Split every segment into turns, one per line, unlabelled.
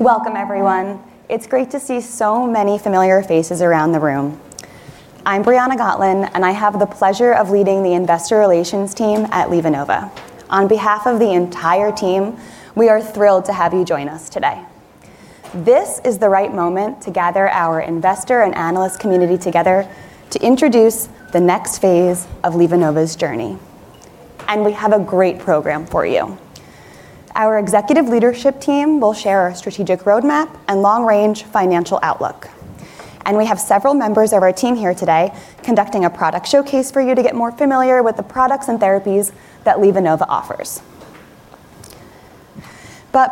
Welcome, everyone. It's great to see so many familiar faces around the room. I'm Briana Gotlin, and I have the pleasure of leading the Investor Relations team at LivaNova. On behalf of the entire team, we are thrilled to have you join us today. This is the right moment to gather our investor and analyst community together to introduce the next phase of LivaNova's journey. We have a great program for you. Our executive leadership team will share our strategic roadmap and long-range financial outlook. We have several members of our team here today conducting a product showcase for you to get more familiar with the products and therapies that LivaNova offers.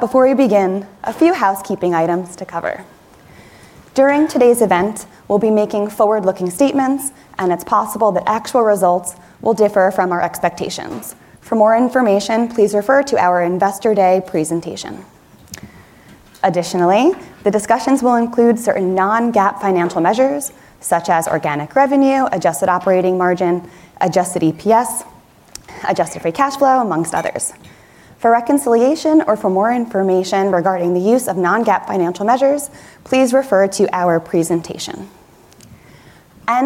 Before we begin, a few housekeeping items to cover. During today's event, we'll be making forward-looking statements, and it's possible that actual results will differ from our expectations. For more information, please refer to our Investor Day presentation. Additionally, the discussions will include certain non-GAAP financial measures, such as organic revenue, adjusted operating margin, adjusted EPS, adjusted free cash flow, amongst others. For reconciliation or for more information regarding the use of non-GAAP financial measures, please refer to our presentation.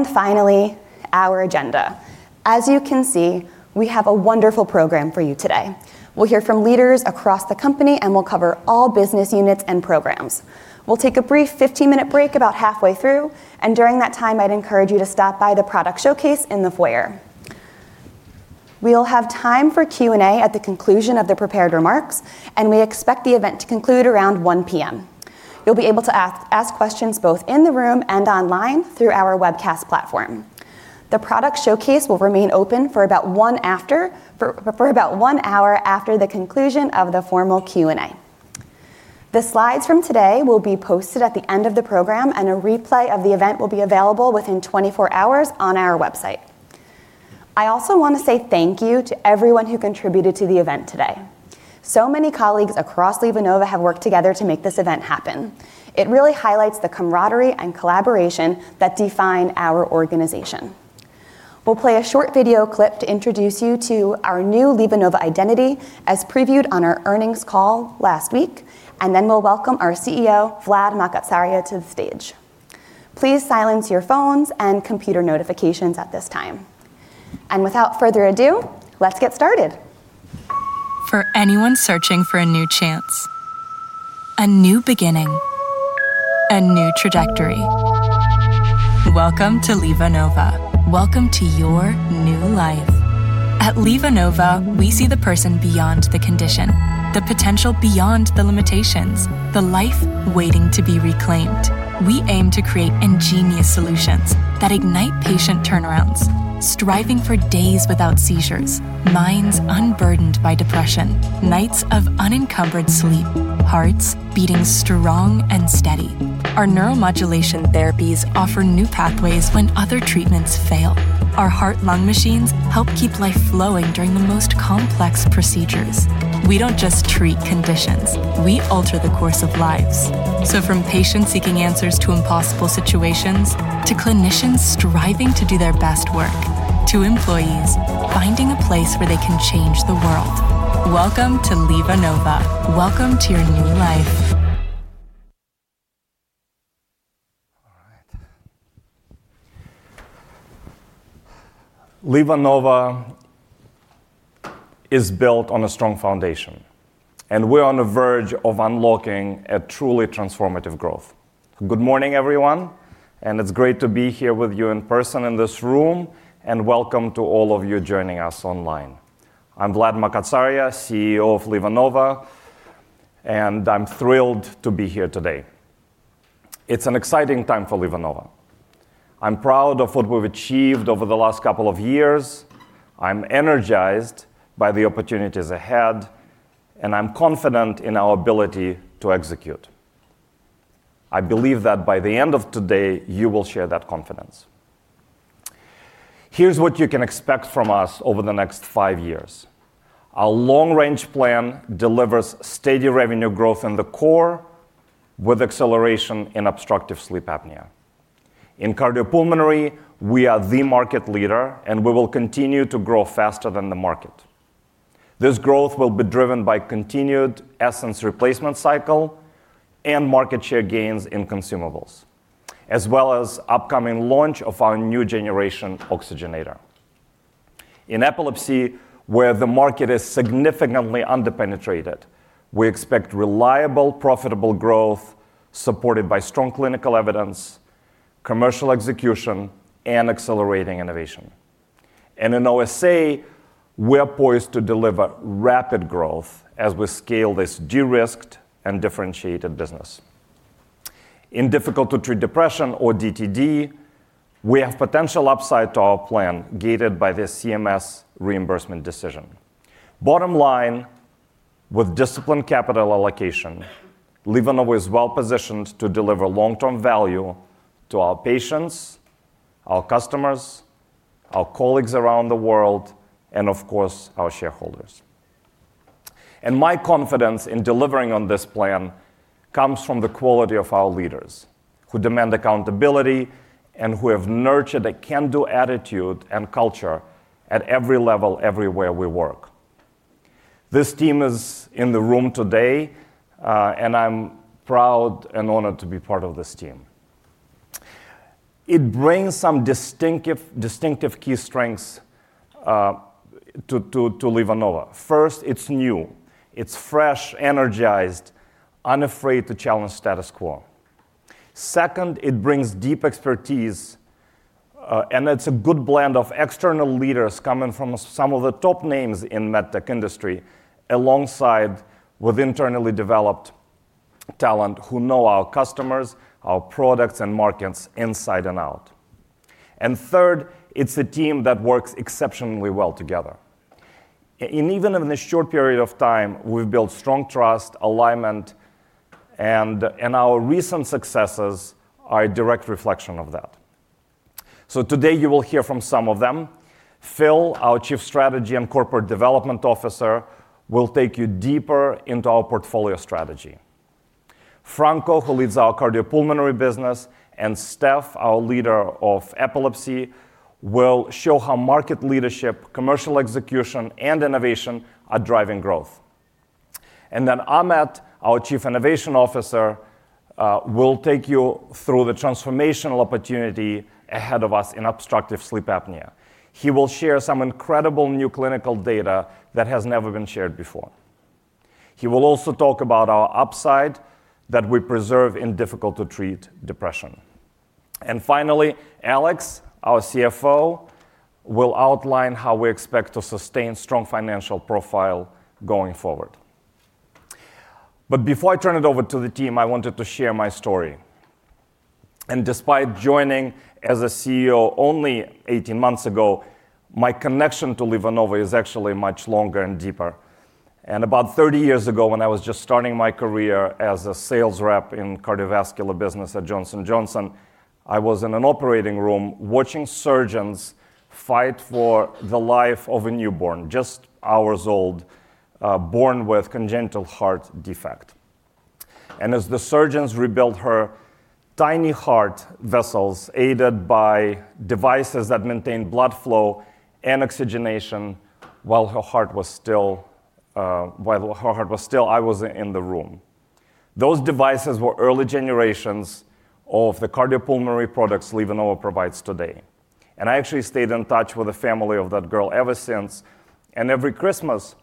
Finally, our agenda. As you can see, we have a wonderful program for you today. We'll hear from leaders across the company, and we'll cover all business units and programs. We'll take a brief 15-minute break about halfway through, and during that time, I'd encourage you to stop by the product showcase in the foyer. We'll have time for Q&A at the conclusion of the prepared remarks, and we expect the event to conclude around 1:00 P.M. You'll be able to ask questions both in the room and online through our webcast platform. The product showcase will remain open for about one hour after the conclusion of the formal Q&A. The slides from today will be posted at the end of the program, and a replay of the event will be available within 24 hours on our website. I also want to say thank you to everyone who contributed to the event today. So many colleagues across LivaNova have worked together to make this event happen. It really highlights the camaraderie and collaboration that define our organization. We will play a short video clip to introduce you to our new LivaNova identity, as previewed on our earnings call last week, and then we will welcome our CEO, Vlad Makatsaria, to the stage. Please silence your phones and computer notifications at this time. Without further ado, let's get started. For anyone searching for a new chance, a new beginning, a new trajectory, welcome to LivaNova. Welcome to your new life. At LivaNova, we see the person beyond the condition, the potential beyond the limitations, the life waiting to be reclaimed. We aim to create ingenious solutions that ignite patient turnarounds, striving for days without seizures, minds unburdened by depression, nights of unencumbered sleep, hearts beating strong and steady. Our neuromodulation therapies offer new pathways when other treatments fail. Our heart-lung machines help keep life flowing during the most complex procedures. We do not just treat conditions; we alter the course of lives. From patients seeking answers to impossible situations, to clinicians striving to do their best work, to employees finding a place where they can change the world, welcome to LivaNova. Welcome to your new life.
All right. LivaNova is built on a strong foundation, and we're on the verge of unlocking a truly transformative growth. Good morning, everyone. It's great to be here with you in person in this room, and welcome to all of you joining us online. I'm Vlad Makatsaria, CEO of LivaNova, and I'm thrilled to be here today. It's an exciting time for LivaNova. I'm proud of what we've achieved over the last couple of years. I'm energized by the opportunities ahead, and I'm confident in our ability to execute. I believe that by the end of today, you will share that confidence. Here's what you can expect from us over the next five years. Our long-range plan delivers steady revenue growth in the core, with acceleration in obstructive sleep apnea. In cardiopulmonary, we are the market leader, and we will continue to grow faster than the market. This growth will be driven by continued Essenz replacement cycle and market share gains in consumables, as well as the upcoming launch of our new generation oxygenator. In epilepsy, where the market is significantly underpenetrated, we expect reliable, profitable growth supported by strong clinical evidence, commercial execution, and accelerating innovation. In OSA, we are poised to deliver rapid growth as we scale this de-risked and differentiated business. In difficult-to-treat depression, or DTD, we have potential upside to our plan, gated by the CMS reimbursement decision. Bottom line, with disciplined capital allocation, LivaNova is well-positioned to deliver long-term value to our patients, our customers, our colleagues around the world, and, of course, our shareholders. My confidence in delivering on this plan comes from the quality of our leaders, who demand accountability and who have nurtured a can-do attitude and culture at every level, everywhere we work. This team is in the room today, and I'm proud and honored to be part of this team. It brings some distinctive key strengths to LivaNova. First, it's new. It's fresh, energized, unafraid to challenge status quo. Second, it brings deep expertise, and it's a good blend of external leaders coming from some of the top names in the medtech industry, alongside internally developed talent who know our customers, our products, and markets inside and out. Third, it's a team that works exceptionally well together. In even a short period of time, we've built strong trust, alignment, and our recent successes are a direct reflection of that. Today, you will hear from some of them. Phil, our Chief Strategy and Corporate Development Officer, will take you deeper into our portfolio strategy. Franco, who leads our Cardiopulmonary business, and Steph, our leader of Epilepsy, will show how market leadership, commercial execution, and innovation are driving growth. Ahmet, our Chief Innovation Officer, will take you through the transformational opportunity ahead of us in obstructive sleep apnea. He will share some incredible new clinical data that has never been shared before. He will also talk about our upside that we preserve in difficult-to-treat depression. Alex, our CFO, will outline how we expect to sustain a strong financial profile going forward. Before I turn it over to the team, I wanted to share my story. Despite joining as CEO only 18 months ago, my connection to LivaNova is actually much longer and deeper. About 30 years ago, when I was just starting my career as a sales rep in the cardiovascular business at Johnson & Johnson, I was in an operating room watching surgeons fight for the life of a newborn, just hours old, born with a congenital heart defect. As the surgeons rebuilt her tiny heart vessels, aided by devices that maintained blood flow and oxygenation while her heart was still, I was in the room. Those devices were early generations of the cardiopulmonary products LivaNova provides today. I actually stayed in touch with the family of that girl ever since. Every Christmas,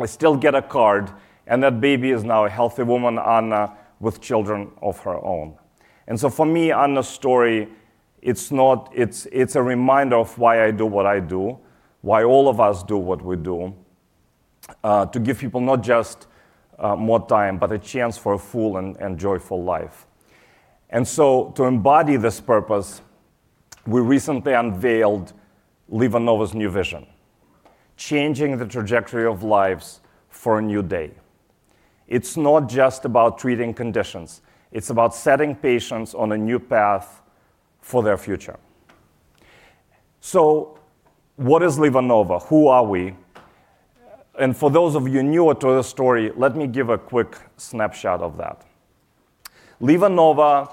I still get a card, and that baby is now a healthy woman, Anna, with children of her own. For me, Anna's story, it's not it's a reminder of why I do what I do, why all of us do what we do, to give people not just more time, but a chance for a full and joyful life. To embody this purpose, we recently unveiled LivaNova's new vision: changing the trajectory of lives for a new day. It's not just about treating conditions. It's about setting patients on a new path for their future. What is LivaNova? Who are we? For those of you newer to the story, let me give a quick snapshot of that. LivaNova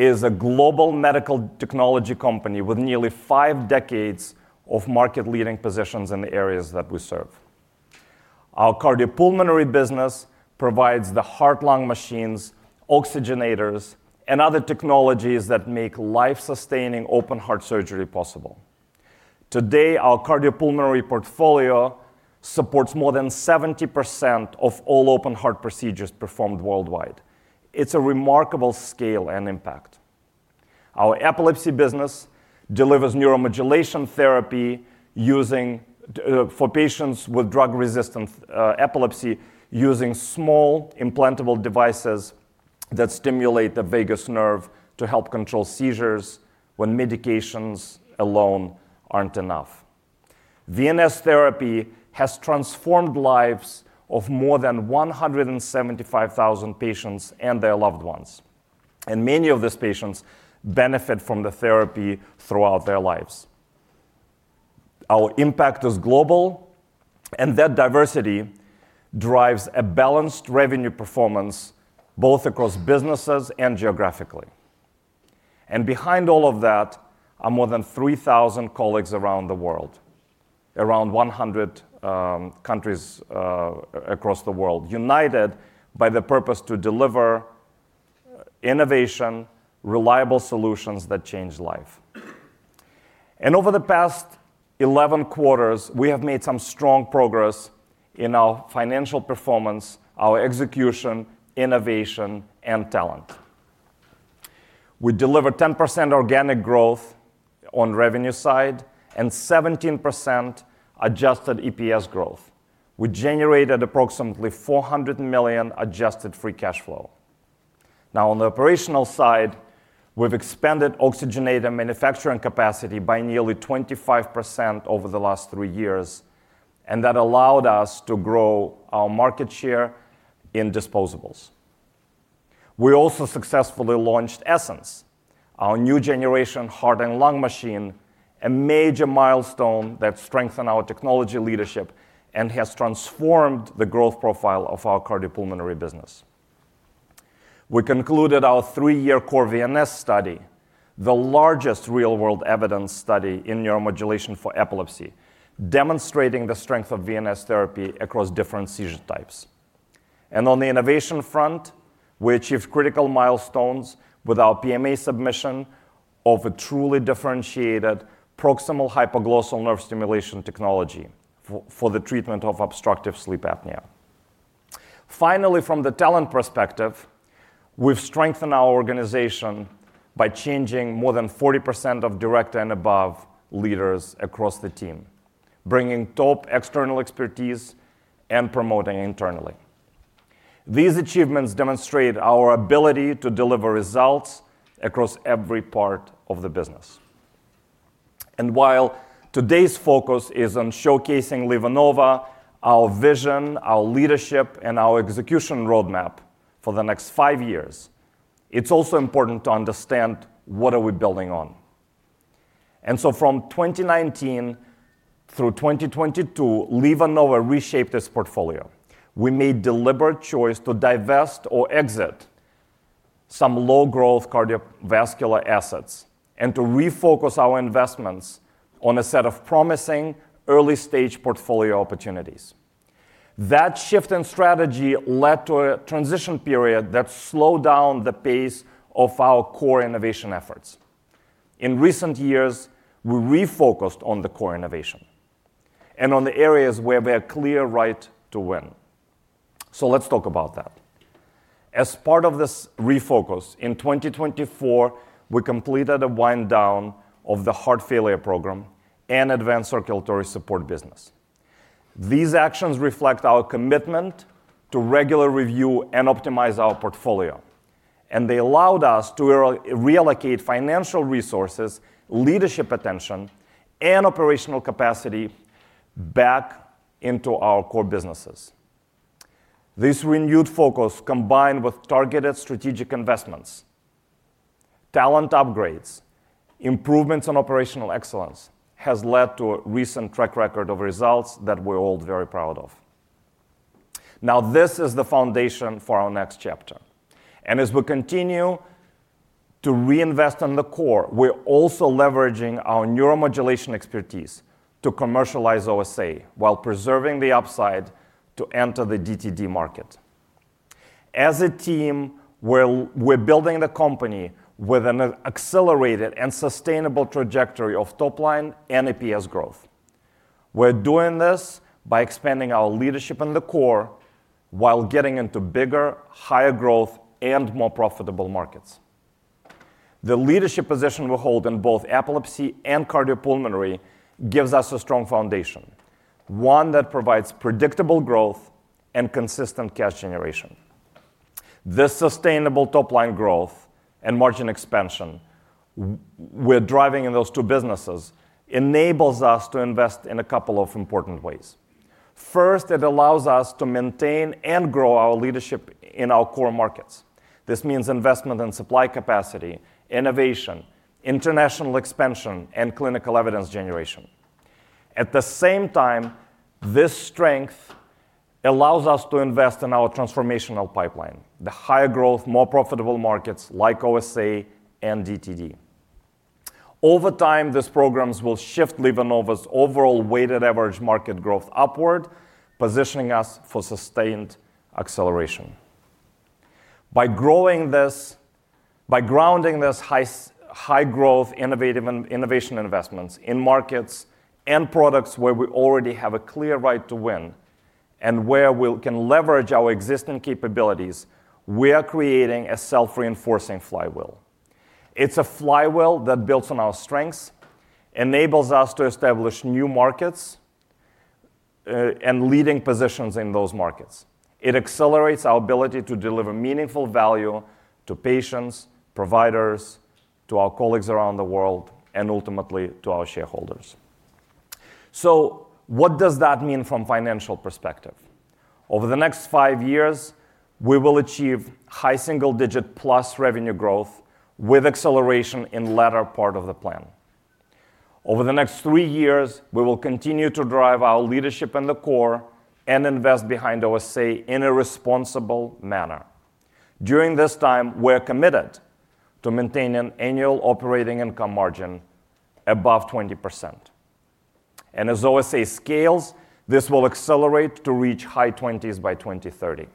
is a global medical technology company with nearly five decades of market-leading positions in the areas that we serve. Our cardiopulmonary business provides the heart-lung machines, oxygenators, and other technologies that make life-sustaining open heart surgery possible. Today, our cardiopulmonary portfolio supports more than 70% of all open heart procedures performed worldwide. It is a remarkable scale and impact. Our epilepsy business delivers neuromodulation therapy for patients with drug-resistant epilepsy, using small implantable devices that stimulate the vagus nerve to help control seizures when medications alone are not enough. VNS therapy has transformed the lives of more than 175,000 patients and their loved ones. Many of these patients benefit from the therapy throughout their lives. Our impact is global, and that diversity drives a balanced revenue performance both across businesses and geographically. Behind all of that are more than 3,000 colleagues around the world, around 100 countries across the world, united by the purpose to deliver innovation, reliable solutions that change life. Over the past 11 quarters, we have made some strong progress in our financial performance, our execution, innovation, and talent. We delivered 10% organic growth on the revenue side and 17% adjusted EPS growth. We generated approximately $400 million adjusted free cash flow. Now, on the operational side, we've expanded oxygenator manufacturing capacity by nearly 25% over the last three years, and that allowed us to grow our market share in disposables. We also successfully launched Essenz, our new generation heart and lung machine, a major milestone that strengthened our technology leadership and has transformed the growth profile of our cardiopulmonary business. We concluded our three-year Core VNS study, the largest real-world evidence study in neuromodulation for epilepsy, demonstrating the strength of VNS Therapy across different seizure types. On the innovation front, we achieved critical milestones with our PMA submission of a truly differentiated Proximal Hypoglossal Nerve Stimulation technology for the treatment of obstructive sleep apnea. Finally, from the talent perspective, we've strengthened our organization by changing more than 40% of direct and above leaders across the team, bringing top external expertise and promoting internally. These achievements demonstrate our ability to deliver results across every part of the business. While today's focus is on showcasing LivaNova, our vision, our leadership, and our execution roadmap for the next five years, it's also important to understand what are we building on. From 2019 through 2022, LivaNova reshaped its portfolio. We made a deliberate choice to divest or exit some low-growth cardiovascular assets and to refocus our investments on a set of promising early-stage portfolio opportunities. That shift in strategy led to a transition period that slowed down the pace of our core innovation efforts. In recent years, we refocused on the core innovation and on the areas where we have a clear right to win. Let's talk about that. As part of this refocus, in 2024, we completed a wind-down of the heart failure program and advanced circulatory support business. These actions reflect our commitment to regular review and optimize our portfolio, and they allowed us to reallocate financial resources, leadership attention, and operational capacity back into our core businesses. This renewed focus, combined with targeted strategic investments, talent upgrades, and improvements in operational excellence, has led to a recent track record of results that we're all very proud of. This is the foundation for our next chapter. As we continue to reinvest in the core, we're also leveraging our neuromodulation expertise to commercialize OSA while preserving the upside to enter the DTD market. As a team, we're building the company with an accelerated and sustainable trajectory of top-line and EPS growth. We're doing this by expanding our leadership in the core while getting into bigger, higher-growth and more profitable markets. The leadership position we hold in both epilepsy and cardiopulmonary gives us a strong foundation, one that provides predictable growth and consistent cash generation. This sustainable top-line growth and margin expansion we're driving in those two businesses enables us to invest in a couple of important ways. First, it allows us to maintain and grow our leadership in our core markets. This means investment in supply capacity, innovation, international expansion, and clinical evidence generation. At the same time, this strength allows us to invest in our transformational pipeline, the higher-growth, more profitable markets like OSA and DTD. Over time, these programs will shift LivaNova's overall weighted average market growth upward, positioning us for sustained acceleration. By growing this, by grounding this high-growth innovation investments in markets and products where we already have a clear right to win and where we can leverage our existing capabilities, we are creating a self-reinforcing flywheel. It's a flywheel that builds on our strengths, enables us to establish new markets and leading positions in those markets. It accelerates our ability to deliver meaningful value to patients, providers, to our colleagues around the world, and ultimately to our shareholders. What does that mean from a financial perspective? Over the next five years, we will achieve high single-digit plus revenue growth with acceleration in the latter part of the plan. Over the next three years, we will continue to drive our leadership in the core and invest behind OSA in a responsible manner. During this time, we're committed to maintaining annual operating income margin above 20%. As OSA scales, this will accelerate to reach high 20s by 2030.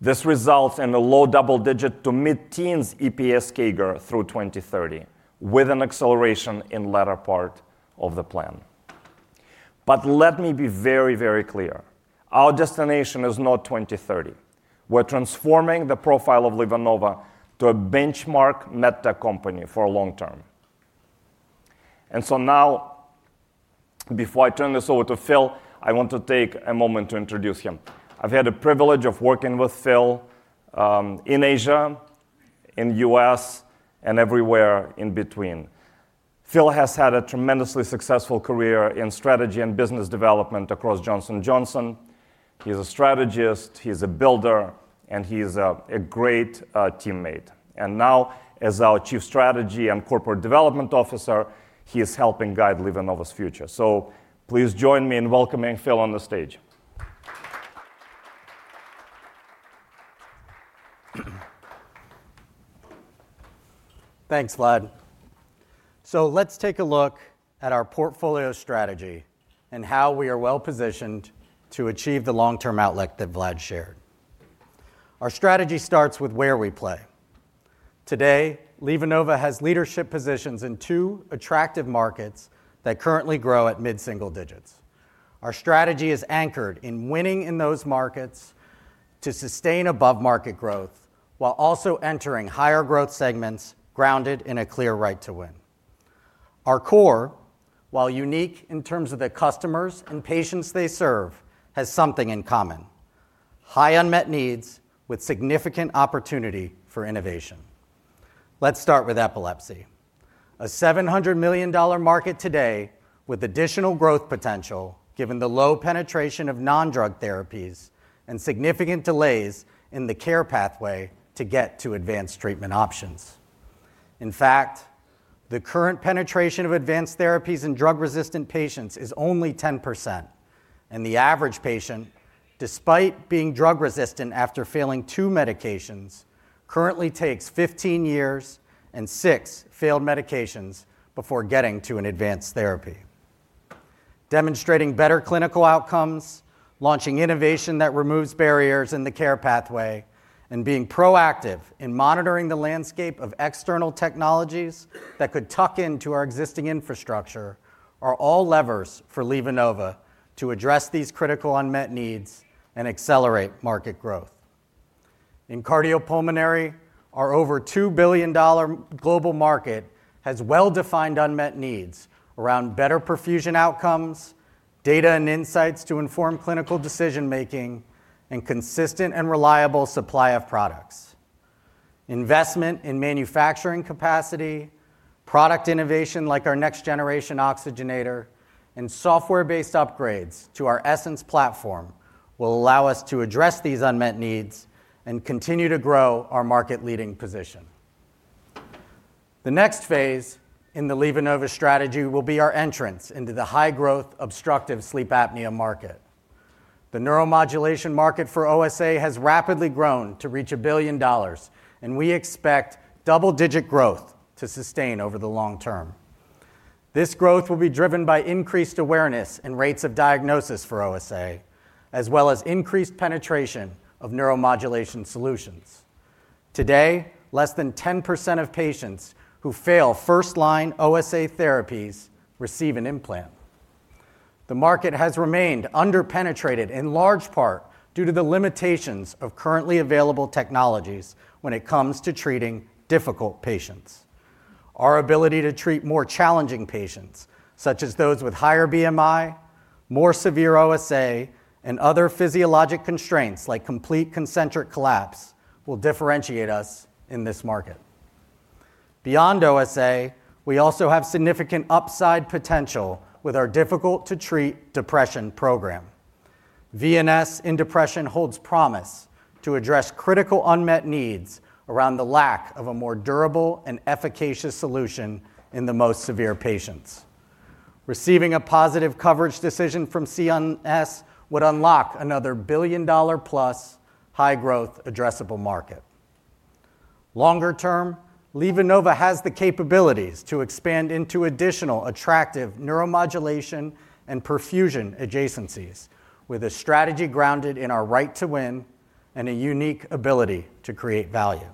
This results in a low double-digit to mid-teens EPS CAGR through 2030, with an acceleration in the latter part of the plan. Let me be very, very clear. Our destination is not 2030. We're transforming the profile of LivaNova to a benchmark medtech company for a long term. Now, before I turn this over to Phil, I want to take a moment to introduce him. I've had the privilege of working with Phil in Asia, in the U.S., and everywhere in between. Phil has had a tremendously successful career in strategy and business development across Johnson & Johnson. He's a strategist, he's a builder, and he's a great teammate. Now, as our Chief Strategy and Corporate Development Officer, he's helping guide LivaNova's future. Please join me in welcoming Phil on the stage.
Thanks, Vlad. Let's take a look at our portfolio strategy and how we are well-positioned to achieve the long-term outlook that Vlad shared. Our strategy starts with where we play. Today, LivaNova has leadership positions in two attractive markets that currently grow at mid-single digits. Our strategy is anchored in winning in those markets to sustain above-market growth while also entering higher-growth segments grounded in a clear right to win. Our core, while unique in terms of the customers and patients they serve, has something in common: high unmet needs with significant opportunity for innovation. Let's start with epilepsy, a $700 million market today with additional growth potential given the low penetration of non-drug therapies and significant delays in the care pathway to get to advanced treatment options. In fact, the current penetration of advanced therapies in drug-resistant patients is only 10%, and the average patient, despite being drug-resistant after failing two medications, currently takes 15 years and six failed medications before getting to an advanced therapy. Demonstrating better clinical outcomes, launching innovation that removes barriers in the care pathway, and being proactive in monitoring the landscape of external technologies that could tuck into our existing infrastructure are all levers for LivaNova to address these critical unmet needs and accelerate market growth. In cardiopulmonary, our over $2 billion global market has well-defined unmet needs around better perfusion outcomes, data and insights to inform clinical decision-making, and consistent and reliable supply of products. Investment in manufacturing capacity, product innovation like our next-generation oxygenator, and software-based upgrades to our Essenz platform will allow us to address these unmet needs and continue to grow our market-leading position. The next phase in the LivaNova strategy will be our entrance into the high-growth obstructive sleep apnea market. The neuromodulation market for OSA has rapidly grown to reach $1 billion, and we expect double-digit growth to sustain over the long term. This growth will be driven by increased awareness and rates of diagnosis for OSA, as well as increased penetration of neuromodulation solutions. Today, less than 10% of patients who fail first-line OSA therapies receive an implant. The market has remained underpenetrated in large part due to the limitations of currently available technologies when it comes to treating difficult patients. Our ability to treat more challenging patients, such as those with higher BMI, more severe OSA, and other physiologic constraints like complete concentric collapse, will differentiate us in this market. Beyond OSA, we also have significant upside potential with our difficult-to-treat depression program. VNS in depression holds promise to address critical unmet needs around the lack of a more durable and efficacious solution in the most severe patients. Receiving a positive coverage decision from CNS would unlock another billion-dollar plus high-growth addressable market. Longer term, LivaNova has the capabilities to expand into additional attractive neuromodulation and perfusion adjacencies with a strategy grounded in our right to win and a unique ability to create value.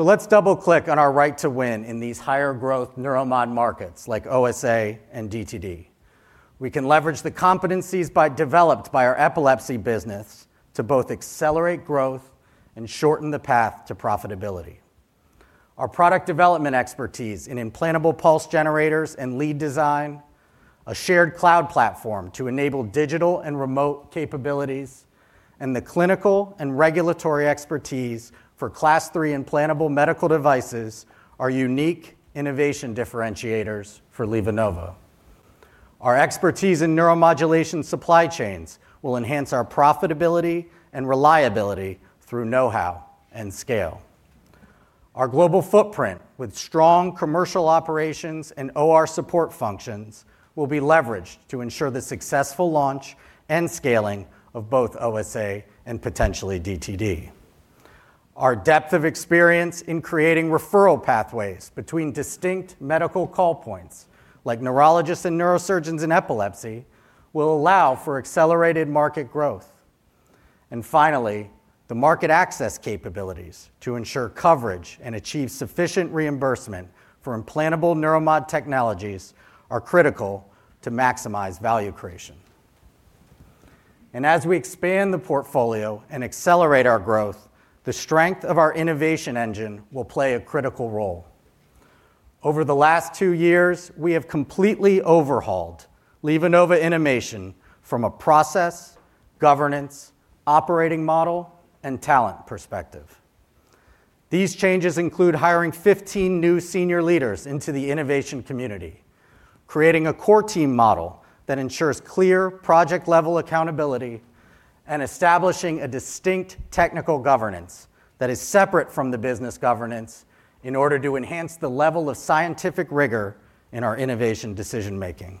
Let's double-click on our right to win in these higher-growth neuromod markets like OSA and DTD. We can leverage the competencies developed by our epilepsy business to both accelerate growth and shorten the path to profitability. Our product development expertise in implantable pulse generators and lead design, a shared cloud platform to enable digital and remote capabilities, and the clinical and regulatory expertise for Class III implantable medical devices are unique innovation differentiators for LivaNova. Our expertise in neuromodulation supply chains will enhance our profitability and reliability through know-how and scale. Our global footprint with strong commercial operations and OR support functions will be leveraged to ensure the successful launch and scaling of both OSA and potentially DTD. Our depth of experience in creating referral pathways between distinct medical call points like neurologists and neurosurgeons in epilepsy will allow for accelerated market growth. The market access capabilities to ensure coverage and achieve sufficient reimbursement for implantable neuromod technologies are critical to maximize value creation. As we expand the portfolio and accelerate our growth, the strength of our innovation engine will play a critical role. Over the last two years, we have completely overhauled LivaNova innovation from a process, governance, operating model, and talent perspective. These changes include hiring 15 new senior leaders into the innovation community, creating a core team model that ensures clear project-level accountability, and establishing a distinct technical governance that is separate from the business governance in order to enhance the level of scientific rigor in our innovation decision-making.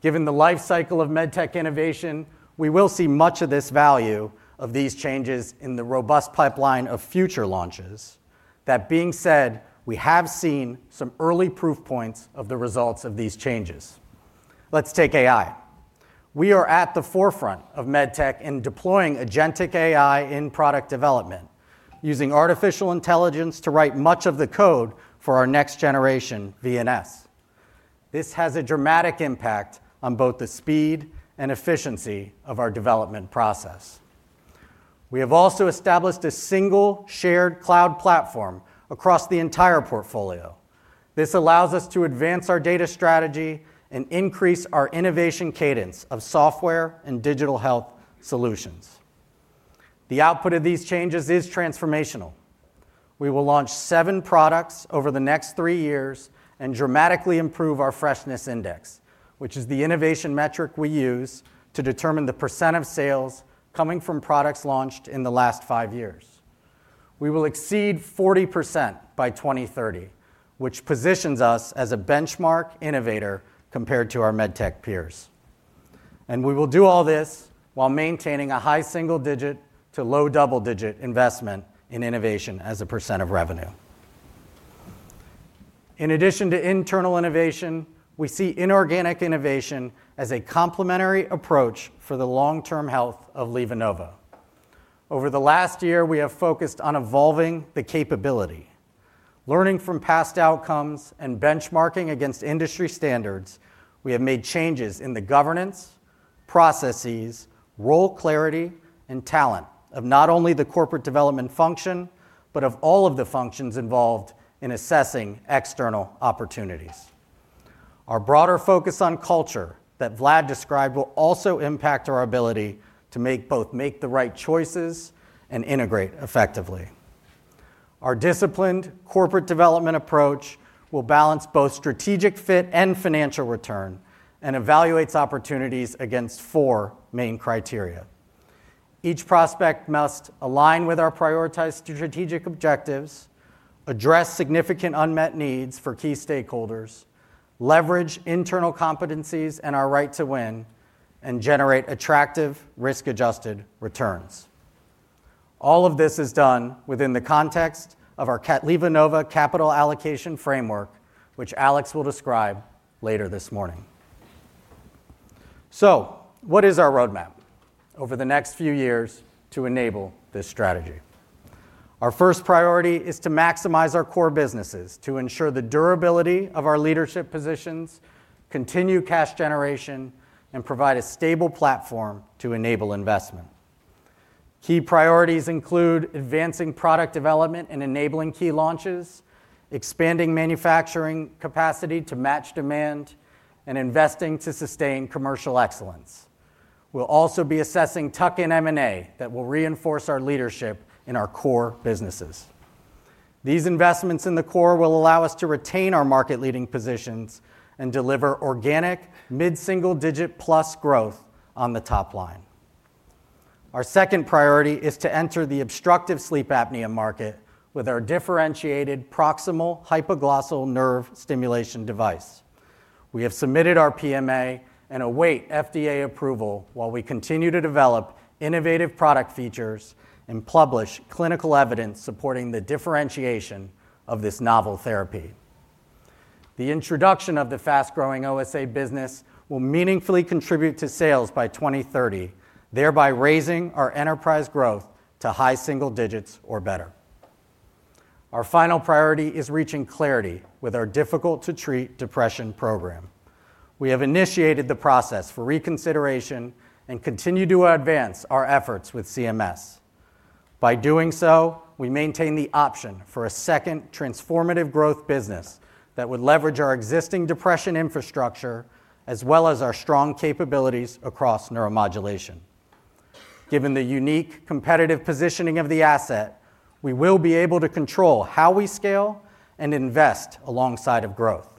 Given the life cycle of medtech innovation, we will see much of this value of these changes in the robust pipeline of future launches. That being said, we have seen some early proof points of the results of these changes. Let's take AI. We are at the forefront of medtech and deploying agentic AI in product development, using artificial intelligence to write much of the code for our next-generation VNS. This has a dramatic impact on both the speed and efficiency of our development process. We have also established a single shared cloud platform across the entire portfolio. This allows us to advance our data strategy and increase our innovation cadence of software and digital health solutions. The output of these changes is transformational. We will launch seven products over the next three years and dramatically improve our freshness index, which is the innovation metric we use to determine the percent of sales coming from products launched in the last five years. We will exceed 40% by 2030, which positions us as a benchmark innovator compared to our medtech peers. We will do all this while maintaining a high single-digit to low double-digit investment in innovation as a percent of revenue. In addition to internal innovation, we see inorganic innovation as a complementary approach for the long-term health of LivaNova. Over the last year, we have focused on evolving the capability. Learning from past outcomes and benchmarking against industry standards, we have made changes in the governance, processes, role clarity, and talent of not only the corporate development function, but of all of the functions involved in assessing external opportunities. Our broader focus on culture that Vlad described will also impact our ability to both make the right choices and integrate effectively. Our disciplined corporate development approach will balance both strategic fit and financial return and evaluates opportunities against four main criteria. Each prospect must align with our prioritized strategic objectives, address significant unmet needs for key stakeholders, leverage internal competencies and our right to win, and generate attractive risk-adjusted returns. All of this is done within the context of our LivaNova capital allocation framework, which Alex will describe later this morning. What is our roadmap over the next few years to enable this strategy? Our first priority is to maximize our core businesses to ensure the durability of our leadership positions, continue cash generation, and provide a stable platform to enable investment. Key priorities include advancing product development and enabling key launches, expanding manufacturing capacity to match demand, and investing to sustain commercial excellence. We'll also be assessing tuck-in M&A that will reinforce our leadership in our core businesses. These investments in the core will allow us to retain our market-leading positions and deliver organic mid-single digit plus growth on the top line. Our second priority is to enter the obstructive sleep apnea market with our differentiated proximal hypoglossal nerve stimulation device. We have submitted our PMA and await FDA approval while we continue to develop innovative product features and publish clinical evidence supporting the differentiation of this novel therapy. The introduction of the fast-growing OSA business will meaningfully contribute to sales by 2030, thereby raising our enterprise growth to high single digits or better. Our final priority is reaching clarity with our difficult-to-treat depression program. We have initiated the process for reconsideration and continue to advance our efforts with CMS. By doing so, we maintain the option for a second transformative growth business that would leverage our existing depression infrastructure as well as our strong capabilities across neuromodulation. Given the unique competitive positioning of the asset, we will be able to control how we scale and invest alongside of growth.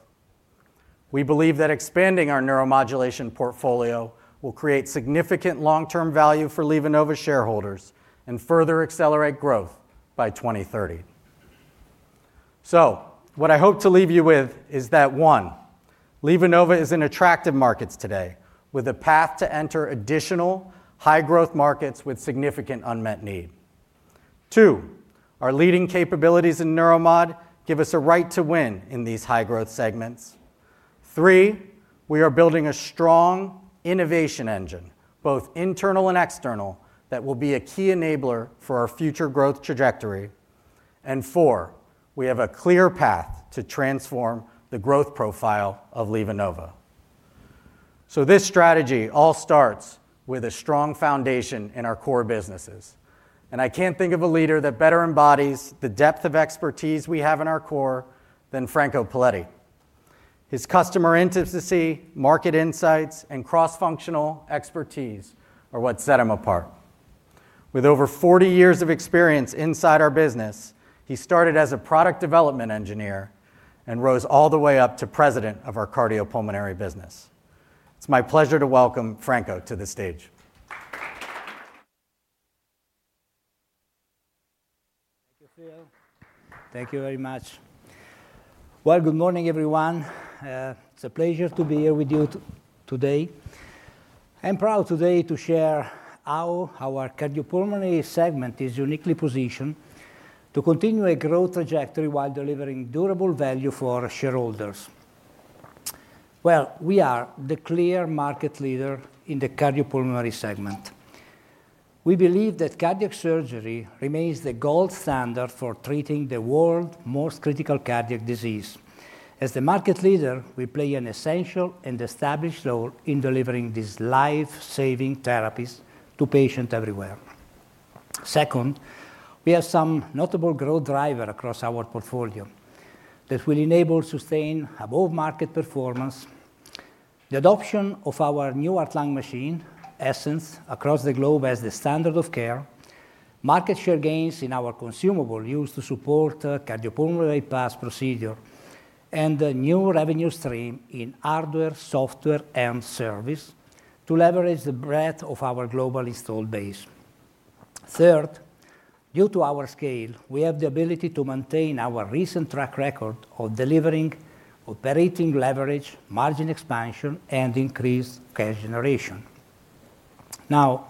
We believe that expanding our neuromodulation portfolio will create significant long-term value for LivaNova shareholders and further accelerate growth by 2030. What I hope to leave you with is that, one, LivaNova is in attractive markets today with a path to enter additional high-growth markets with significant unmet need. Two, our leading capabilities in Neuromod give us a right to win in these high-growth segments. Three, we are building a strong innovation engine, both internal and external, that will be a key enabler for our future growth trajectory. Four, we have a clear path to transform the growth profile of LivaNova. This strategy all starts with a strong foundation in our core businesses. I cannot think of a leader that better embodies the depth of expertise we have in our core than Franco Palletti. His customer intimacy, market insights, and cross-functional expertise are what set him apart. With over 40 years of experience inside our business, he started as a product development engineer and rose all the way up to President of our Cardiopulmonary business. It's my pleasure to welcome Franco to the stage.
Thank you, Phil. Thank you very much. Good morning, everyone. It's a pleasure to be here with you today. I'm proud today to share how our Cardiopulmonary segment is uniquely positioned to continue a growth trajectory while delivering durable value for shareholders. We are the clear market leader in the Cardiopulmonary segment. We believe that cardiac surgery remains the gold standard for treating the world's most critical cardiac disease. As the market leader, we play an essential and established role in delivering these life-saving therapies to patients everywhere. Second, we have some notable growth drivers across our portfolio that will enable sustained above-market performance, the adoption of our new heart-lung machine, Essenz, across the globe as the standard of care, market share gains in our consumable used to support cardiopulmonary bypass procedure, and a new revenue stream in hardware, software, and service to leverage the breadth of our global installed base. Third, due to our scale, we have the ability to maintain our recent track record of delivering operating leverage, margin expansion, and increased cash generation. Now,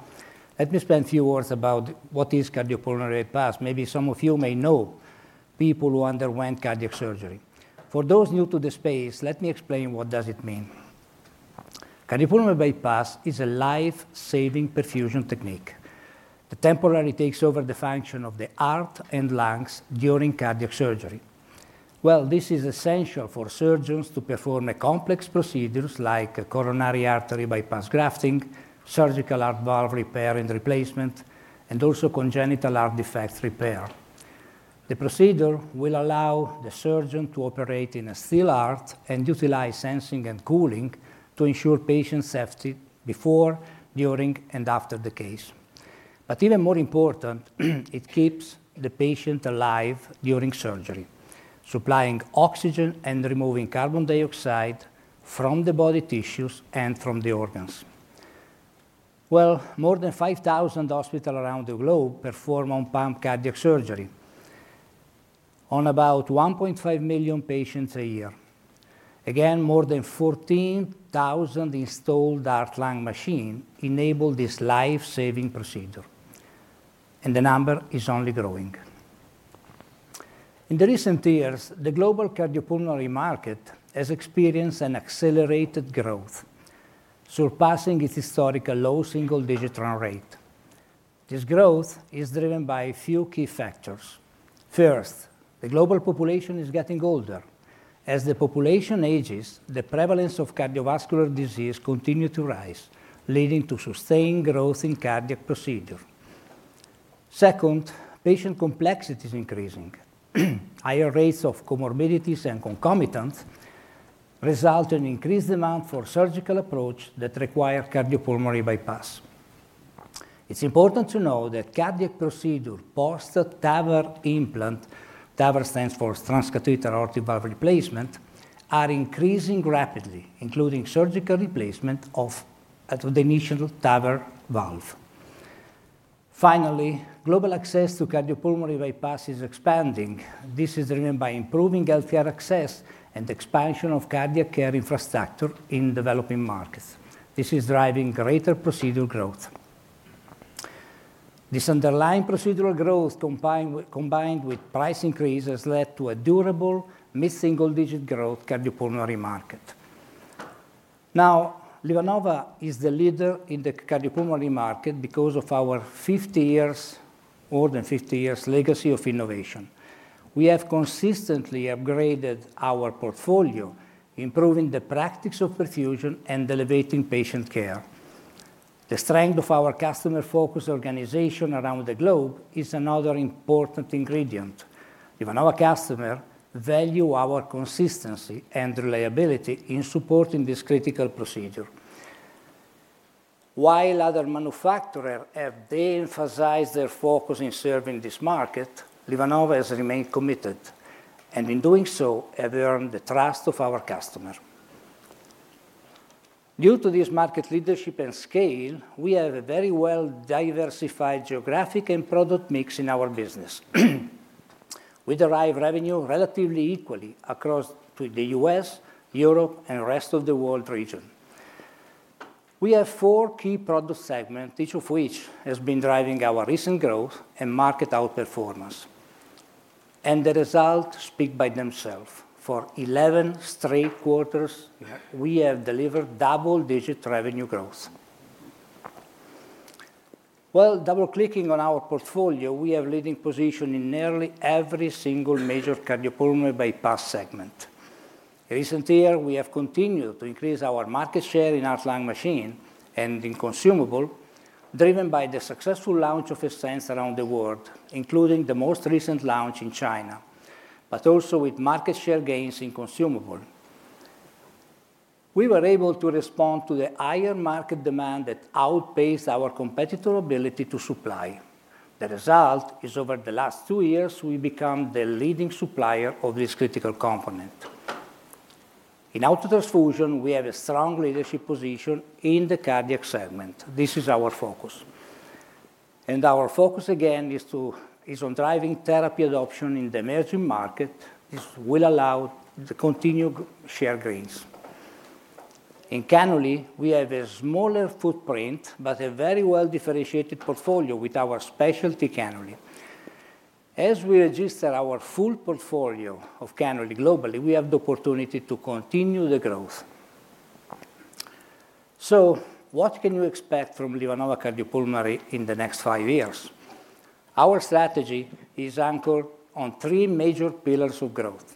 let me spend a few words about what is cardiopulmonary bypass. Maybe some of you may know people who underwent cardiac surgery. For those new to the space, let me explain what does it mean. Cardiopulmonary bypass is a life-saving perfusion technique that temporarily takes over the function of the heart and lungs during cardiac surgery. This is essential for surgeons to perform complex procedures like coronary artery bypass grafting, surgical heart valve repair and replacement, and also congenital heart defect repair. The procedure will allow the surgeon to operate in a still heart and utilize sensing and cooling to ensure patient safety before, during, and after the case. Even more important, it keeps the patient alive during surgery, supplying oxygen and removing carbon dioxide from the body tissues and from the organs. More than 5,000 hospitals around the globe perform on-pump cardiac surgery on about 1.5 million patients a year. More than 14,000 installed heart-lung machines enable this life-saving procedure. The number is only growing. In recent years, the global cardiopulmonary market has experienced an accelerated growth, surpassing its historical low single-digit run rate. This growth is driven by a few key factors. First, the global population is getting older. As the population ages, the prevalence of cardiovascular disease continues to rise, leading to sustained growth in cardiac procedures. Second, patient complexity is increasing. Higher rates of comorbidities and concomitants result in an increased demand for surgical approaches that require cardiopulmonary bypass. It's important to know that cardiac procedures post-TAVR implant—TAVR stands for Transcatheter Aortic Valve Replacement—are increasing rapidly, including surgical replacement of the initial TAVR valve. Finally, global access to cardiopulmonary bypass is expanding. This is driven by improving healthcare access and expansion of cardiac care infrastructure in developing markets. This is driving greater procedural growth. This underlying procedural growth, combined with price increases, has led to a durable mid-single digit growth cardiopulmonary market. Now, LivaNova is the leader in the cardiopulmonary market because of our 50 years, more than 50 years' legacy of innovation. We have consistently upgraded our portfolio, improving the practice of perfusion and elevating patient care. The strength of our customer-focused organization around the globe is another important ingredient. LivaNova customers value our consistency and reliability in supporting this critical procedure. While other manufacturers have de-emphasized their focus in serving this market, LivaNova has remained committed. In doing so, they have earned the trust of our customers. Due to this market leadership and scale, we have a very well-diversified geographic and product mix in our business. We derive revenue relatively equally across the U.S., Europe, and the rest of the world region. We have four key product segments, each of which has been driving our recent growth and market outperformance. The results speak by themselves. For 11 straight quarters, we have delivered double-digit revenue growth. Double-clicking on our portfolio, we have a leading position in nearly every single major cardiopulmonary bypass segment. In recent years, we have continued to increase our market share in heart-lung machines and in consumables, driven by the successful launch of Essenz around the world, including the most recent launch in China, but also with market share gains in consumables. We were able to respond to the higher market demand that outpaced our competitor ability to supply. The result is, over the last two years, we've become the leading supplier of this critical component. In autotransfusion, we have a strong leadership position in the cardiac segment. This is our focus. Our focus, again, is on driving therapy adoption in the emerging market. This will allow the continued share gains. In cannula, we have a smaller footprint but a very well-differentiated portfolio with our specialty cannula. As we register our full portfolio of cannula globally, we have the opportunity to continue the growth. What can you expect from LivaNova Cardiopulmonary in the next five years? Our strategy is anchored on three major pillars of growth.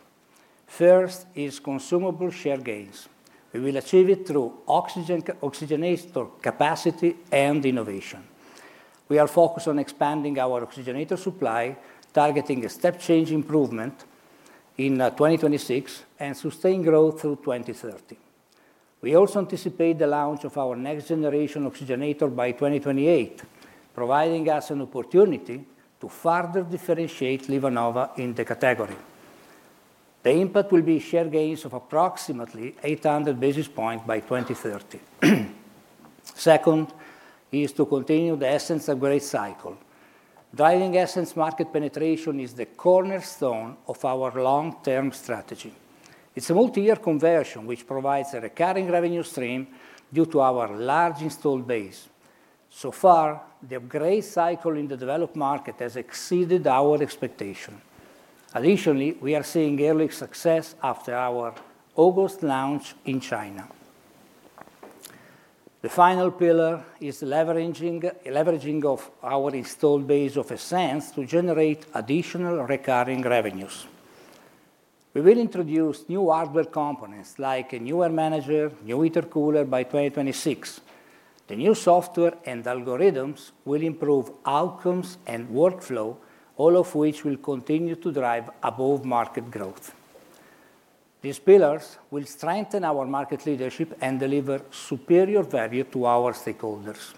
First is consumable share gains. We will achieve it through oxygenator capacity and innovation. We are focused on expanding our oxygenator supply, targeting a step-change improvement in 2026 and sustained growth through 2030. We also anticipate the launch of our next-generation oxygenator by 2028, providing us an opportunity to further differentiate LivaNova in the category. The impact will be share gains of approximately 800 basis points by 2030. Second is to continue the Essenz upgrade cycle. Driving Essenz market penetration is the cornerstone of our long-term strategy. It's a multi-year conversion, which provides a recurring revenue stream due to our large installed base. So far, the upgrade cycle in the developed market has exceeded our expectation. Additionally, we are seeing early success after our August launch in China. The final pillar is the leveraging of our installed base of Essenz to generate additional recurring revenues. We will introduce new hardware components like a new air manager, new intercooler by 2026. The new software and algorithms will improve outcomes and workflow, all of which will continue to drive above-market growth. These pillars will strengthen our market leadership and deliver superior value to our stakeholders.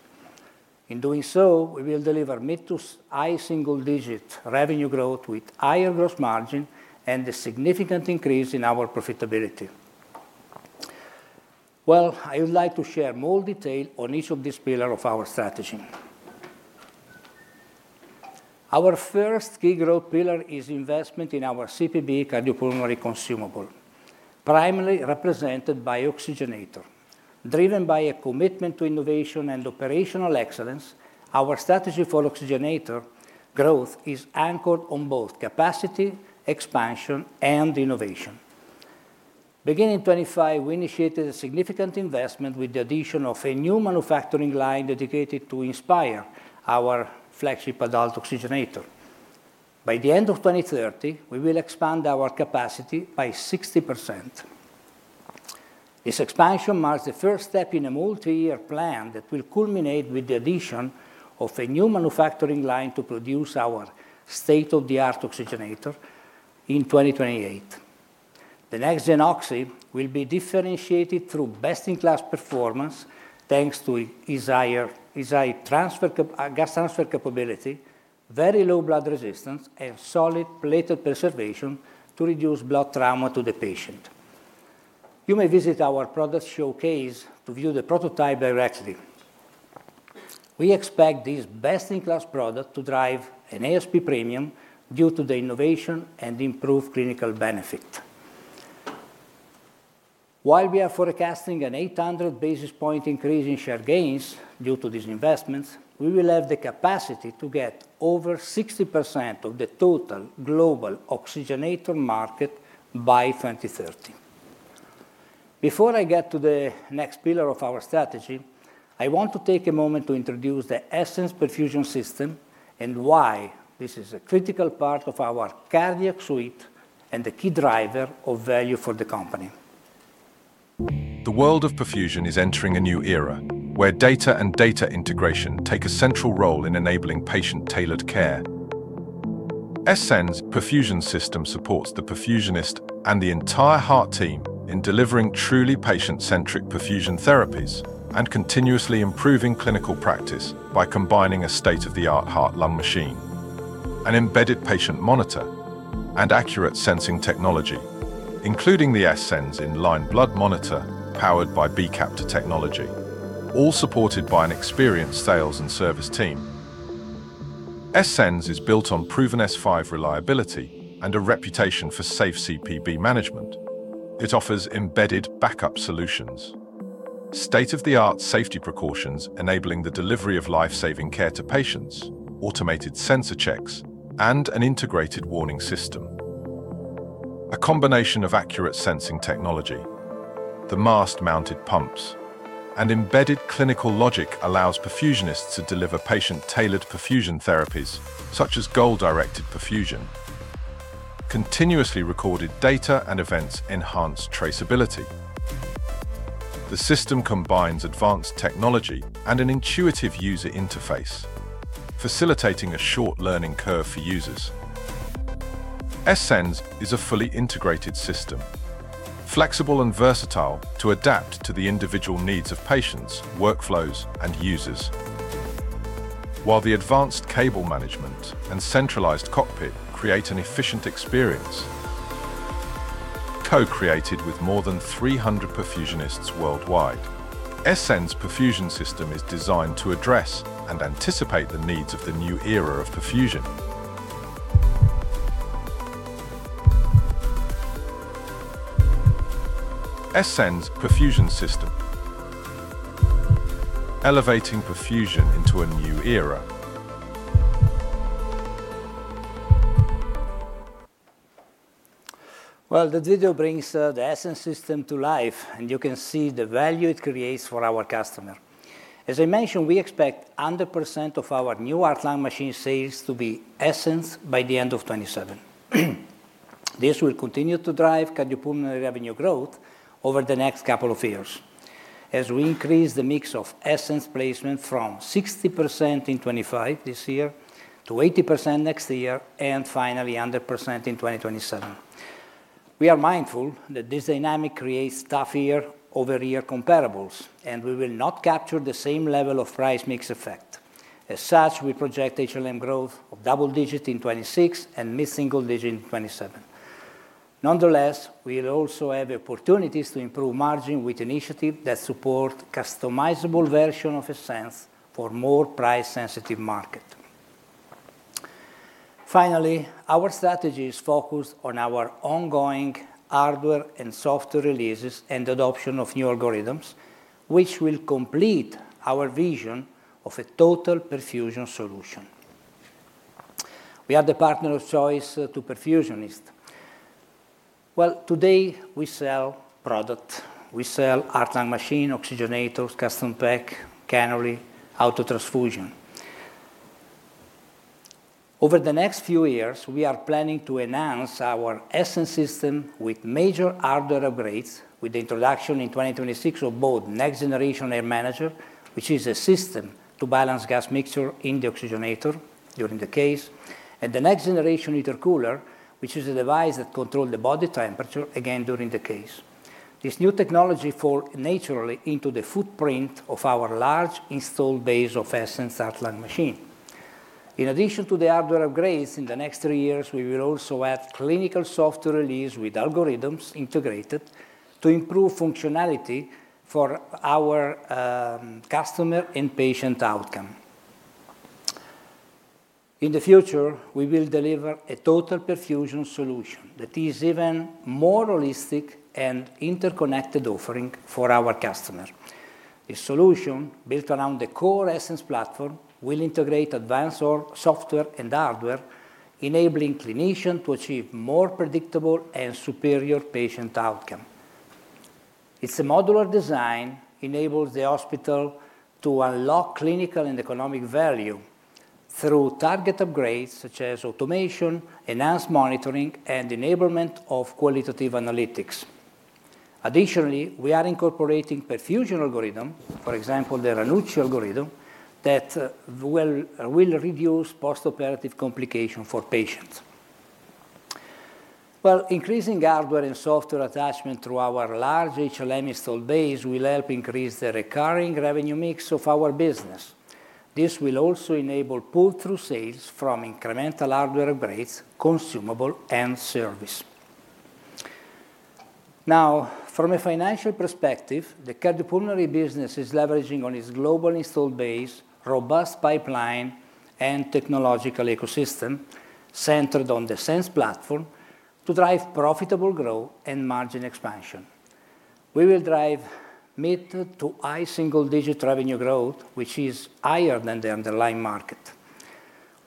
In doing so, we will deliver mid to high single-digit revenue growth with higher gross margin and a significant increase in our profitability. I would like to share more detail on each of these pillars of our strategy. Our first key growth pillar is investment in our CPB cardiopulmonary consumable, primarily represented by oxygenator. Driven by a commitment to innovation and operational excellence, our strategy for oxygenator growth is anchored on both capacity, expansion, and innovation. Beginning in 2025, we initiated a significant investment with the addition of a new manufacturing line dedicated to inspire our flagship adult oxygenator. By the end of 2030, we will expand our capacity by 60%. This expansion marks the first step in a multi-year plan that will culminate with the addition of a new manufacturing line to produce our state-of-the-art oxygenator in 2028. The next-gen oxy will be differentiated through best-in-class performance thanks to its high gas transfer capability, very low blood resistance, and solid platelet preservation to reduce blood trauma to the patient. You may visit our product showcase to view the prototype directly. We expect this best-in-class product to drive an ASP premium due to the innovation and improved clinical benefit. While we are forecasting an 800 basis point increase in share gains due to these investments, we will have the capacity to get over 60% of the total global oxygenator market by 2030. Before I get to the next pillar of our strategy, I want to take a moment to introduce the Essenz perfusion system and why this is a critical part of our cardiac suite and a key driver of value for the company. The world of perfusion is entering a new era where data and data integration take a central role in enabling patient-tailored care. Essenz Perfusion System supports the perfusionist and the entire heart team in delivering truly patient-centric perfusion therapies and continuously improving clinical practice by combining a state-of-the-art heart-lung machine, an embedded patient monitor, and accurate sensing technology, including the Essenz in-line blood monitor powered by B-Capta technology, all supported by an experienced sales and service team. Essenz is built on proven S5 reliability and a reputation for safe CPB management. It offers embedded backup solutions, state-of-the-art safety precautions enabling the delivery of life-saving care to patients, automated sensor checks, and an integrated warning system. A combination of accurate sensing technology, the MAST-mounted pumps, and embedded clinical logic allows perfusionists to deliver patient-tailored perfusion therapies, such as goal-directed perfusion. Continuously recorded data and events enhance traceability. The system combines advanced technology and an intuitive user interface, facilitating a short learning curve for users. Essenz is a fully integrated system, flexible and versatile to adapt to the individual needs of patients, workflows, and users, while the advanced cable management and centralized cockpit create an efficient experience. Co-created with more than 300 perfusionists worldwide, Essenz perfusion system is designed to address and anticipate the needs of the new era of perfusion. Essenz perfusion system: elevating perfusion into a new era. The video brings the Essenz system to life, and you can see the value it creates for our customers. As I mentioned, we expect 100% of our new heart-lung machine sales to be Essenz by the end of 2027. This will continue to drive cardiopulmonary revenue growth over the next couple of years as we increase the mix of Essenz placement from 60% in 2025 this year to 80% next year and finally 100% in 2027. We are mindful that this dynamic creates tough year-over-year comparables, and we will not capture the same level of price mix effect. As such, we project HLM growth of double digits in 2026 and mid-single digits in 2027. Nonetheless, we will also have opportunities to improve margin with initiatives that support a customizable version of Essenz for a more price-sensitive market. Finally, our strategy is focused on our ongoing hardware and software releases and adoption of new algorithms, which will complete our vision of a total perfusion solution. We are the partner of choice to perfusionists. Today we sell products. We sell heart-lung machines, oxygenators, custom pack, cannula, outer transfusion. Over the next few years, we are planning to enhance our Essenz system with major hardware upgrades, with the introduction in 2026 of both next-generation air manager, which is a system to balance gas mixture in the oxygenator during the case, and the next-generation intercooler, which is a device that controls the body temperature again during the case. This new technology falls naturally into the footprint of our large installed base of Essenz heart-lung machine. In addition to the hardware upgrades, in the next three years, we will also add clinical software release with algorithms integrated to improve functionality for our customer and patient outcome. In the future, we will deliver a total perfusion solution that is even more holistic and interconnected offering for our customers. This solution, built around the core Essenz platform, will integrate advanced software and hardware, enabling clinicians to achieve more predictable and superior patient outcomes. Its modular design enables the hospital to unlock clinical and economic value through target upgrades such as automation, enhanced monitoring, and enablement of qualitative analytics. Additionally, we are incorporating perfusion algorithms, for example, the Ranucci algorithm, that will reduce post-operative complications for patients. Increasing hardware and software attachment through our large HLM installed base will help increase the recurring revenue mix of our business. This will also enable pull-through sales from incremental hardware upgrades, consumable, and service. Now, from a financial perspective, the cardiopulmonary business is leveraging its global installed base, robust pipeline, and technological ecosystem centered on the Essenz platform to drive profitable growth and margin expansion. We will drive mid to high single-digit revenue growth, which is higher than the underlying market.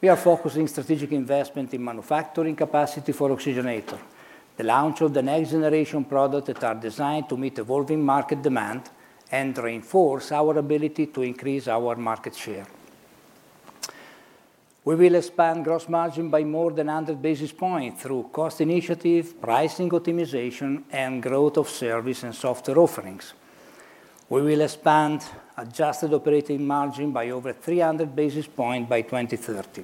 We are focusing strategic investment in manufacturing capacity for oxygenator, the launch of the next-generation products that are designed to meet evolving market demand and reinforce our ability to increase our market share. We will expand gross margin by more than 100 basis points through cost initiative, pricing optimization, and growth of service and software offerings. We will expand adjusted operating margin by over 300 basis points by 2030.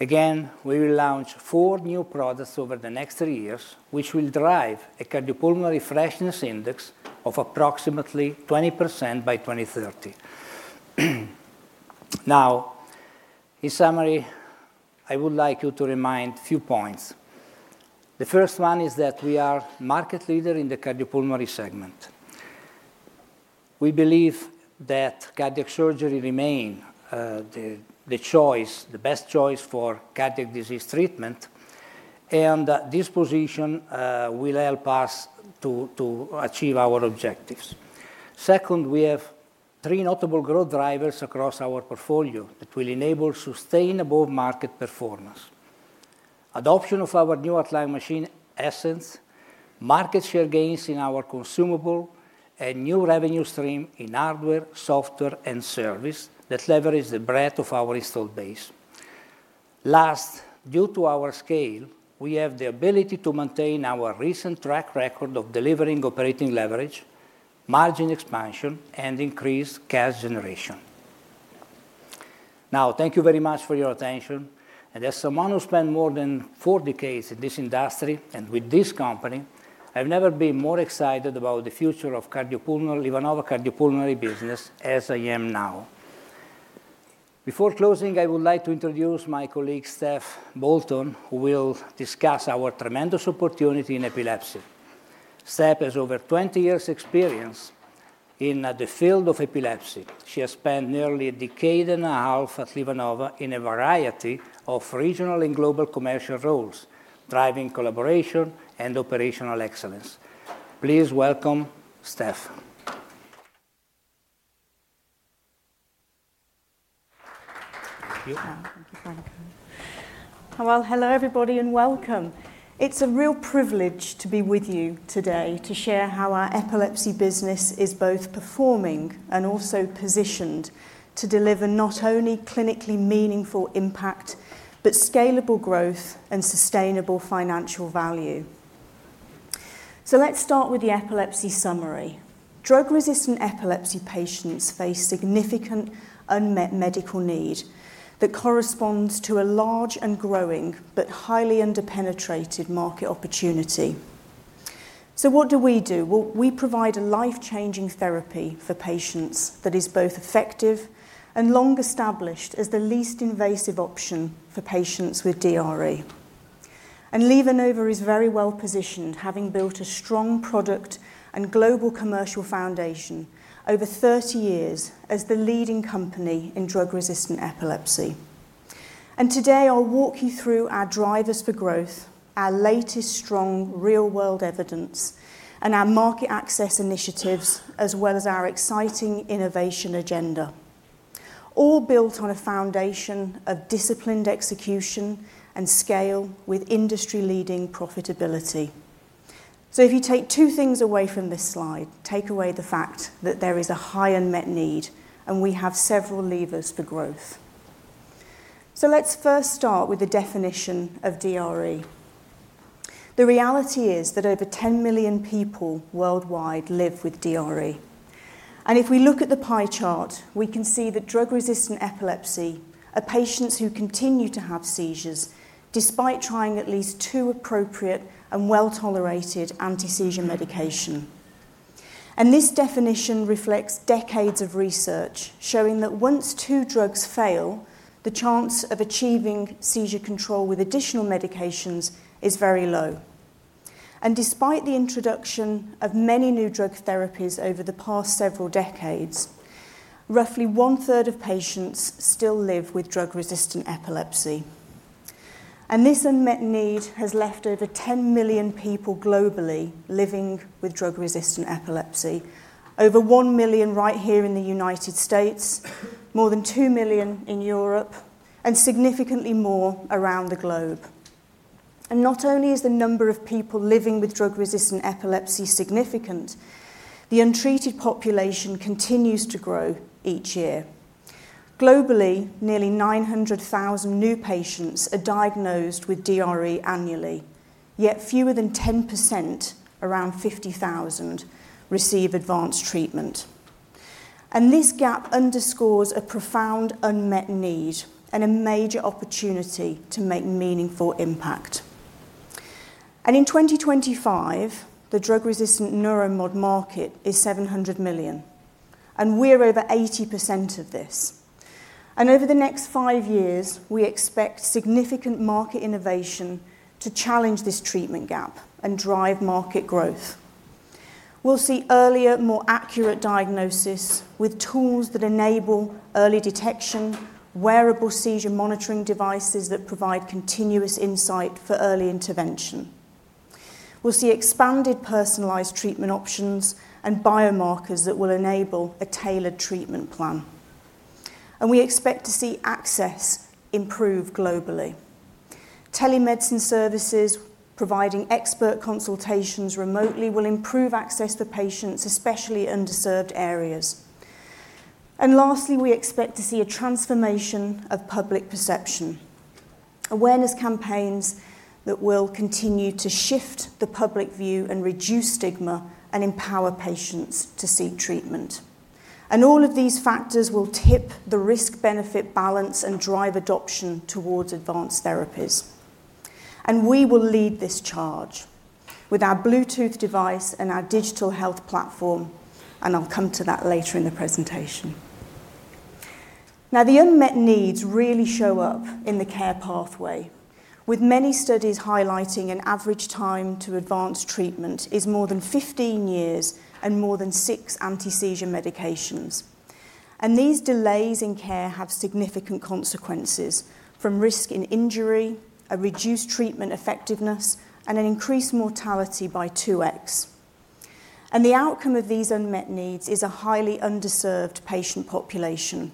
Again, we will launch four new products over the next three years, which will drive a cardiopulmonary freshness index of approximately 20% by 2030. Now, in summary, I would like you to remind a few points. The first one is that we are a market leader in the cardiopulmonary segment. We believe that cardiac surgery remains the best choice for cardiac disease treatment, and this position will help us to achieve our objectives. Second, we have three notable growth drivers across our portfolio that will enable sustainable market performance: adoption of our new heart-lung machine, Essenz, market share gains in our consumable, and new revenue stream in hardware, software, and service that leverages the breadth of our installed base. Last, due to our scale, we have the ability to maintain our recent track record of delivering operating leverage, margin expansion, and increased cash generation. Thank you very much for your attention. As someone who spent more than four decades in this industry and with this company, I've never been more excited about the future of Cardiopulmonary LivaNova Cardiopulmonary business as I am now. Before closing, I would like to introduce my colleague, Steph Bolton, who will discuss our tremendous opportunity in epilepsy. Steph has over 20 years' experience in the field of epilepsy. She has spent nearly a decade and a half at LivaNova in a variety of regional and global commercial roles, driving collaboration and operational excellence. Please welcome Steph. Thank you.
Thank you, Franco. Hello, everybody, and welcome. It's a real privilege to be with you today to share how our epilepsy business is both performing and also positioned to deliver not only clinically meaningful impact but scalable growth and sustainable financial value. Let's start with the epilepsy summary. Drug-resistant epilepsy patients face significant unmet medical need that corresponds to a large and growing but highly underpenetrated market opportunity. What do we do? We provide a life-changing therapy for patients that is both effective and long-established as the least invasive option for patients with DRE. LivaNova is very well positioned, having built a strong product and global commercial foundation over 30 years as the leading company in drug-resistant epilepsy. Today, I'll walk you through our drivers for growth, our latest strong real-world evidence, and our market access initiatives, as well as our exciting innovation agenda, all built on a foundation of disciplined execution and scale with industry-leading profitability. If you take two things away from this slide, take away the fact that there is a high unmet need and we have several levers for growth. Let's first start with the definition of DRE. The reality is that over 10 million people worldwide live with DRE. If we look at the pie chart, we can see that drug-resistant epilepsy are patients who continue to have seizures despite trying at least two appropriate and well-tolerated anti-seizure medication. This definition reflects decades of research showing that once two drugs fail, the chance of achieving seizure control with additional medications is very low. Despite the introduction of many new drug therapies over the past several decades, roughly one-third of patients still live with drug-resistant epilepsy. This unmet need has left over 10 million people globally living with drug-resistant epilepsy, over 1 million right here in the United States, more than 2 million in Europe, and significantly more around the globe. Not only is the number of people living with drug-resistant epilepsy significant, the untreated population continues to grow each year. Globally, nearly 900,000 new patients are diagnosed with DRE annually, yet fewer than 10%, around 50,000, receive advanced treatment. This gap underscores a profound unmet need and a major opportunity to make meaningful impact. In 2025, the drug-resistant neuromod market is $700 million, and we're over 80% of this. Over the next five years, we expect significant market innovation to challenge this treatment gap and drive market growth. We'll see earlier, more accurate diagnosis with tools that enable early detection, wearable seizure monitoring devices that provide continuous insight for early intervention. We'll see expanded personalized treatment options and biomarkers that will enable a tailored treatment plan. We expect to see access improve globally. Telemedicine services providing expert consultations remotely will improve access for patients, especially in underserved areas. Lastly, we expect to see a transformation of public perception, awareness campaigns that will continue to shift the public view and reduce stigma and empower patients to seek treatment. All of these factors will tip the risk-benefit balance and drive adoption towards advanced therapies. We will lead this charge with our Bluetooth device and our digital health platform, and I'll come to that later in the presentation. The unmet needs really show up in the care pathway, with many studies highlighting an average time to advance treatment is more than 15 years and more than six anti-seizure medications. These delays in care have significant consequences from risk in injury, a reduced treatment effectiveness, and an increased mortality by 2x. The outcome of these unmet needs is a highly underserved patient population,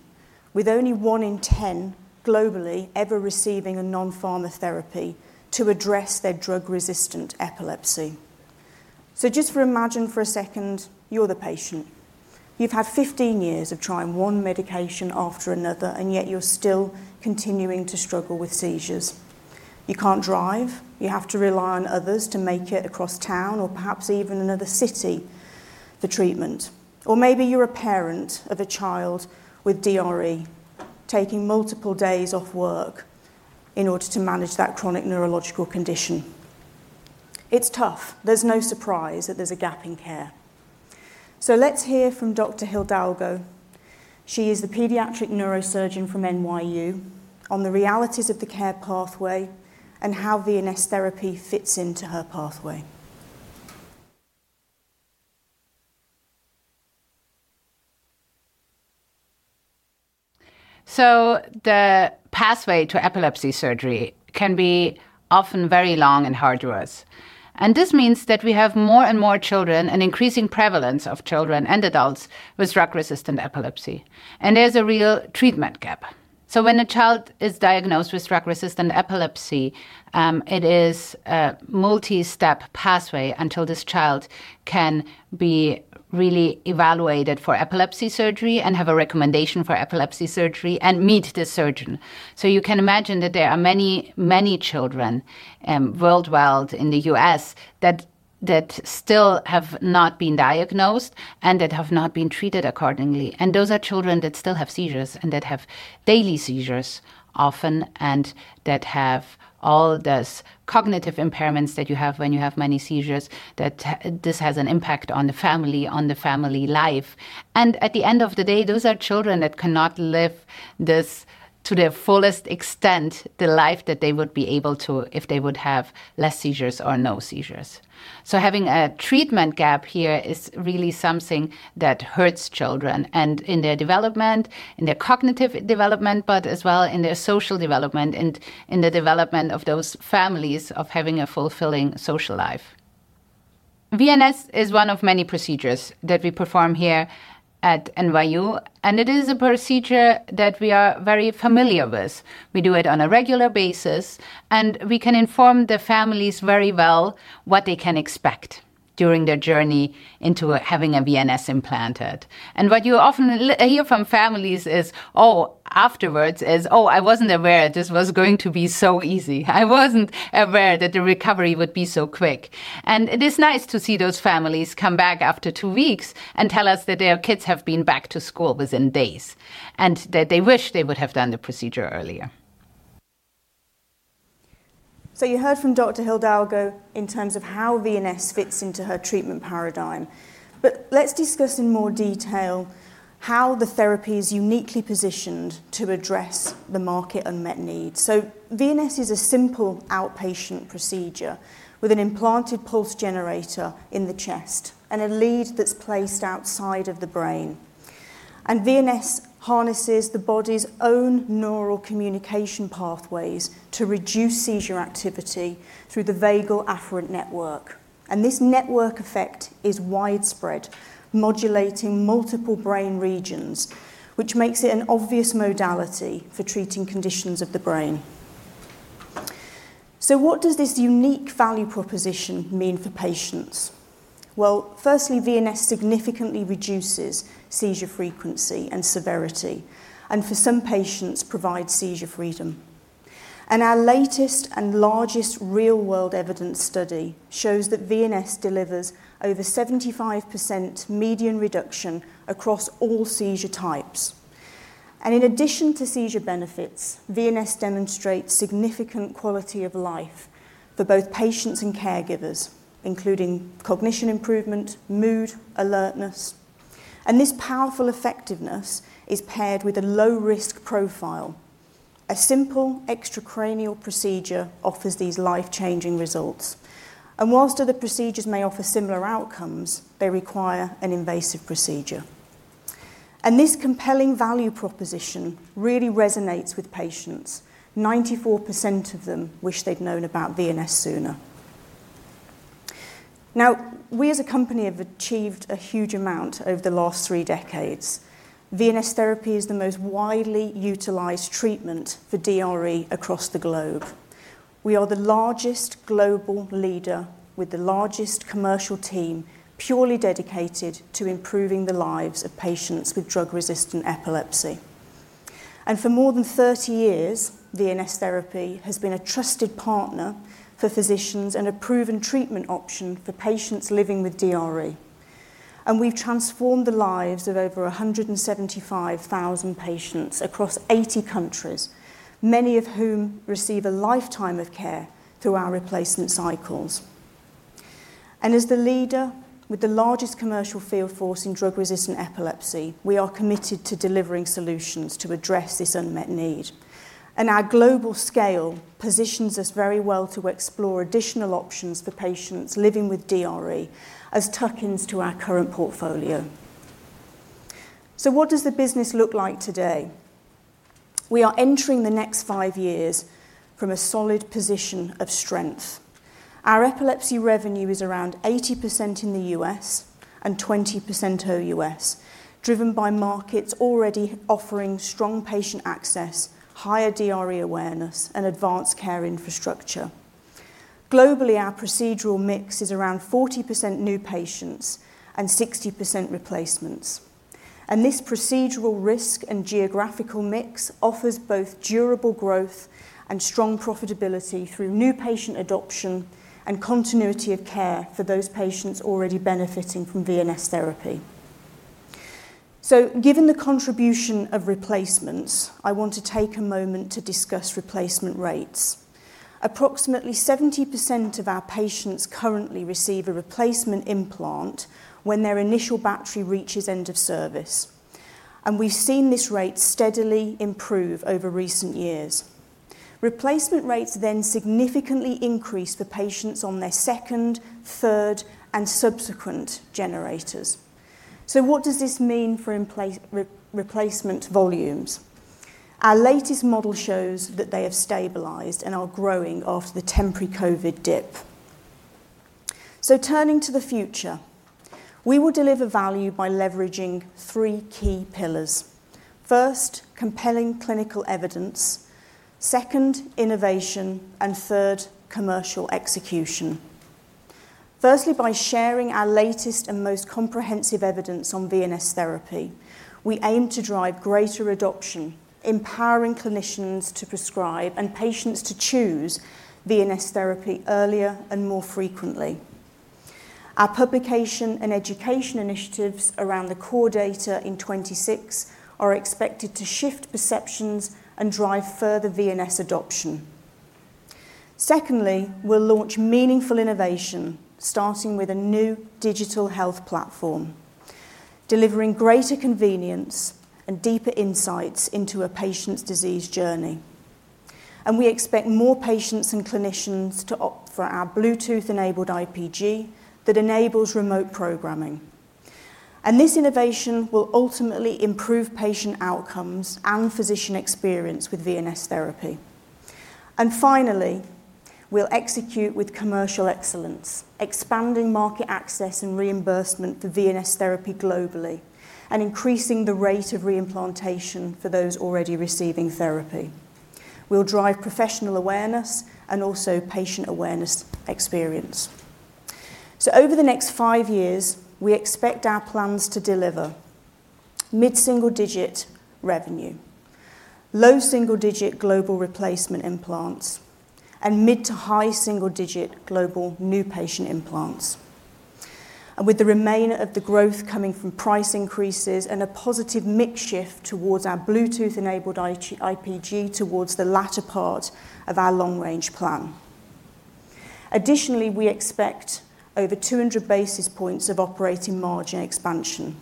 with only one in 10 globally ever receiving a non-pharma therapy to address their drug-resistant epilepsy. Just imagine for a second you're the patient. You've had 15 years of trying one medication after another, and yet you're still continuing to struggle with seizures. You can't drive. You have to rely on others to make it across town or perhaps even another city for treatment. Or maybe you're a parent of a child with DRE, taking multiple days off work in order to manage that chronic neurological condition. It's tough. There's no surprise that there's a gap in care. Let's hear from Dr. Hidalgo. She is the pediatric neurosurgeon from NYU on the realities of the care pathway and how VNS Therapy fits into her pathway. The pathway to epilepsy surgery can be often very long and hard to us. This means that we have more and more children and increasing prevalence of children and adults with drug-resistant epilepsy. There's a real treatment gap. When a child is diagnosed with drug-resistant epilepsy, it is a multi-step pathway until this child can be really evaluated for epilepsy surgery and have a recommendation for epilepsy surgery and meet the surgeon. You can imagine that there are many, many children worldwide in the U.S. that still have not been diagnosed and that have not been treated accordingly. Those are children that still have seizures and that have daily seizures often and that have all those cognitive impairments that you have when you have many seizures, that this has an impact on the family, on the family life. At the end of the day, those are children that cannot live this to their fullest extent, the life that they would be able to if they would have less seizures or no seizures. Having a treatment gap here is really something that hurts children and in their development, in their cognitive development, but as well in their social development and in the development of those families of having a fulfilling social life. VNS is one of many procedures that we perform here at NYU, and it is a procedure that we are very familiar with. We do it on a regular basis, and we can inform the families very well what they can expect during their journey into having a VNS implanted. What you often hear from families is, "Oh, afterwards is, oh, I wasn't aware this was going to be so easy. I wasn't aware that the recovery would be so quick." It is nice to see those families come back after two weeks and tell us that their kids have been back to school within days and that they wish they would have done the procedure earlier. You heard from Dr. Hidalgo in terms of how VNS fits into her treatment paradigm. Let's discuss in more detail how the therapy is uniquely positioned to address the market unmet need. VNS is a simple outpatient procedure with an implanted pulse generator in the chest and a lead that's placed outside of the brain. VNS harnesses the body's own neural communication pathways to reduce seizure activity through the vagal-afferent network. This network effect is widespread, modulating multiple brain regions, which makes it an obvious modality for treating conditions of the brain. What does this unique value proposition mean for patients? Firstly, VNS significantly reduces seizure frequency and severity, and for some patients provides seizure freedom. Our latest and largest real-world evidence study shows that VNS delivers over 75% median reduction across all seizure types. In addition to seizure benefits, VNS demonstrates significant quality of life for both patients and caregivers, including cognition improvement, mood, alertness. This powerful effectiveness is paired with a low-risk profile. A simple extracranial procedure offers these life-changing results. Whilst other procedures may offer similar outcomes, they require an invasive procedure. This compelling value proposition really resonates with patients. 94% of them wish they'd known about VNS sooner. We as a company have achieved a huge amount over the last three decades. VNS Therapy is the most widely utilized treatment for DRE across the globe. We are the largest global leader with the largest commercial team purely dedicated to improving the lives of patients with drug-resistant epilepsy. For more than 30 years, VNS Therapy has been a trusted partner for physicians and a proven treatment option for patients living with DRE. We have transformed the lives of over 175,000 patients across 80 countries, many of whom receive a lifetime of care through our replacement cycles. As the leader with the largest commercial field force in drug-resistant epilepsy, we are committed to delivering solutions to address this unmet need. Our global scale positions us very well to explore additional options for patients living with DRE as tuck-ins to our current portfolio. What does the business look like today? We are entering the next five years from a solid position of strength. Our epilepsy revenue is around 80% in the U.S. and 20% OUS, driven by markets already offering strong patient access, higher DRE awareness, and advanced care infrastructure. Globally, our procedural mix is around 40% new patients and 60% replacements. This procedural risk and geographical mix offers both durable growth and strong profitability through new patient adoption and continuity of care for those patients already benefiting from VNS therapy. Given the contribution of replacements, I want to take a moment to discuss replacement rates. Approximately 70% of our patients currently receive a replacement implant when their initial battery reaches end of service. We have seen this rate steadily improve over recent years. Replacement rates then significantly increase for patients on their second, third, and subsequent generators. What does this mean for replacement volumes? Our latest model shows that they have stabilized and are growing after the temporary COVID dip. Turning to the future, we will deliver value by leveraging three key pillars. First, compelling clinical evidence. Second, innovation. Third, commercial execution. Firstly, by sharing our latest and most comprehensive evidence on VNS therapy, we aim to drive greater adoption, empowering clinicians to prescribe and patients to choose VNS therapy earlier and more frequently. Our publication and education initiatives around the Core VNS data in 2026 are expected to shift perceptions and drive further VNS adoption. Secondly, we will launch meaningful innovation, starting with a new digital health platform, delivering greater convenience and deeper insights into a patient's disease journey. We expect more patients and clinicians to opt for our Bluetooth-enabled IPG that enables remote programming. This innovation will ultimately improve patient outcomes and physician experience with VNS therapy. Finally, we'll execute with commercial excellence, expanding market access and reimbursement for VNS Therapy globally and increasing the rate of reimplantation for those already receiving therapy. We'll drive professional awareness and also patient awareness experience. Over the next five years, we expect our plans to deliver mid-single-digit revenue, low-single-digit global replacement implants, and mid-to-high-single-digit global new patient implants. With the remainder of the growth coming from price increases and a positive mix shift towards our Bluetooth-enabled IPG towards the latter part of our long-range plan. Additionally, we expect over 200 basis points of operating margin expansion.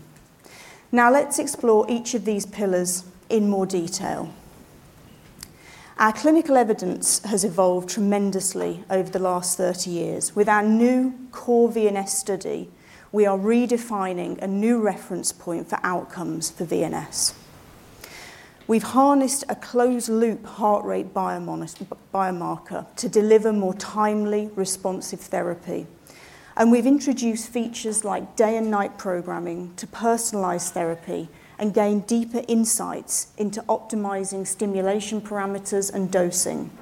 Now, let's explore each of these pillars in more detail. Our clinical evidence has evolved tremendously over the last 30 years. With our new Core VNS study, we are redefining a new reference point for outcomes for VNS. We've harnessed a closed-loop heart rate biomarker to deliver more timely, responsive therapy. We have introduced features like day and night programming to personalize therapy and gain deeper insights into optimizing stimulation parameters and dosing.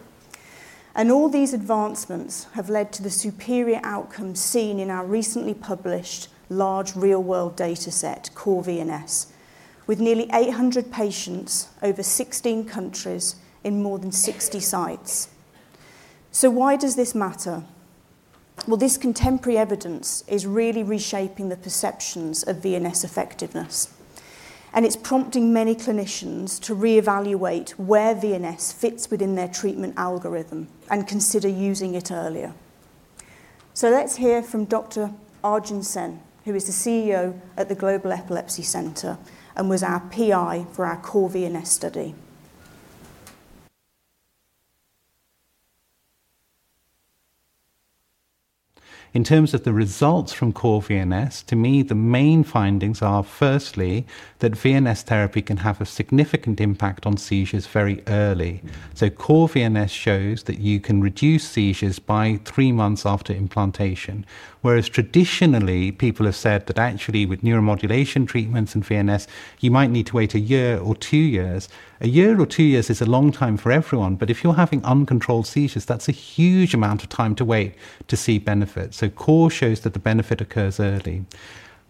All these advancements have led to the superior outcomes seen in our recently published large real-world dataset, Core VNS, with nearly 800 patients over 16 countries in more than 60 sites. This contemporary evidence is really reshaping the perceptions of VNS effectiveness. It is prompting many clinicians to reevaluate where VNS fits within their treatment algorithm and consider using it earlier. Let's hear from Dr. Arjune Sen, who is the CEO at the Global Epilepsy Center and was our PI for our Core VNS study. In terms of the results from Core VNS, to me, the main findings are firstly that VNS therapy can have a significant impact on seizures very early. Core VNS shows that you can reduce seizures by three months after implantation. Whereas traditionally, people have said that actually with neuromodulation treatments and VNS, you might need to wait a year or two years. A year or two years is a long time for everyone. If you're having uncontrolled seizures, that's a huge amount of time to wait to see benefits. Core shows that the benefit occurs early.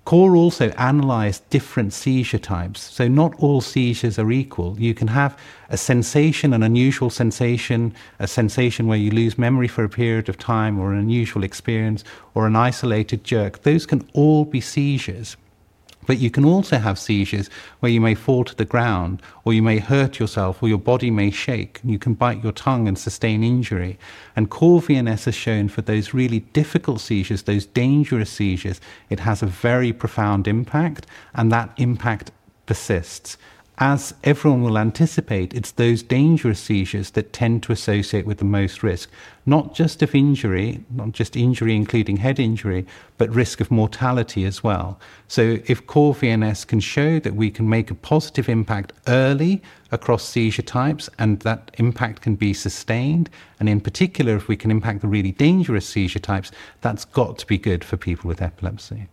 Core also analyzed different seizure types. Not all seizures are equal. You can have a sensation, an unusual sensation, a sensation where you lose memory for a period of time or an unusual experience or an isolated jerk. Those can all be seizures. You can also have seizures where you may fall to the ground or you may hurt yourself or your body may shake and you can bite your tongue and sustain injury. Core VNS has shown for those really difficult seizures, those dangerous seizures, it has a very profound impact and that impact persists. As everyone will anticipate, it's those dangerous seizures that tend to associate with the most risk, not just of injury, not just injury including head injury, but risk of mortality as well. If Core VNS can show that we can make a positive impact early across seizure types and that impact can be sustained, and in particular, if we can impact the really dangerous seizure types, that's got to be good for people with epilepsy.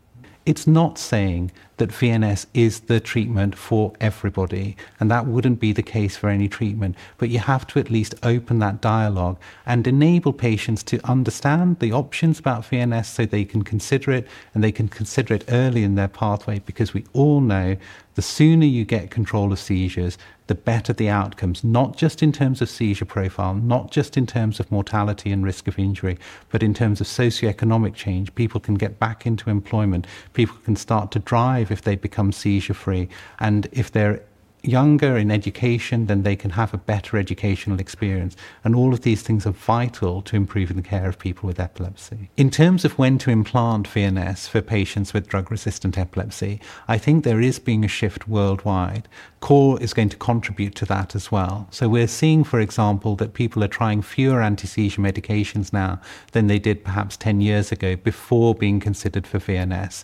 It's not saying that VNS is the treatment for everybody, and that wouldn't be the case for any treatment. You have to at least open that dialogue and enable patients to understand the options about VNS so they can consider it and they can consider it early in their pathway because we all know the sooner you get control of seizures, the better the outcomes, not just in terms of seizure profile, not just in terms of mortality and risk of injury, but in terms of socioeconomic change. People can get back into employment. People can start to drive if they become seizure-free. If they're younger in education, then they can have a better educational experience. All of these things are vital to improving the care of people with epilepsy. In terms of when to implant VNS for patients with drug-resistant epilepsy, I think there is being a shift worldwide. Core is going to contribute to that as well. We're seeing, for example, that people are trying fewer anti-seizure medications now than they did perhaps 10 years ago before being considered for VNS.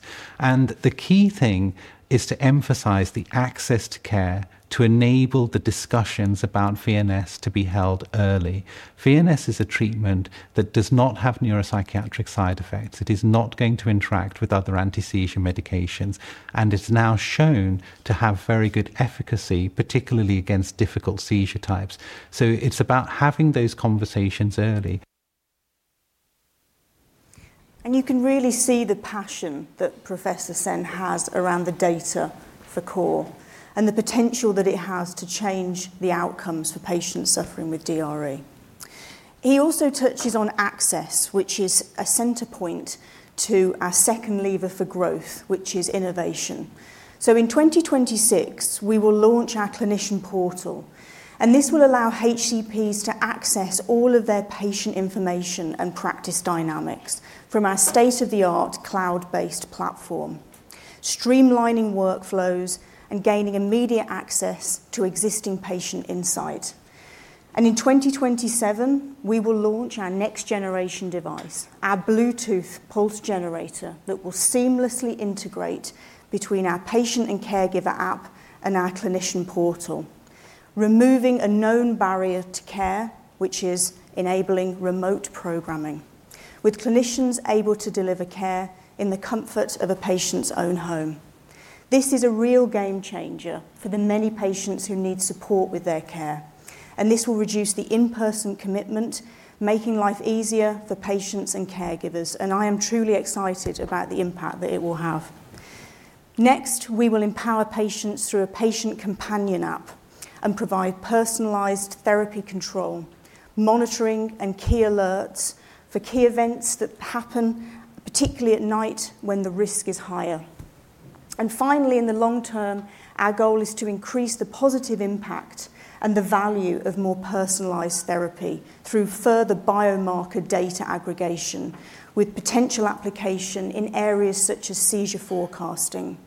The key thing is to emphasize the access to care to enable the discussions about VNS to be held early. VNS is a treatment that does not have neuropsychiatric side effects. It is not going to interact with other anti-seizure medications. It's now shown to have very good efficacy, particularly against difficult seizure types. It's about having those conversations early. You can really see the passion that Professor Sen has around the data for Core and the potential that it has to change the outcomes for patients suffering with DRE. He also touches on access, which is a center point to our second lever for growth, which is innovation. In 2026, we will launch our clinician portal. This will allow HCPs to access all of their patient information and practice dynamics from our state-of-the-art cloud-based platform, streamlining workflows and gaining immediate access to existing patient insight. In 2027, we will launch our next-generation device, our Bluetooth pulse generator that will seamlessly integrate between our patient and caregiver app and our clinician portal, removing a known barrier to care, which is enabling remote programming, with clinicians able to deliver care in the comfort of a patient's own home. This is a real game changer for the many patients who need support with their care. This will reduce the in-person commitment, making life easier for patients and caregivers. I am truly excited about the impact that it will have. Next, we will empower patients through a patient companion app and provide personalized therapy control, monitoring, and key alerts for key events that happen, particularly at night when the risk is higher. Finally, in the long term, our goal is to increase the positive impact and the value of more personalized therapy through further biomarker data aggregation with potential application in areas such as seizure forecasting.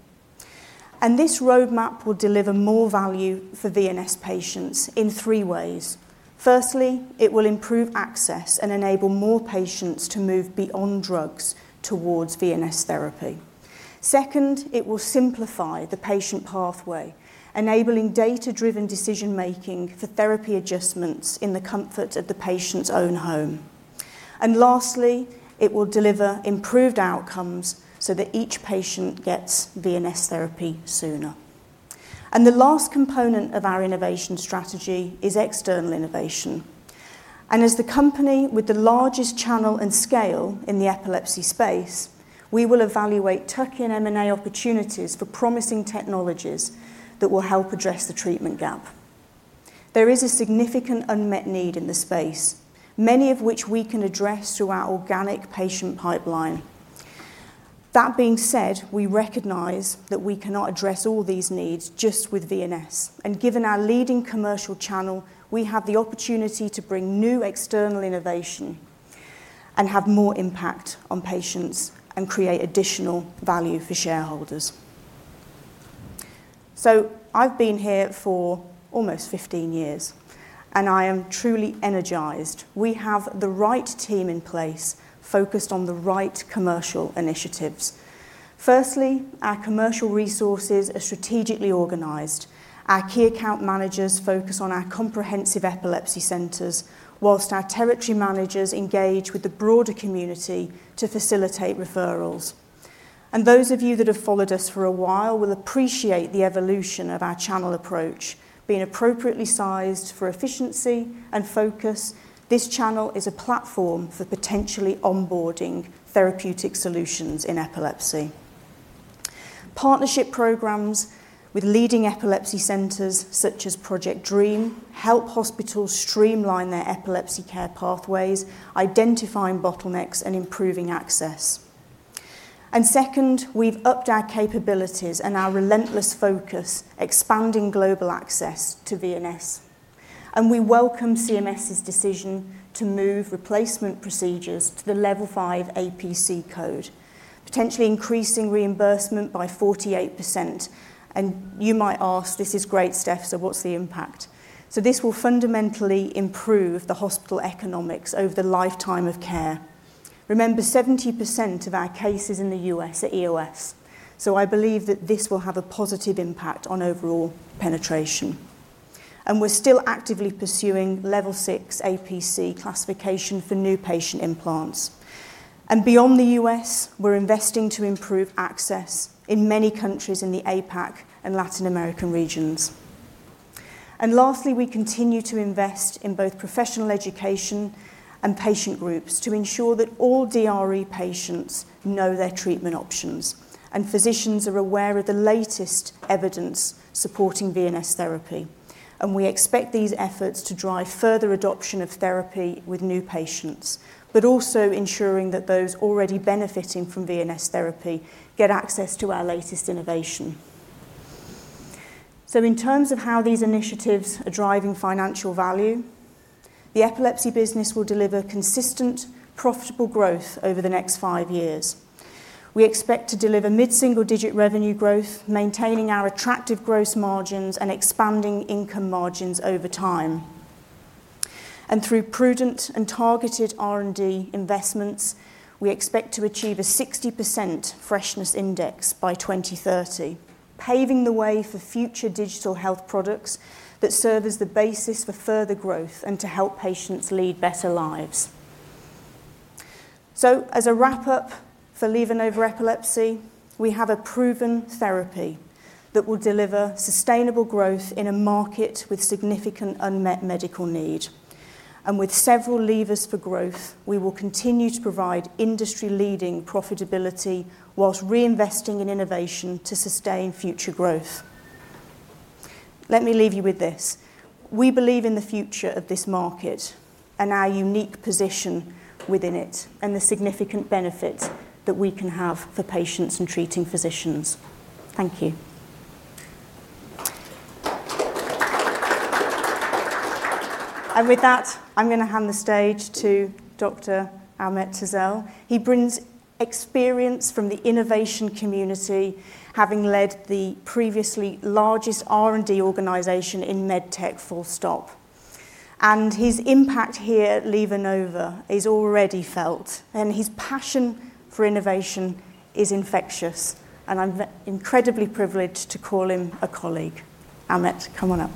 This roadmap will deliver more value for VNS patients in three ways. Firstly, it will improve access and enable more patients to move beyond drugs towards VNS therapy. Second, it will simplify the patient pathway, enabling data-driven decision-making for therapy adjustments in the comfort of the patient's own home. Lastly, it will deliver improved outcomes so that each patient gets VNS therapy sooner. The last component of our innovation strategy is external innovation. As the company with the largest channel and scale in the epilepsy space, we will evaluate token M&A opportunities for promising technologies that will help address the treatment gap. There is a significant unmet need in the space, many of which we can address through our organic patient pipeline. That being said, we recognize that we cannot address all these needs just with VNS. Given our leading commercial channel, we have the opportunity to bring new external innovation and have more impact on patients and create additional value for shareholders. I've been here for almost 15 years, and I am truly energized. We have the right team in place focused on the right commercial initiatives. Firstly, our commercial resources are strategically organized. Our key account managers focus on our comprehensive epilepsy centers, whilst our territory managers engage with the broader community to facilitate referrals. Those of you that have followed us for a while will appreciate the evolution of our channel approach being appropriately sized for efficiency and focus. This channel is a platform for potentially onboarding therapeutic solutions in epilepsy. Partnership programs with leading epilepsy centers such as Project DREAM help hospitals streamline their epilepsy care pathways, identifying bottlenecks and improving access. Second, we've upped our capabilities and our relentless focus, expanding global access to VNS. We welcome CMS's decision to move replacement procedures to the Level 5 APC code, potentially increasing reimbursement by 48%. You might ask, "This is great, Stef, so what's the impact?" This will fundamentally improve the hospital economics over the lifetime of care. Remember, 70% of our cases in the U.S. are EOS. I believe that this will have a positive impact on overall penetration. We are still actively pursuing Level 6 APC classification for new patient implants. Beyond the U.S., we are investing to improve access in many countries in the APAC and Latin American regions. Lastly, we continue to invest in both professional education and patient groups to ensure that all DRE patients know their treatment options and physicians are aware of the latest evidence supporting VNS therapy. We expect these efforts to drive further adoption of therapy with new patients, but also ensuring that those already benefiting from VNS therapy get access to our latest innovation. In terms of how these initiatives are driving financial value, the epilepsy business will deliver consistent, profitable growth over the next five years. We expect to deliver mid-single-digit revenue growth, maintaining our attractive gross margins and expanding income margins over time. Through prudent and targeted R&D investments, we expect to achieve a 60% freshness index by 2030, paving the way for future digital health products that serve as the basis for further growth and to help patients lead better lives. As a wrap-up for LivaNova and over epilepsy, we have a proven therapy that will deliver sustainable growth in a market with significant unmet medical need. With several levers for growth, we will continue to provide industry-leading profitability whilst reinvesting in innovation to sustain future growth. Let me leave you with this. We believe in the future of this market and our unique position within it and the significant benefits that we can have for patients and treating physicians. Thank you. With that, I'm going to hand the stage to Dr. Ahmet Tezel. He brings experience from the innovation community, having led the previously largest R&D organization in medtech. His impact here at LivaNova is already felt. His passion for innovation is infectious. I'm incredibly privileged to call him a colleague. Ahmet, come on up.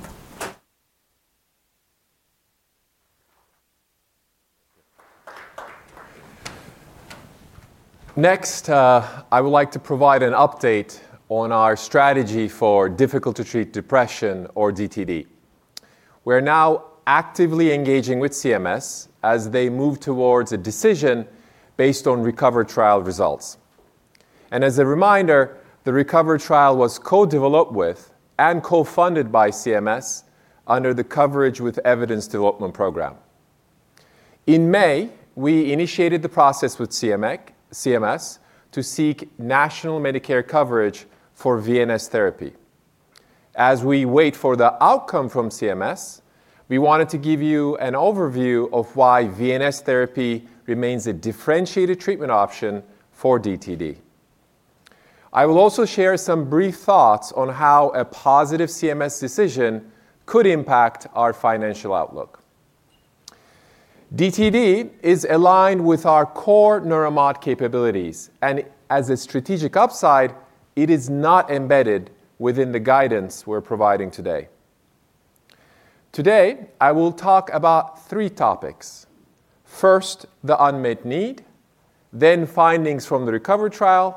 Next, I would like to provide an update on our strategy for difficult-to-treat depression, or DTD. We are now actively engaging with CMS as they move towards a decision based on recovery trial results. As a reminder, the recovery trial was co-developed with and co-funded by CMS under the Coverage with Evidence Development Program. In May, we initiated the process with CMS to seek national Medicare coverage for VNS therapy. As we wait for the outcome from CMS, we wanted to give you an overview of why VNS therapy remains a differentiated treatment option for DTD. I will also share some brief thoughts on how a positive CMS decision could impact our financial outlook. DTD is aligned with our core Neuromod capabilities. As a strategic upside, it is not embedded within the guidance we are providing today. Today, I will talk about three topics. First, the unmet need, then findings from the recovery trial,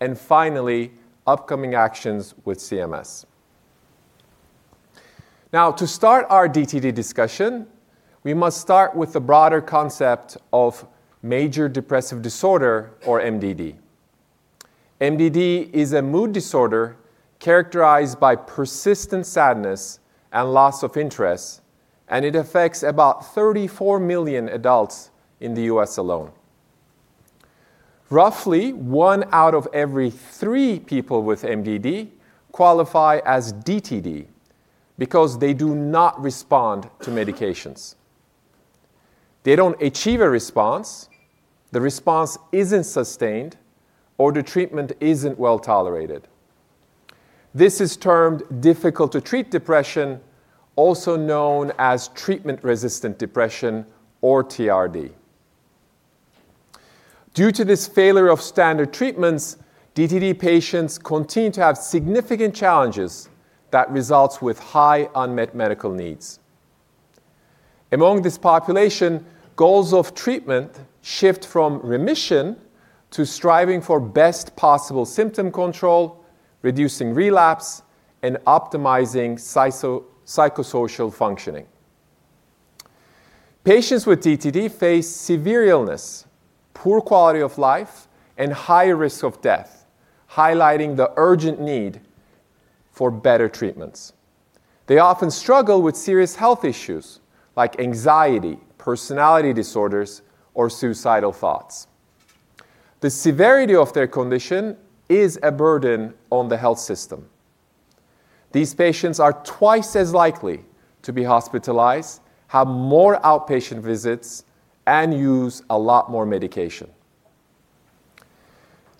and finally, upcoming actions with CMS. Now, to start our DTD discussion, we must start with the broader concept of major depressive disorder, or MDD. MDD is a mood disorder characterized by persistent sadness and loss of interest, and it affects about 34 million adults in the U.S. alone. Roughly one out of every three people with MDD qualify as DTD because they do not respond to medications. They do not achieve a response. The response is not sustained, or the treatment is not well tolerated. This is termed difficult-to-treat depression, also known as treatment-resistant depression, or TRD. Due to this failure of standard treatments, DTD patients continue to have significant challenges that result in high unmet medical needs. Among this population, goals of treatment shift from remission to striving for best possible symptom control, reducing relapse, and optimizing psychosocial functioning. Patients with DTD face severe illness, poor quality of life, and high risk of death, highlighting the urgent need for better treatments. They often struggle with serious health issues like anxiety, personality disorders, or suicidal thoughts. The severity of their condition is a burden on the health system. These patients are twice as likely to be hospitalized, have more outpatient visits, and use a lot more medication.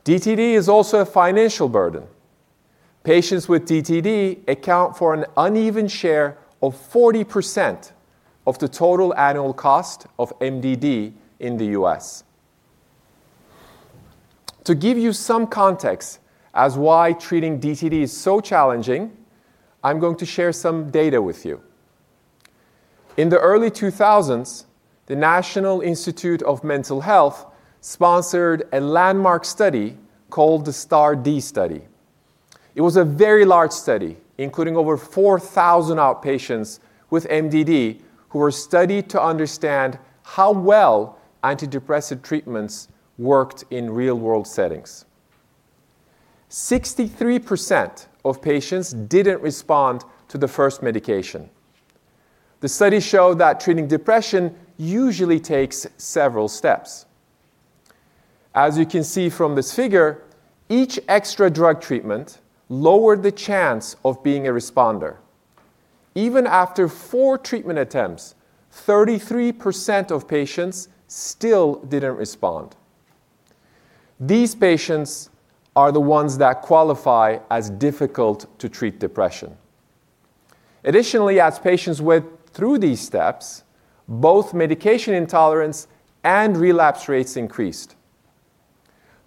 DTD is also a financial burden. Patients with DTD account for an uneven share of 40% of the total annual cost of MDD in the U.S. To give you some context as to why treating DTD is so challenging, I'm going to share some data with you. In the early 2000s, the National Institute of Mental Health sponsored a landmark study called the STAR*D study. It was a very large study, including over 4,000 outpatients with MDD who were studied to understand how well antidepressant treatments worked in real-world settings. 63% of patients did not respond to the first medication. The study showed that treating depression usually takes several steps. As you can see from this figure, each extra drug treatment lowered the chance of being a responder. Even after four treatment attempts, 33% of patients still did not respond. These patients are the ones that qualify as difficult-to-treat depression. Additionally, as patients went through these steps, both medication intolerance and relapse rates increased.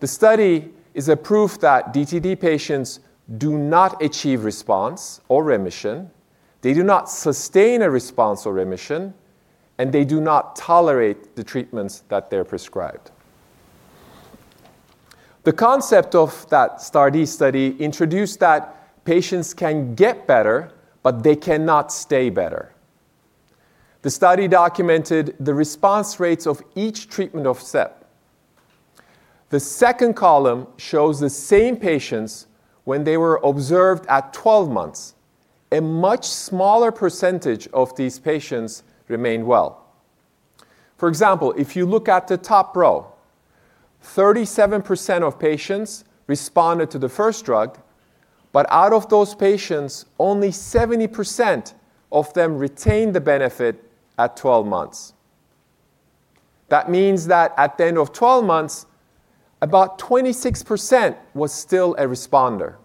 The study is a proof that DTD patients do not achieve response or remission.
They do not sustain a response or remission, and they do not tolerate the treatments that they're prescribed. The concept of that STAR*D study introduced that patients can get better, but they cannot stay better. The study documented the response rates of each treatment offset. The second column shows the same patients when they were observed at 12 months. A much smaller percentage of these patients remained well. For example, if you look at the top row, 37% of patients responded to the first drug, but out of those patients, only 70% of them retained the benefit at 12 months. That means that at the end of 12 months, about 26% was still a responder.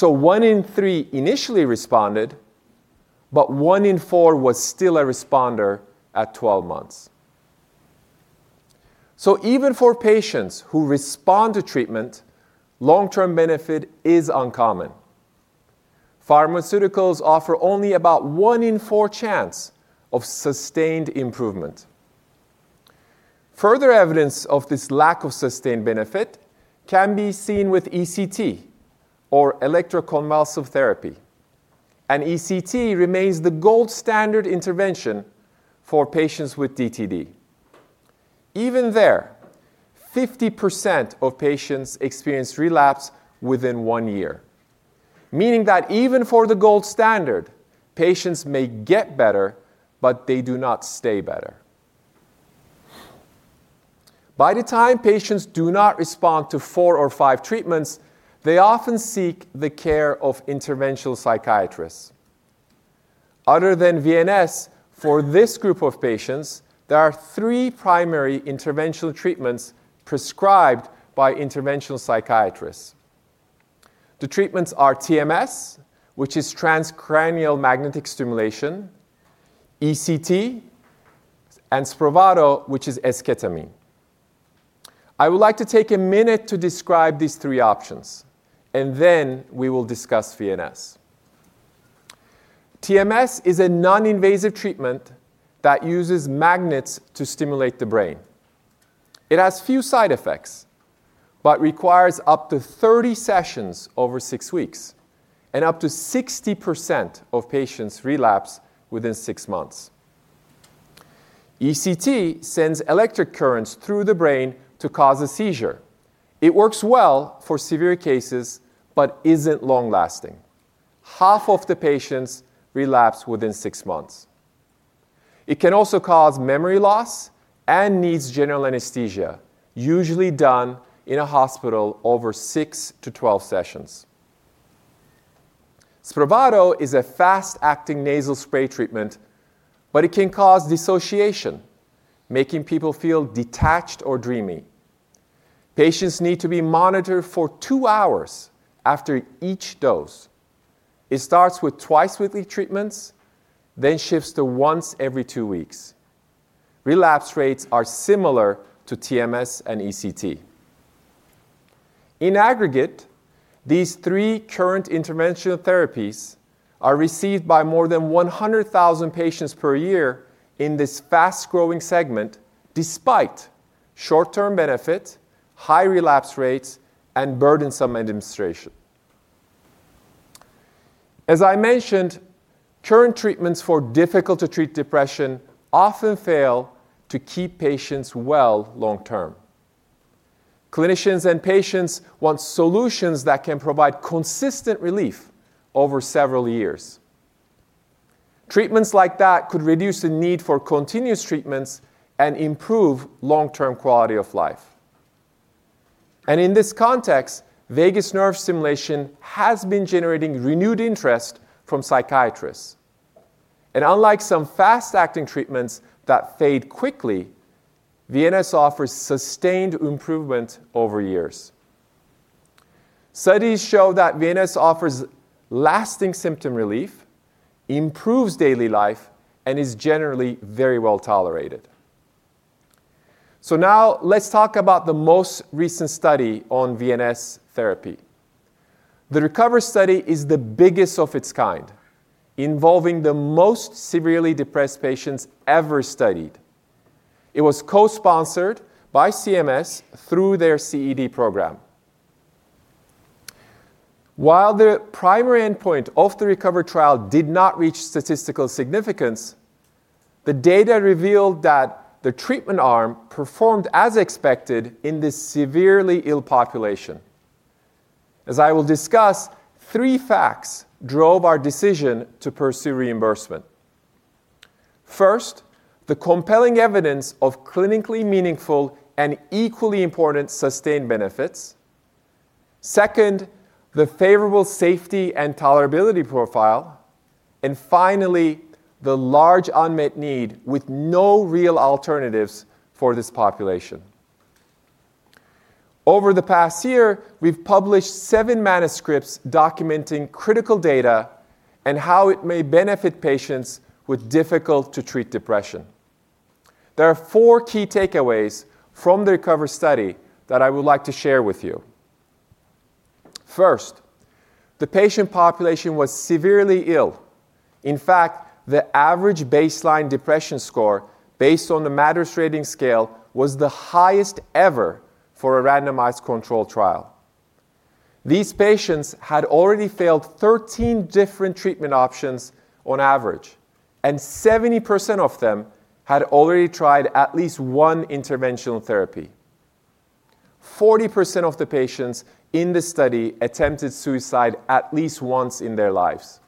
One in three initially responded, but one in four was still a responder at 12 months. Even for patients who respond to treatment, long-term benefit is uncommon. Pharmaceuticals offer only about one in four chance of sustained improvement. Further evidence of this lack of sustained benefit can be seen with ECT, or electroconvulsive therapy. ECT remains the gold standard intervention for patients with DTD. Even there, 50% of patients experience relapse within one year, meaning that even for the gold standard, patients may get better, but they do not stay better. By the time patients do not respond to four or five treatments, they often seek the care of interventional psychiatrists. Other than VNS, for this group of patients, there are three primary interventional treatments prescribed by interventional psychiatrists. The treatments are TMS, which is transcranial magnetic stimulation, ECT, and SPRAVATO, which is esketamine. I would like to take a minute to describe these three options, and then we will discuss VNS. TMS is a non-invasive treatment that uses magnets to stimulate the brain. It has few side effects but requires up to 30 sessions over six weeks, and up to 60% of patients relapse within six months. ECT sends electric currents through the brain to cause a seizure. It works well for severe cases but isn't long-lasting. Half of the patients relapse within six months. It can also cause memory loss and needs general anesthesia, usually done in a hospital over 6-12 sessions. SPRAVATO is a fast-acting nasal spray treatment, but it can cause dissociation, making people feel detached or dreamy. Patients need to be monitored for two hours after each dose. It starts with twice-weekly treatments, then shifts to once every two weeks. Relapse rates are similar to TMS and ECT. In aggregate, these three current interventional therapies are received by more than 100,000 patients per year in this fast-growing segment despite short-term benefit, high relapse rates, and burdensome administration. As I mentioned, current treatments for difficult-to-treat depression often fail to keep patients well long-term. Clinicians and patients want solutions that can provide consistent relief over several years. Treatments like that could reduce the need for continuous treatments and improve long-term quality of life. In this context, vagus nerve stimulation has been generating renewed interest from psychiatrists. Unlike some fast-acting treatments that fade quickly, VNS offers sustained improvement over years. Studies show that VNS offers lasting symptom relief, improves daily life, and is generally very well tolerated. Now let's talk about the most recent study on VNS therapy. The RECOVER study is the biggest of its kind, involving the most severely depressed patients ever studied. It was co-sponsored by CMS through their CED program. While the primary endpoint of the RECOVER trial did not reach statistical significance, the data revealed that the treatment arm performed as expected in this severely ill population. As I will discuss, three facts drove our decision to pursue reimbursement. First, the compelling evidence of clinically meaningful and equally important sustained benefits. Second, the favorable safety and tolerability profile. Finally, the large unmet need with no real alternatives for this population. Over the past year, we've published seven manuscripts documenting critical data and how it may benefit patients with difficult-to-treat depression. There are four key takeaways from the RECOVER study that I would like to share with you. First, the patient population was severely ill. In fact, the average baseline depression score based on the MATTRS rating scale was the highest ever for a randomized controlled trial. These patients had already failed 13 different treatment options on average, and 70% of them had already tried at least one interventional therapy. 40% of the patients in the study attempted suicide at least once in their lives.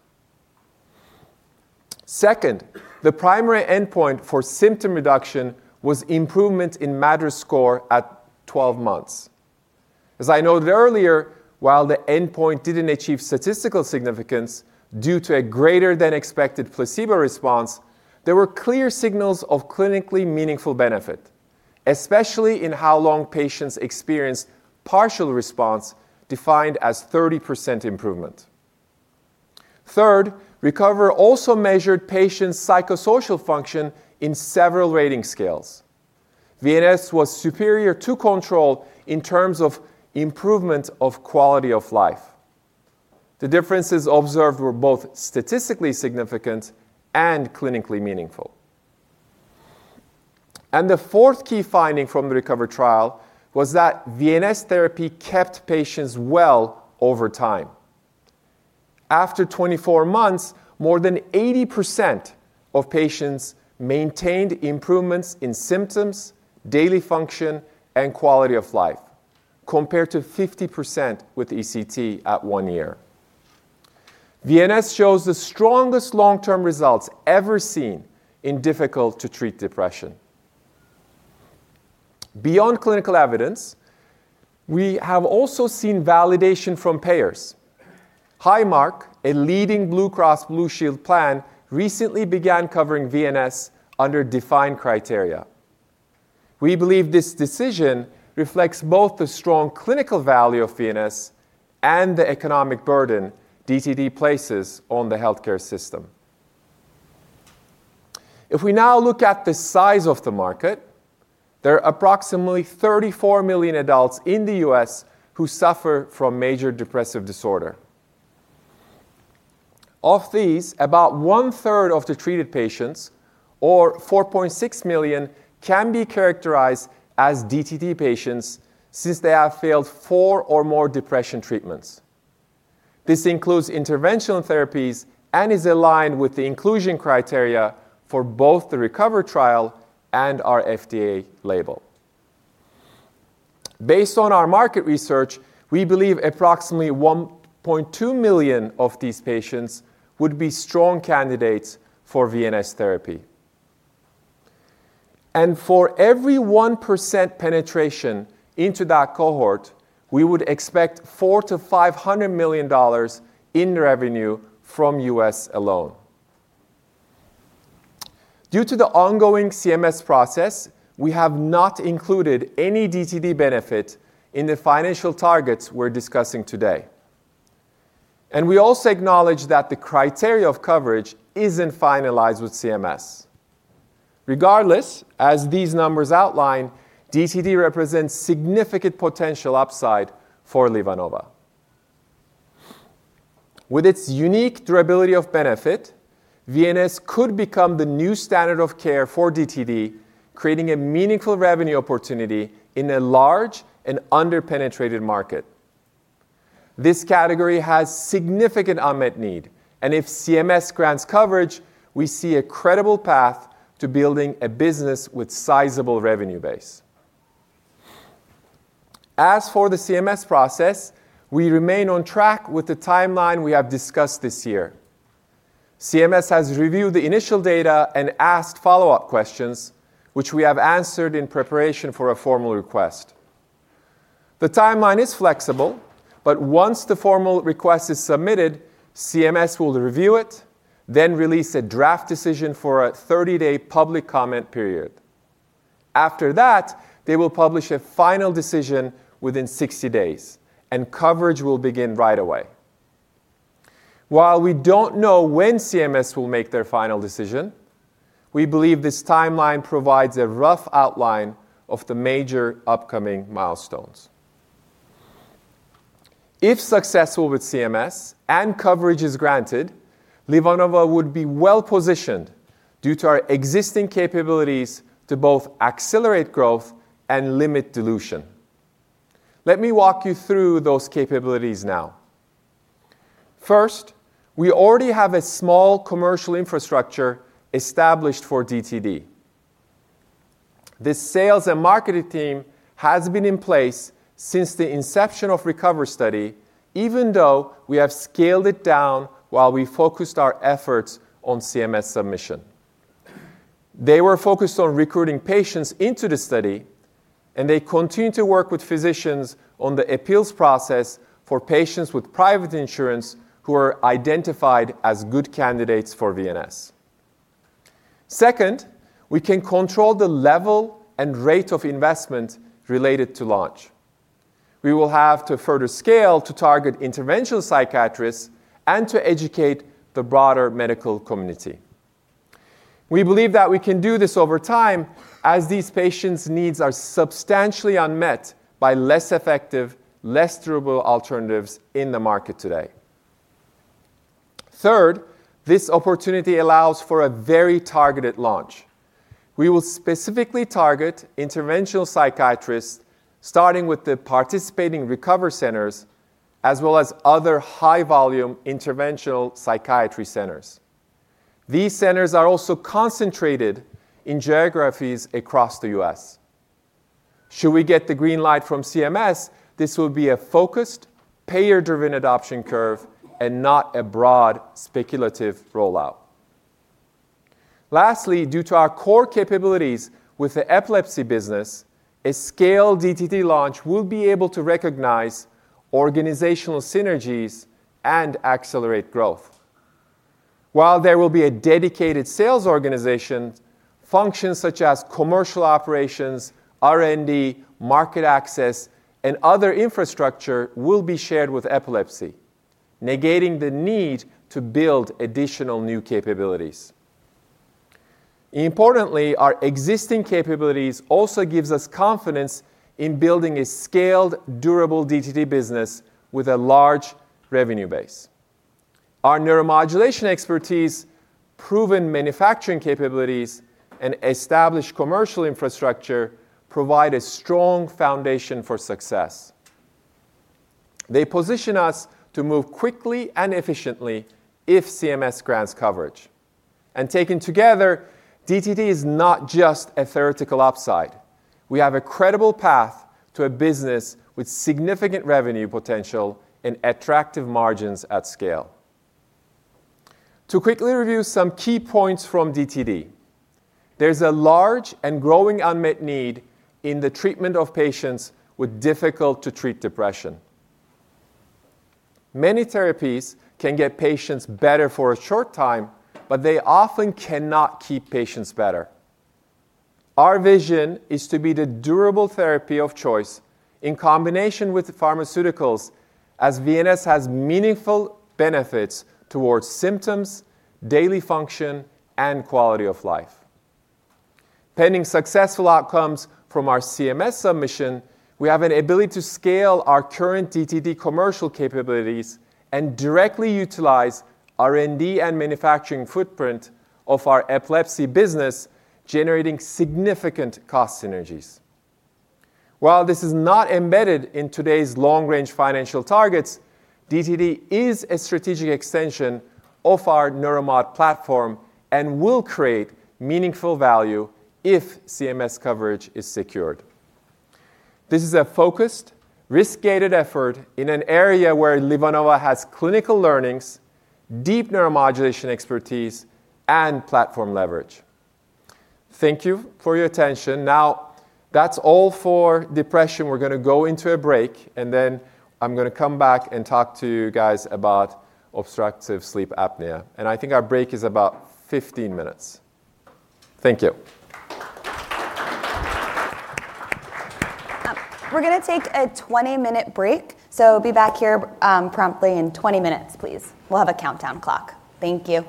Second, the primary endpoint for symptom reduction was improvement in MATTRS score at 12 months. As I noted earlier, while the endpoint did not achieve statistical significance due to a greater-than-expected placebo response, there were clear signals of clinically meaningful benefit, especially in how long patients experienced partial response defined as 30% improvement. Third, RECOVER also measured patients' psychosocial function in several rating scales. VNS was superior to control in terms of improvement of quality of life. The differences observed were both statistically significant and clinically meaningful. The fourth key finding from the RECOVER trial was that VNS therapy kept patients well over time. After 24 months, more than 80% of patients maintained improvements in symptoms, daily function, and quality of life, compared to 50% with ECT at one year. VNS shows the strongest long-term results ever seen in difficult-to-treat depression. Beyond clinical evidence, we have also seen validation from payers. Highmark, a leading Blue Cross Blue Shield plan, recently began covering VNS under defined criteria. We believe this decision reflects both the strong clinical value of VNS and the economic burden DTD places on the healthcare system. If we now look at the size of the market, there are approximately 34 million adults in the U.S. who suffer from major depressive disorder. Of these, about one-third of the treated patients, or 4.6 million, can be characterized as DTD patients since they have failed four or more depression treatments. This includes interventional therapies and is aligned with the inclusion criteria for both the RECOVER trial and our FDA label. Based on our market research, we believe approximately 1.2 million of these patients would be strong candidates for VNS therapy. For every 1% penetration into that cohort, we would expect $400 million-$500 million in revenue from the U.S. alone. Due to the ongoing CMS process, we have not included any DTD benefit in the financial targets we are discussing today. We also acknowledge that the criteria of coverage is not finalized with CMS. Regardless, as these numbers outline, DTD represents significant potential upside for LivaNova. With its unique durability of benefit, VNS could become the new standard of care for DTD, creating a meaningful revenue opportunity in a large and under-penetrated market. This category has significant unmet need, and if CMS grants coverage, we see a credible path to building a business with a sizable revenue base. As for the CMS process, we remain on track with the timeline we have discussed this year. CMS has reviewed the initial data and asked follow-up questions, which we have answered in preparation for a formal request. The timeline is flexible, but once the formal request is submitted, CMS will review it, then release a draft decision for a 30-day public comment period. After that, they will publish a final decision within 60 days, and coverage will begin right away. While we don't know when CMS will make their final decision, we believe this timeline provides a rough outline of the major upcoming milestones. If successful with CMS and coverage is granted, LivaNova would be well-positioned due to our existing capabilities to both accelerate growth and limit dilution. Let me walk you through those capabilities now. First, we already have a small commercial infrastructure established for DTD. The sales and marketing team has been in place since the inception of the RECOVER study, even though we have scaled it down while we focused our efforts on CMS submission. They were focused on recruiting patients into the study, and they continue to work with physicians on the appeals process for patients with private insurance who are identified as good candidates for VNS. Second, we can control the level and rate of investment related to launch. We will have to further scale to target interventional psychiatrists and to educate the broader medical community. We believe that we can do this over time as these patients' needs are substantially unmet by less effective, less durable alternatives in the market today. Third, this opportunity allows for a very targeted launch. We will specifically target interventional psychiatrists, starting with the participating RECOVER centers, as well as other high-volume interventional psychiatry centers. These centers are also concentrated in geographies across the U.S. Should we get the green light from CMS, this will be a focused, payer-driven adoption curve and not a broad, speculative rollout. Lastly, due to our core capabilities with the epilepsy business, a scaled DTD launch will be able to recognize organizational synergies and accelerate growth. While there will be a dedicated sales organization, functions such as commercial operations, R&D, market access, and other infrastructure will be shared with epilepsy, negating the need to build additional new capabilities. Importantly, our existing capabilities also give us confidence in building a scaled, durable DTD business with a large revenue base. Our neuromodulation expertise, proven manufacturing capabilities, and established commercial infrastructure provide a strong foundation for success. They position us to move quickly and efficiently if CMS grants coverage. Taken together, DTD is not just a theoretical upside. We have a credible path to a business with significant revenue potential and attractive margins at scale. To quickly review some key points from DTD, there is a large and growing unmet need in the treatment of patients with difficult-to-treat depression. Many therapies can get patients better for a short time, but they often cannot keep patients better. Our vision is to be the durable therapy of choice in combination with pharmaceuticals, as VNS has meaningful benefits towards symptoms, daily function, and quality of life. Pending successful outcomes from our CMS submission, we have an ability to scale our current DTD commercial capabilities and directly utilize R&D and manufacturing footprint of our epilepsy business, generating significant cost synergies. While this is not embedded in today's long-range financial targets, DTD is a strategic extension of our Neuromod platform and will create meaningful value if CMS coverage is secured. This is a focused, risk-guided effort in an area where LivaNova has clinical learnings, deep neuromodulation expertise, and platform leverage. Thank you for your attention. Now, that's all for depression. We're going to go into a break, and then I'm going to come back and talk to you guys about obstructive sleep apnea. I think our break is about 15 minutes. Thank you.
We're going to take a 20-minute break, so be back here promptly in 20 minutes, please. We'll have a countdown clock. Thank you.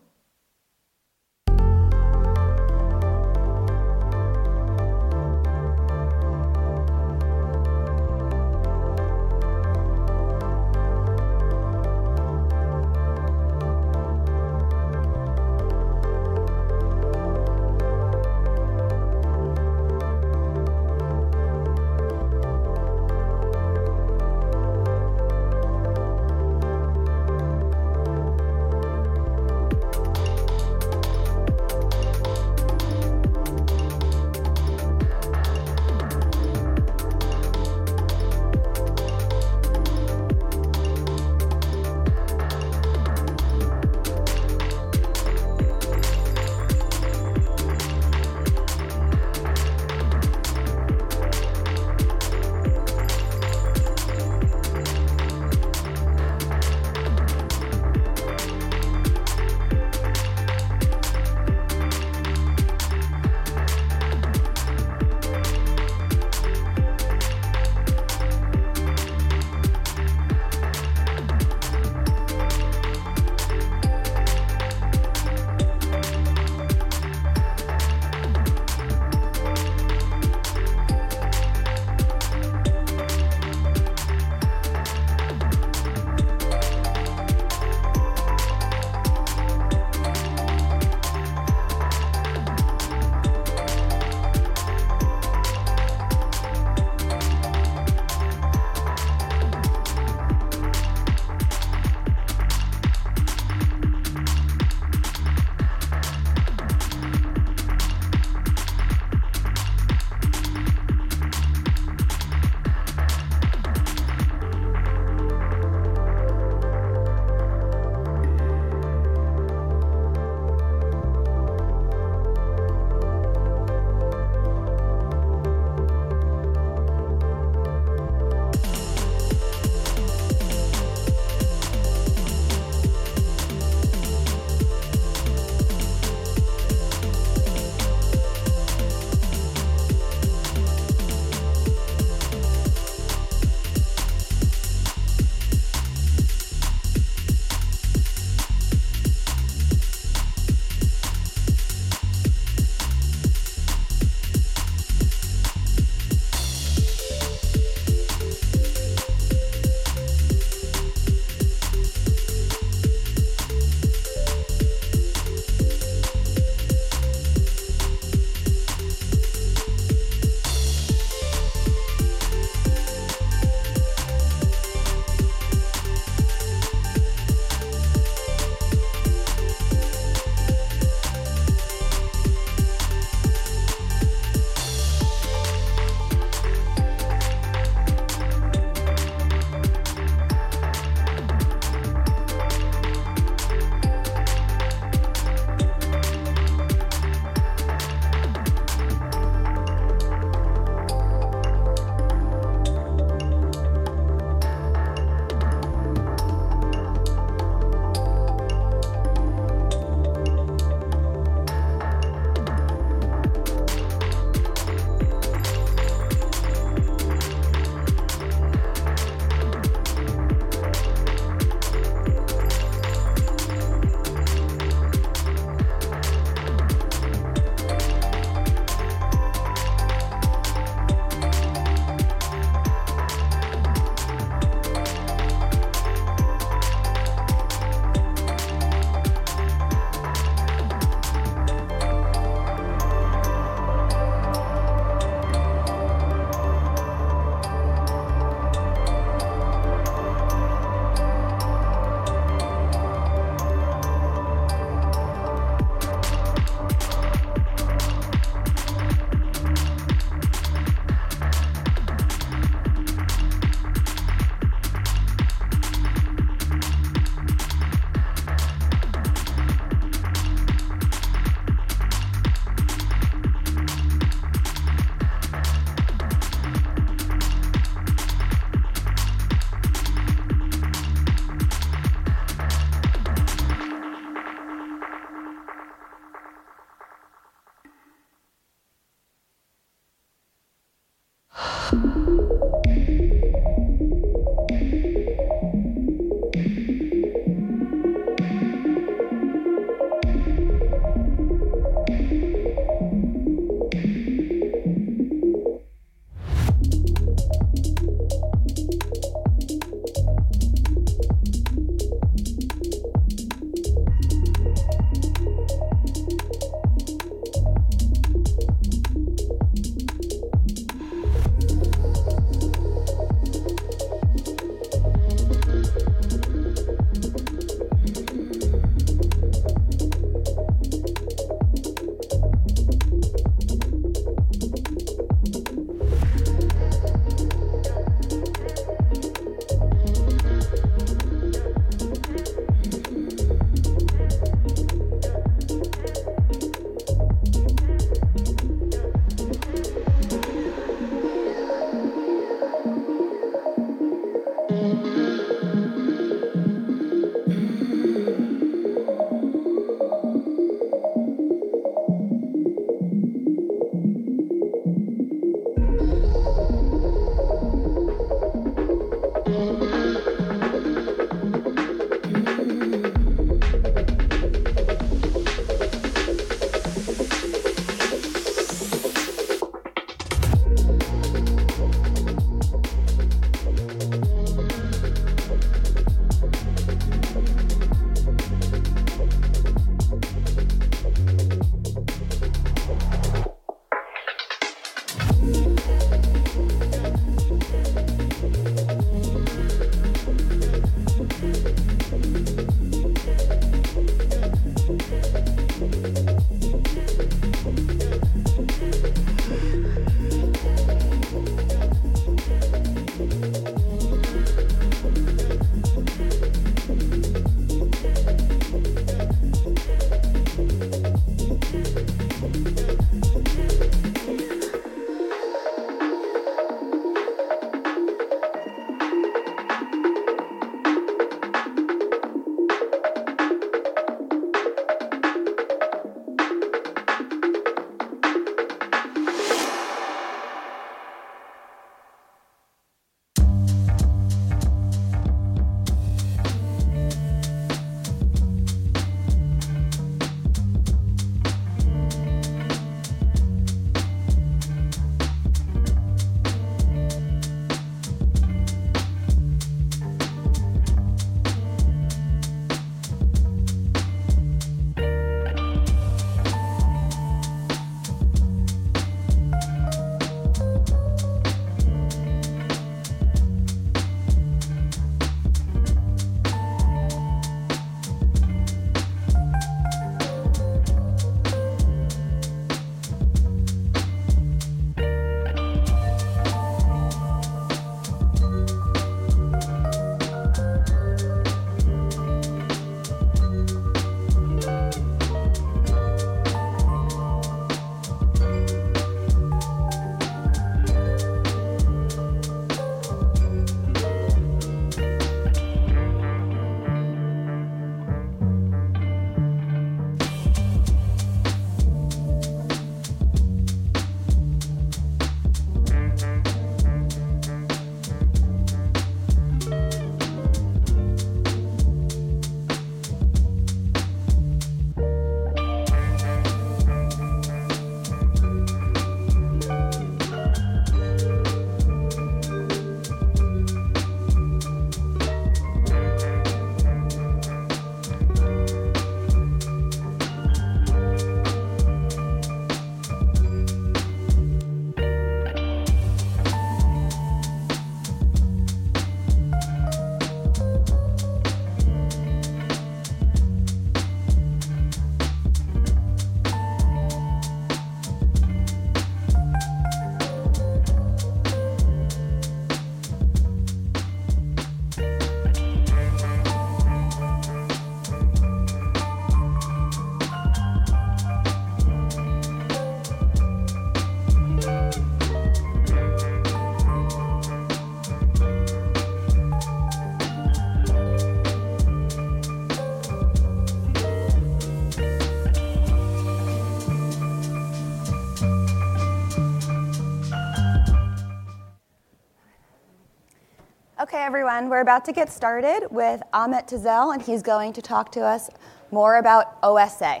Okay, everyone, we're about to get started with Ahmet Tezel, and he's going to talk to us more about OSA.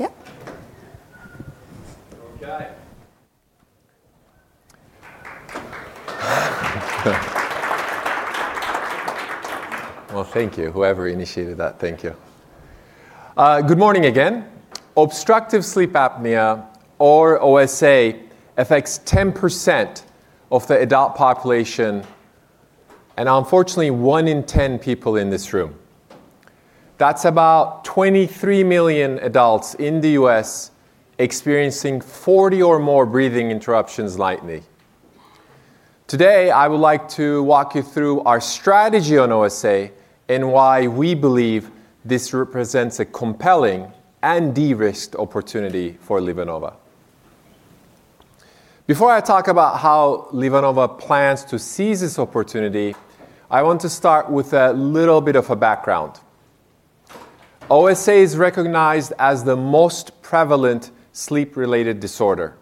Yep.
Okay. Thank you. Whoever initiated that, thank you. Good morning again. Obstructive sleep apnea, or OSA, affects 10% of the adult population and, unfortunately, one in 10 people in this room. That's about 23 million adults in the U.S. experiencing 40 or more breathing interruptions nightly. Today, I would like to walk you through our strategy on OSA and why we believe this represents a compelling and de-risked opportunity for LivaNova. Before I talk about how LivaNova plans to seize this opportunity, I want to start with a little bit of a background. OSA is recognized as the most prevalent sleep-related disorder.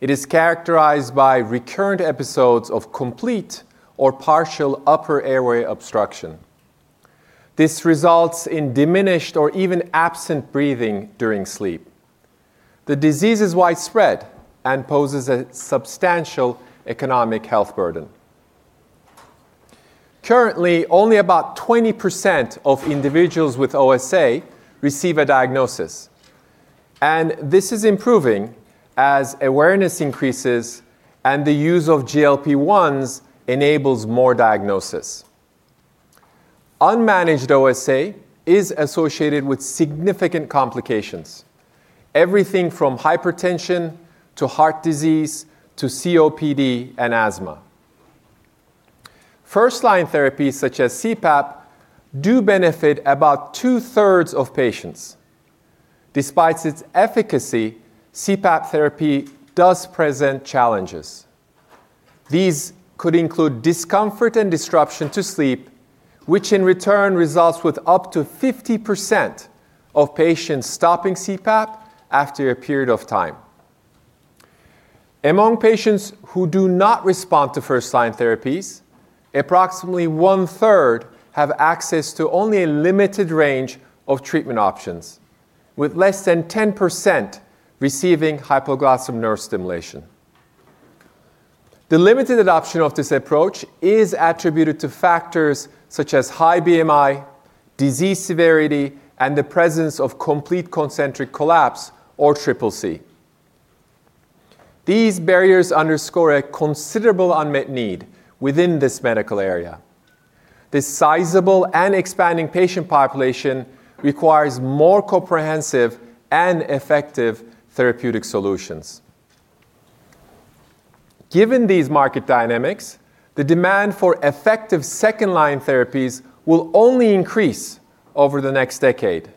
It is characterized by recurrent episodes of complete or partial upper airway obstruction. This results in diminished or even absent breathing during sleep. The disease is widespread and poses a substantial economic health burden. Currently, only about 20% of individuals with OSA receive a diagnosis, and this is improving as awareness increases and the use of GLP-1s enables more diagnosis. Unmanaged OSA is associated with significant complications: everything from hypertension to heart disease to COPD and asthma. First-line therapies such as CPAP do benefit about two-thirds of patients. Despite its efficacy, CPAP therapy does present challenges. These could include discomfort and disruption to sleep, which in return results in up to 50% of patients stopping CPAP after a period of time. Among patients who do not respond to first-line therapies, approximately one-third have access to only a limited range of treatment options, with less than 10% receiving hypoglossal nerve stimulation. The limited adoption of this approach is attributed to factors such as high BMI, disease severity, and the presence of complete concentric collapse, or CCC. These barriers underscore a considerable unmet need within this medical area. This sizable and expanding patient population requires more comprehensive and effective therapeutic solutions. Given these market dynamics, the demand for effective second-line therapies will only increase over the next decade.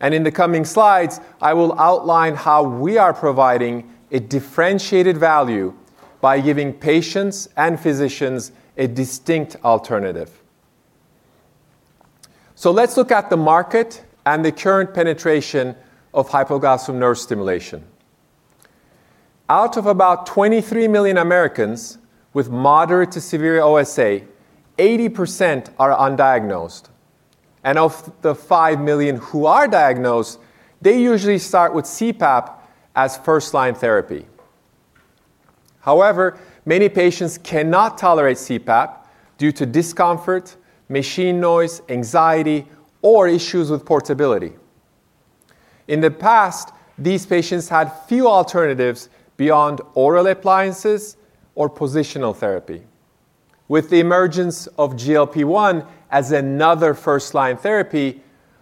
In the coming slides, I will outline how we are providing a differentiated value by giving patients and physicians a distinct alternative. Let's look at the market and the current penetration of hypoglossal nerve stimulation. Out of about 23 million Americans with moderate to severe OSA, 80% are undiagnosed. Of the 5 million who are diagnosed, they usually start with CPAP as first-line therapy. However, many patients cannot tolerate CPAP due to discomfort, machine noise, anxiety, or issues with portability. In the past, these patients had few alternatives beyond oral appliances or positional therapy. With the emergence of GLP-1 as another first-line therapy,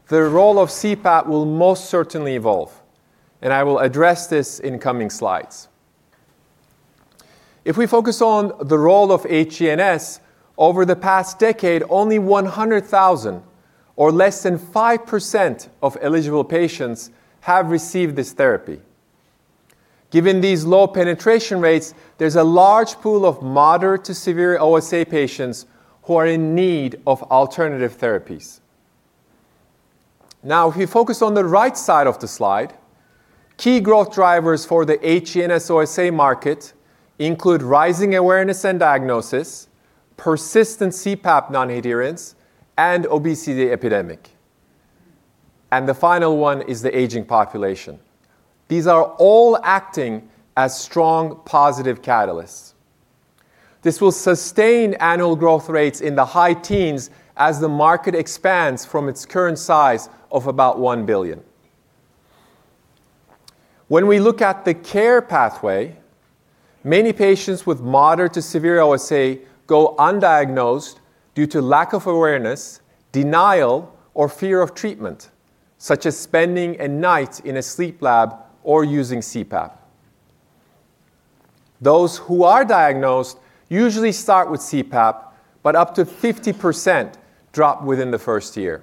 the role of CPAP will most certainly evolve, and I will address this in coming slides. If we focus on the role of HNS, over the past decade, only 100,000, or less than 5% of eligible patients, have received this therapy. Given these low penetration rates, there's a large pool of moderate to severe OSA patients who are in need of alternative therapies. Now, if we focus on the right side of the slide, key growth drivers for the HNS OSA market include rising awareness and diagnosis, persistent CPAP non-adherence, and obesity epidemic. The final one is the aging population. These are all acting as strong positive catalysts. This will sustain annual growth rates in the high teens as the market expands from its current size of about $1 billion. When we look at the care pathway, many patients with moderate to severe OSA go undiagnosed due to lack of awareness, denial, or fear of treatment, such as spending a night in a sleep lab or using CPAP. Those who are diagnosed usually start with CPAP, but up to 50% drop within the first year.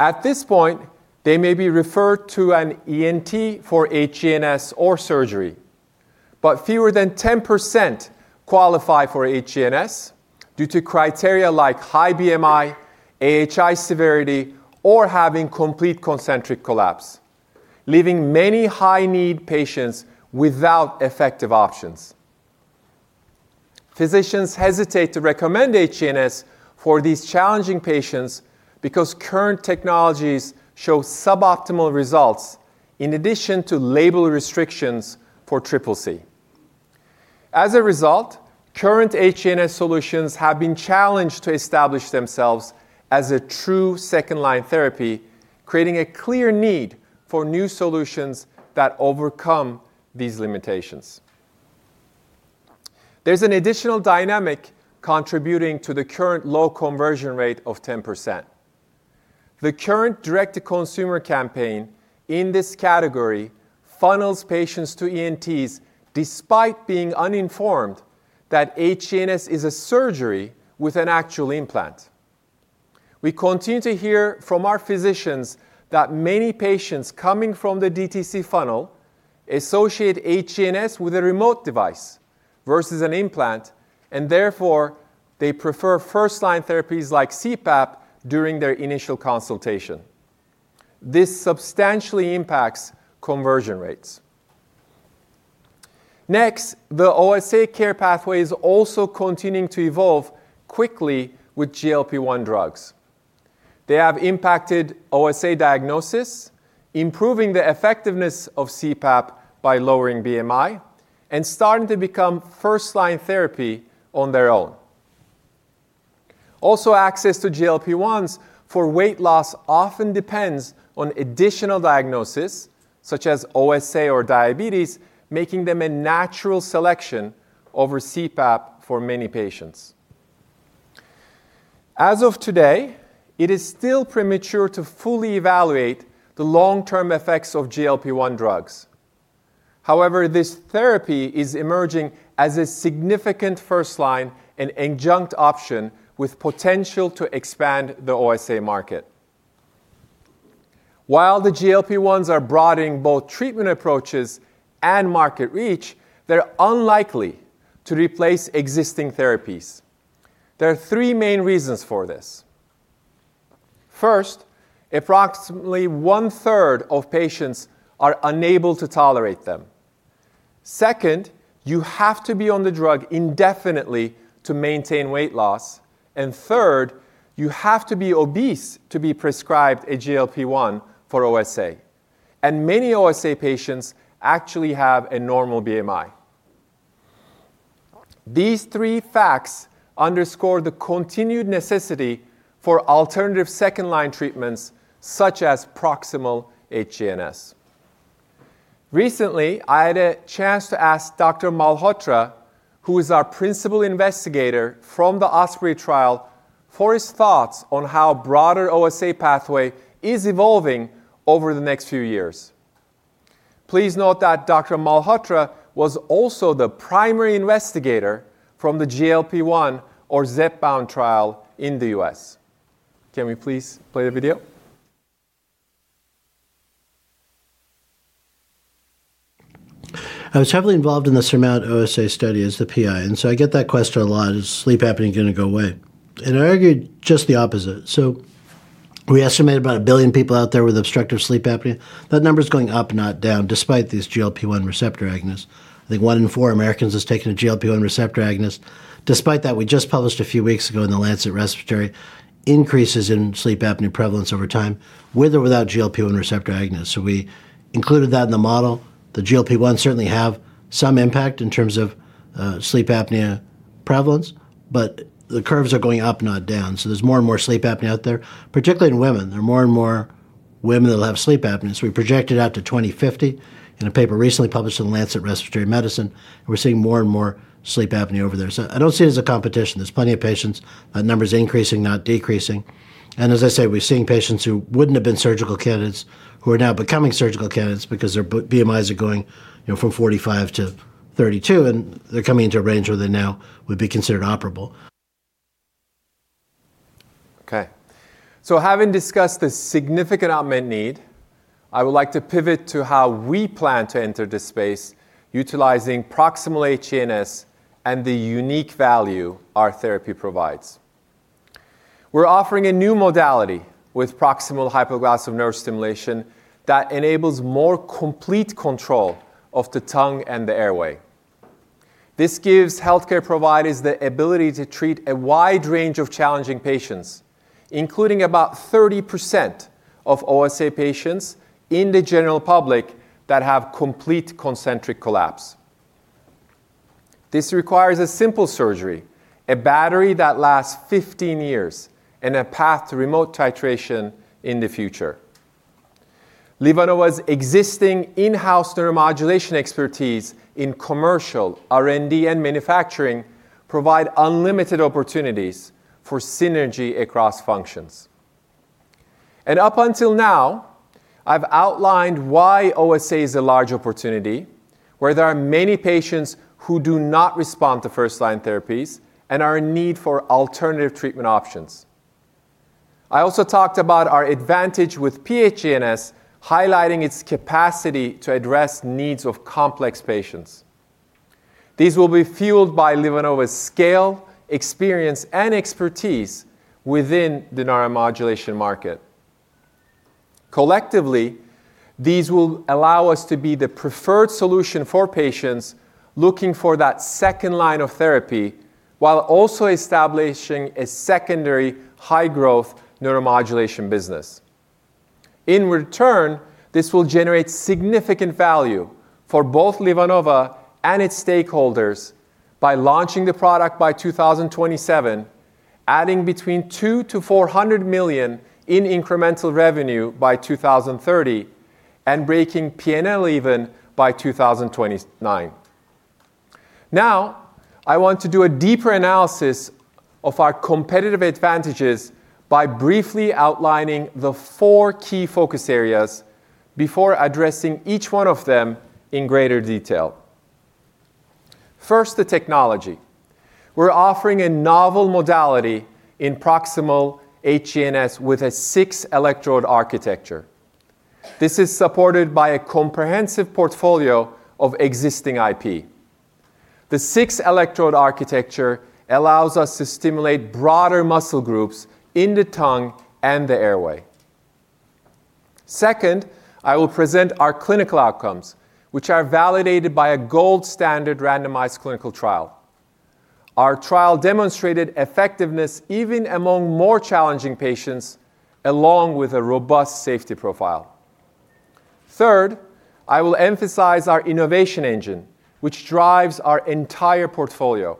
At this point, they may be referred to an ENT for HNS or surgery, but fewer than 10% qualify for HNS due to criteria like high BMI, AHI severity, or having complete concentric collapse, leaving many high-need patients without effective options. Physicians hesitate to recommend HNS for these challenging patients because current technologies show suboptimal results, in addition to label restrictions for CCC. As a result, current HNS solutions have been challenged to establish themselves as a true second-line therapy, creating a clear need for new solutions that overcome these limitations. There's an additional dynamic contributing to the current low conversion rate of 10%. The current direct-to-consumer campaign in this category funnels patients to ENTs despite being uninformed that HNS is a surgery with an actual implant. We continue to hear from our physicians that many patients coming from the DTC funnel associate HNS with a remote device versus an implant, and therefore, they prefer first-line therapies like CPAP during their initial consultation. This substantially impacts conversion rates. Next, the OSA care pathway is also continuing to evolve quickly with GLP-1 drugs. They have impacted OSA diagnosis, improving the effectiveness of CPAP by lowering BMI and starting to become first-line therapy on their own. Also, access to GLP-1s for weight loss often depends on additional diagnoses, such as OSA or diabetes, making them a natural selection over CPAP for many patients. As of today, it is still premature to fully evaluate the long-term effects of GLP-1 drugs. However, this therapy is emerging as a significant first-line and adjunct option with potential to expand the OSA market. While the GLP-1s are broadening both treatment approaches and market reach, they're unlikely to replace existing therapies. There are three main reasons for this. First, approximately one-third of patients are unable to tolerate them. Second, you have to be on the drug indefinitely to maintain weight loss. Third, you have to be obese to be prescribed a GLP-1 for OSA. Many OSA patients actually have a normal BMI. These three facts underscore the continued necessity for alternative second-line treatments, such as proximal hypoglossal nerve stimulation. Recently, I had a chance to ask Dr. Malhotra, who is our principal investigator from the OSPREY trial, for his thoughts on how the broader OSA pathway is evolving over the next few years. Please note that Dr. Malhotra was also the primary investigator from the GLP-1 or Zepbound trial in the U.S. Can we please play the video? I was heavily involved in the SURMOUNT-OSA study as the PI, and I get that question a lot: Is sleep apnea going to go away? I argued just the opposite. We estimate about a billion people out there with obstructive sleep apnea. That number is going up, not down, despite these GLP-1 receptor agonists. I think one in four Americans has taken a GLP-1 receptor agonist. Despite that, we just published a few weeks ago in The Lancet Respiratory Increases in Sleep Apnea Prevalence Over Time with or without GLP-1 receptor agonists. We included that in the model. The GLP-1s certainly have some impact in terms of sleep apnea prevalence, but the curves are going up, not down. There is more and more sleep apnea out there, particularly in women. There are more and more women that will have sleep apnea. We projected out to 2050 in a paper recently published in The Lancet Respiratory Medicine, and we are seeing more and more sleep apnea over there. I do not see it as a competition. There are plenty of patients. That number is increasing, not decreasing. As I say, we're seeing patients who wouldn't have been surgical candidates who are now becoming surgical candidates because their BMIs are going from 45 to 32, and they're coming into a range where they now would be considered operable. Okay. Having discussed the significant unmet need, I would like to pivot to how we plan to enter this space utilizing proximal HNS and the unique value our therapy provides. We're offering a new modality with proximal hypoglossal nerve stimulation that enables more complete control of the tongue and the airway. This gives healthcare providers the ability to treat a wide range of challenging patients, including about 30% of OSA patients in the general public that have complete concentric collapse. This requires a simple surgery, a battery that lasts 15 years, and a path to remote titration in the future. LivaNova's existing in-house neuromodulation expertise in commercial R&D and manufacturing provides unlimited opportunities for synergy across functions. Up until now, I've outlined why OSA is a large opportunity where there are many patients who do not respond to first-line therapies and are in need for alternative treatment options. I also talked about our advantage with PHNS, highlighting its capacity to address needs of complex patients. These will be fueled by LivaNova's scale, experience, and expertise within the neuromodulation market. Collectively, these will allow us to be the preferred solution for patients looking for that second line of therapy while also establishing a secondary high-growth neuromodulation business. In return, this will generate significant value for both LivaNova and its stakeholders by launching the product by 2027, adding between $200 million-$400 million in incremental revenue by 2030, and breaking P&L even by 2029. Now, I want to do a deeper analysis of our competitive advantages by briefly outlining the four key focus areas before addressing each one of them in greater detail. First, the technology. We're offering a novel modality in proximal HNS with a six-electrode architecture. This is supported by a comprehensive portfolio of existing IP. The six-electrode architecture allows us to stimulate broader muscle groups in the tongue and the airway. Second, I will present our clinical outcomes, which are validated by a gold standard randomized clinical trial. Our trial demonstrated effectiveness even among more challenging patients, along with a robust safety profile. Third, I will emphasize our innovation engine, which drives our entire portfolio.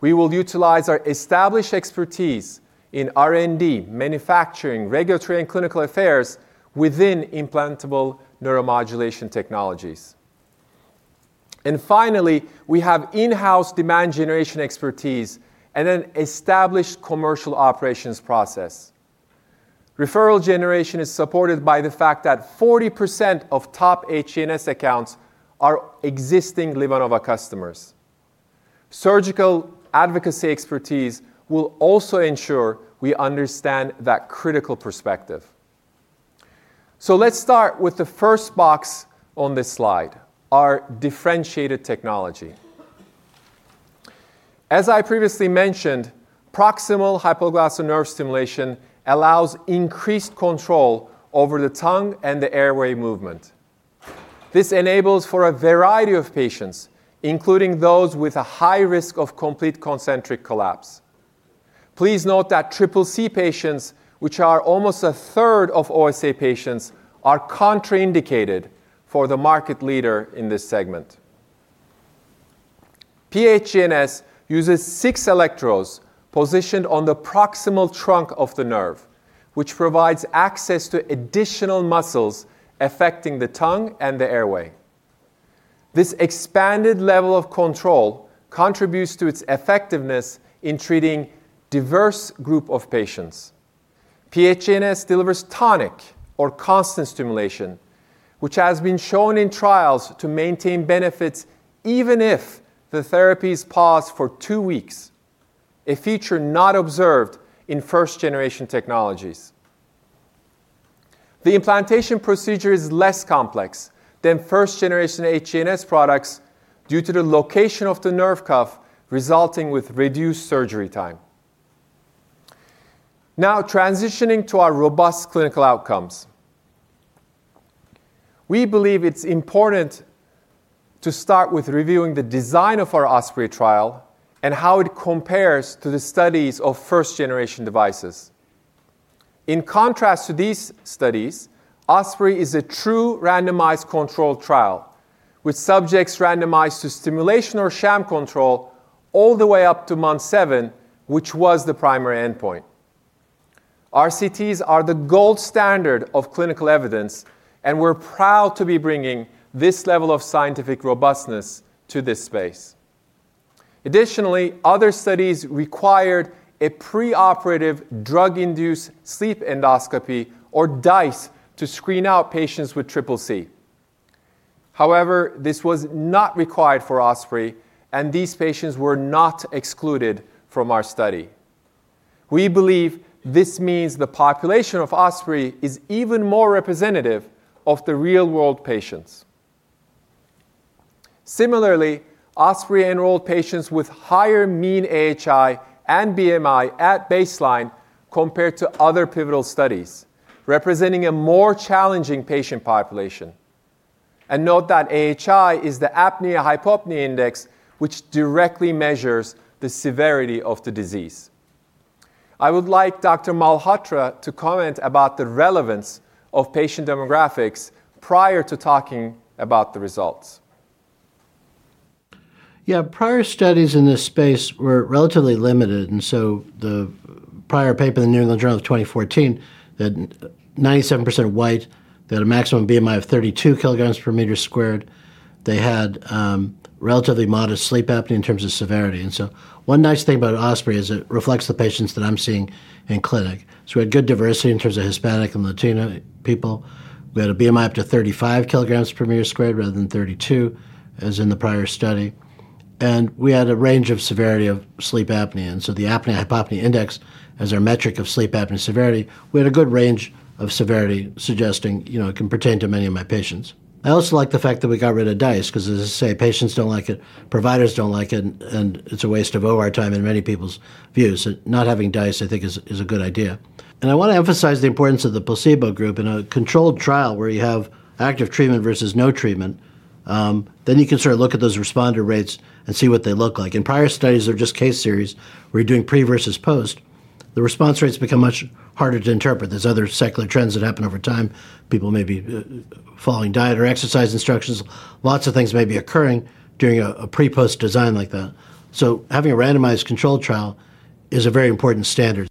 We will utilize our established expertise in R&D, manufacturing, regulatory, and clinical affairs within implantable neuromodulation technologies. Finally, we have in-house demand generation expertise and an established commercial operations process. Referral generation is supported by the fact that 40% of top HNS accounts are existing LivaNova customers. Surgical advocacy expertise will also ensure we understand that critical perspective. Let's start with the first box on this slide: our differentiated technology. As I previously mentioned, proximal hypoglossal nerve stimulation allows increased control over the tongue and the airway movement. This enables for a variety of patients, including those with a high risk of complete concentric collapse. Please note that CCC patients, which are almost a third of OSA patients, are contraindicated for the market leader in this segment. PHNS uses six electrodes positioned on the proximal trunk of the nerve, which provides access to additional muscles affecting the tongue and the airway. This expanded level of control contributes to its effectiveness in treating a diverse group of patients. PHNS delivers tonic or constant stimulation, which has been shown in trials to maintain benefits even if the therapies pause for two weeks, a feature not observed in first-generation technologies. The implantation procedure is less complex than first-generation HNS products due to the location of the nerve cuff, resulting in reduced surgery time. Now, transitioning to our robust clinical outcomes. We believe it's important to start with reviewing the design of our OSPREY trial and how it compares to the studies of first-generation devices. In contrast to these studies, OSPREY is a true randomized controlled trial with subjects randomized to stimulation or sham control all the way up to month seven, which was the primary endpoint. RCTs are the gold standard of clinical evidence, and we're proud to be bringing this level of scientific robustness to this space. Additionally, other studies required a pre-operative drug-induced sleep endoscopy, or DISE, to screen out patients with CCC. However, this was not required for OSPREY, and these patients were not excluded from our study. We believe this means the population of OSPREY is even more representative of the real-world patients. Similarly, OSPREY enrolled patients with higher mean AHI and BMI at baseline compared to other pivotal studies, representing a more challenging patient population. Note that AHI is the Apnea-Hypopnea Index, which directly measures the severity of the disease. I would like Dr. Malhotra to comment about the relevance of patient demographics prior to talking about the results. Yeah, prior studies in this space were relatively limited. The prior paper in The New England Journal of 2014, that 97% were white, they had a maximum BMI of 32 kg per meter squared. They had relatively modest sleep apnea in terms of severity. One nice thing about OSPREY is it reflects the patients that I'm seeing in clinic. We had good diversity in terms of Hispanic and Latino people. We had a BMI up to 35 kg per meter squared rather than 32, as in the prior study. We had a range of severity of sleep apnea. The Apnea-Hypopnea Index, as our metric of sleep apnea severity, we had a good range of severity suggesting it can pertain to many of my patients. I also like the fact that we got rid of DISE because, as I say, patients don't like it, providers don't like it, and it's a waste of OR time in many people's views. Not having DISE, I think, is a good idea. I want to emphasize the importance of the placebo group. In a controlled trial where you have active treatment versus no treatment, you can sort of look at those responder rates and see what they look like. In prior studies, they're just case series where you're doing pre versus post. The response rates become much harder to interpret. There are other secular trends that happen over time. People may be following diet or exercise instructions. Lots of things may be occurring during a pre-post design like that. Having a randomized controlled trial is a very important standard.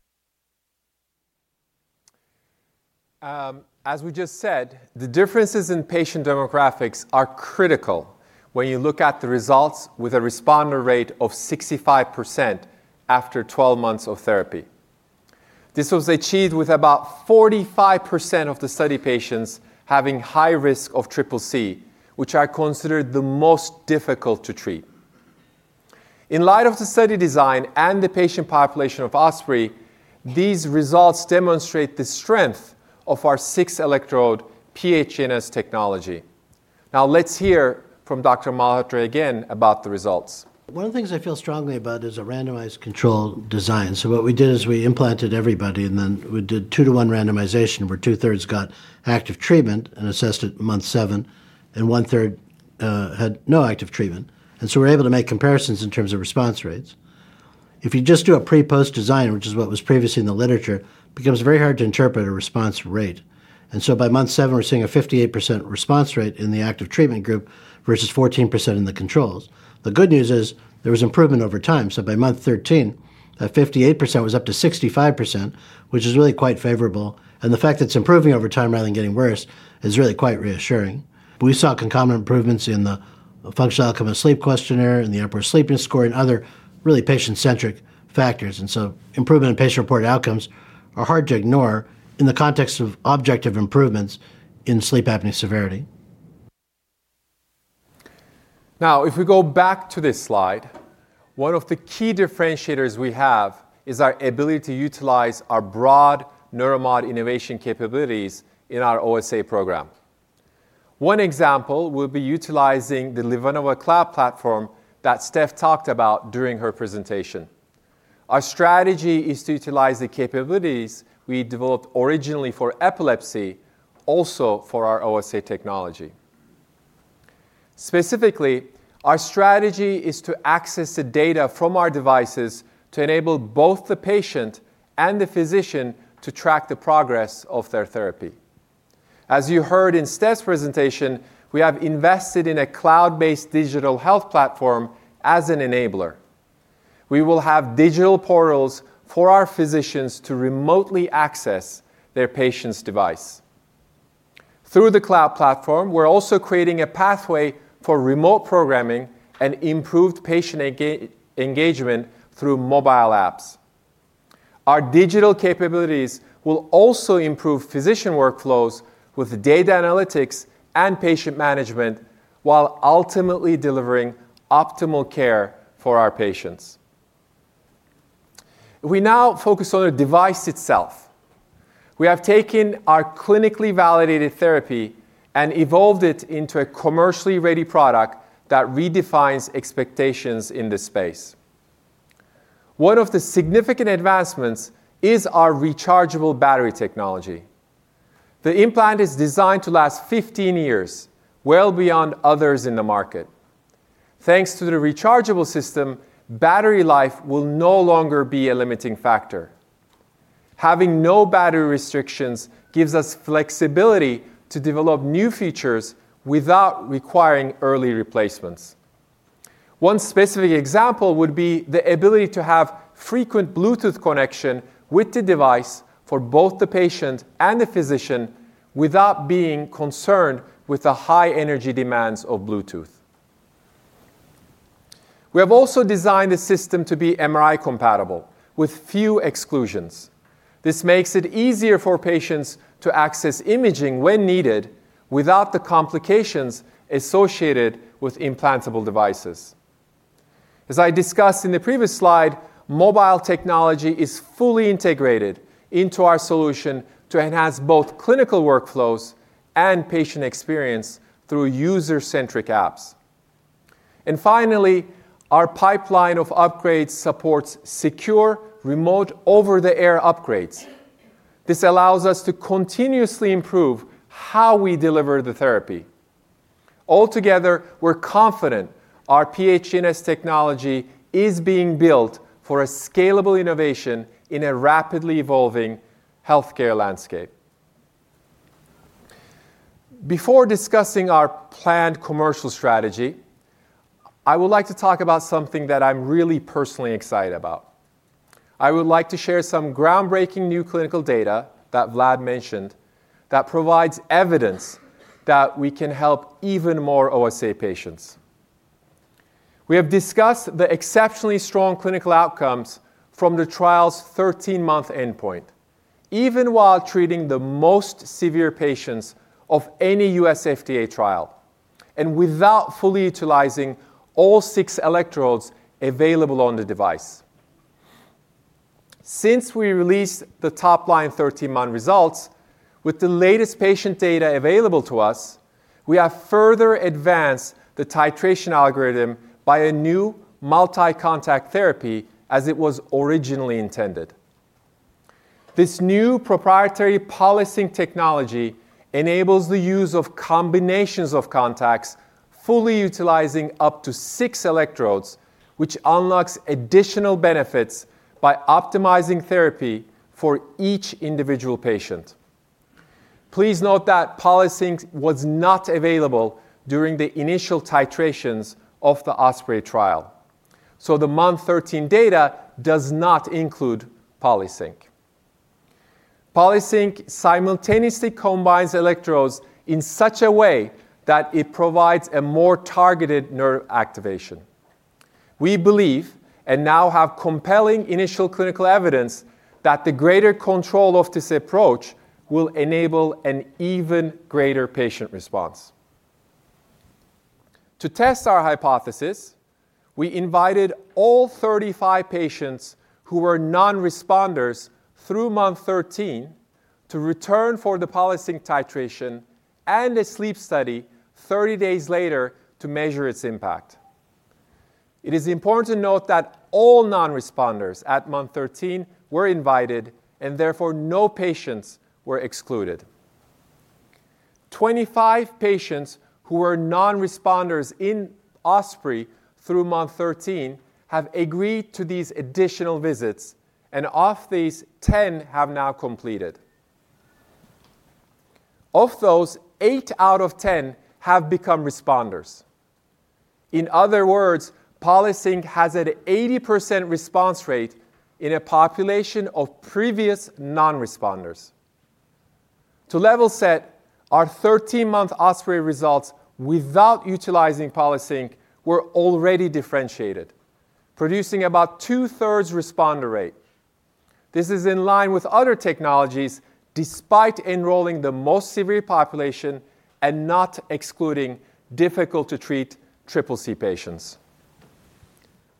As we just said, the differences in patient demographics are critical when you look at the results with a responder rate of 65% after 12 months of therapy. This was achieved with about 45% of the study patients having high risk of CCC, which are considered the most difficult to treat. In light of the study design and the patient population of OSPREY, these results demonstrate the strength of our six-electrode PHNS technology. Now, let's hear from Dr. Malhotra again about the results. One of the things I feel strongly about is a randomized control design. What we did is we implanted everybody, and then we did two-to-one randomization where two-thirds got active treatment and assessed at month seven, and one-third had no active treatment. We are able to make comparisons in terms of response rates. If you just do a pre-post design, which is what was previously in the literature, it becomes very hard to interpret a response rate. By month seven, we are seeing a 58% response rate in the active treatment group versus 14% in the controls. The good news is there was improvement over time. By month 13, that 58% was up to 65%, which is really quite favorable. The fact that it's improving over time rather than getting worse is really quite reassuring. We saw concomitant improvements in the functional outcome of sleep questionnaire and the Epworth Sleepiness Score and other really patient-centric factors. Improvement in patient-reported outcomes are hard to ignore in the context of objective improvements in sleep apnea severity. If we go back to this slide, one of the key differentiators we have is our ability to utilize our broad neuromod innovation capabilities in our OSA program. One example will be utilizing the LivaNova Cloud Platform that Steph talked about during her presentation. Our strategy is to utilize the capabilities we developed originally for epilepsy also for our OSA technology. Specifically, our strategy is to access the data from our devices to enable both the patient and the physician to track the progress of their therapy. As you heard in Steph's presentation, we have invested in a cloud-based digital health platform as an enabler. We will have digital portals for our physicians to remotely access their patient's device. Through the cloud platform, we're also creating a pathway for remote programming and improved patient engagement through mobile apps. Our digital capabilities will also improve physician workflows with data analytics and patient management while ultimately delivering optimal care for our patients. We now focus on the device itself. We have taken our clinically validated therapy and evolved it into a commercially ready product that redefines expectations in this space. One of the significant advancements is our rechargeable battery technology. The implant is designed to last 15 years, well beyond others in the market. Thanks to the rechargeable system, battery life will no longer be a limiting factor. Having no battery restrictions gives us flexibility to develop new features without requiring early replacements. One specific example would be the ability to have frequent Bluetooth connection with the device for both the patient and the physician without being concerned with the high energy demands of Bluetooth. We have also designed the system to be MRI compatible with few exclusions. This makes it easier for patients to access imaging when needed without the complications associated with implantable devices. As I discussed in the previous slide, mobile technology is fully integrated into our solution to enhance both clinical workflows and patient experience through user-centric apps. Finally, our pipeline of upgrades supports secure remote over-the-air upgrades. This allows us to continuously improve how we deliver the therapy. Altogether, we're confident our PHNS technology is being built for a scalable innovation in a rapidly evolving healthcare landscape. Before discussing our planned commercial strategy, I would like to talk about something that I'm really personally excited about. I would like to share some groundbreaking new clinical data that Vlad mentioned that provides evidence that we can help even more OSA patients. We have discussed the exceptionally strong clinical outcomes from the trial's 13-month endpoint, even while treating the most severe patients of any U.S. FDA trial, and without fully utilizing all six electrodes available on the device. Since we released the top line 13-month results with the latest patient data available to us, we have further advanced the titration algorithm by a new multi-contact therapy as it was originally intended. This new proprietary Polysink technology enables the use of combinations of contacts, fully utilizing up to six electrodes, which unlocks additional benefits by optimizing therapy for each individual patient. Please note that Polysink was not available during the initial titrations of the OSPREY trial. So the month 13 data does not include Polysink. Polysink simultaneously combines electrodes in such a way that it provides a more targeted nerve activation. We believe and now have compelling initial clinical evidence that the greater control of this approach will enable an even greater patient response. To test our hypothesis, we invited all 35 patients who were non-responders through month 13 to return for the Polysink titration and a sleep study 30 days later to measure its impact. It is important to note that all non-responders at month 13 were invited, and therefore no patients were excluded. Twenty-five patients who were non-responders in OSPREY through month 13 have agreed to these additional visits, and of these, 10 have now completed. Of those, eight out of 10 have become responders. In other words, Polysink has an 80% response rate in a population of previous non-responders. To level set, our 13-month OSPREY results without utilizing Polysink were already differentiated, producing about two-thirds responder rate. This is in line with other technologies despite enrolling the most severe population and not excluding difficult-to-treat CCC patients.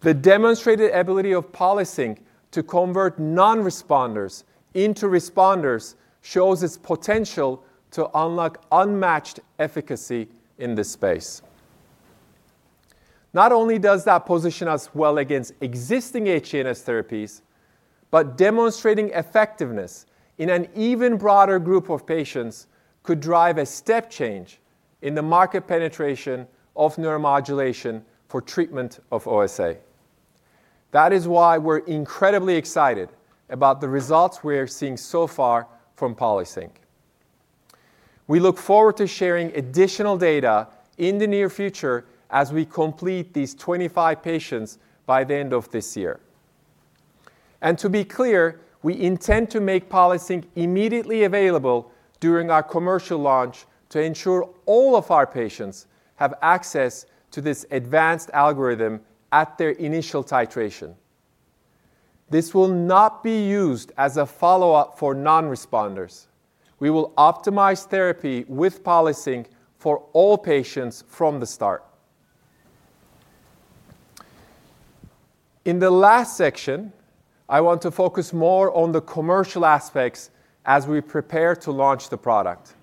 The demonstrated ability of Polysink to convert non-responders into responders shows its potential to unlock unmatched efficacy in this space. Not only does that position us well against existing HNS therapies, but demonstrating effectiveness in an even broader group of patients could drive a step change in the market penetration of neuromodulation for treatment of OSA. That is why we're incredibly excited about the results we're seeing so far from Polysink. We look forward to sharing additional data in the near future as we complete these 25 patients by the end of this year. To be clear, we intend to make Polysink immediately available during our commercial launch to ensure all of our patients have access to this advanced algorithm at their initial titration. This will not be used as a follow-up for non-responders. We will optimize therapy with Polysink for all patients from the start. In the last section, I want to focus more on the commercial aspects as we prepare to launch the product.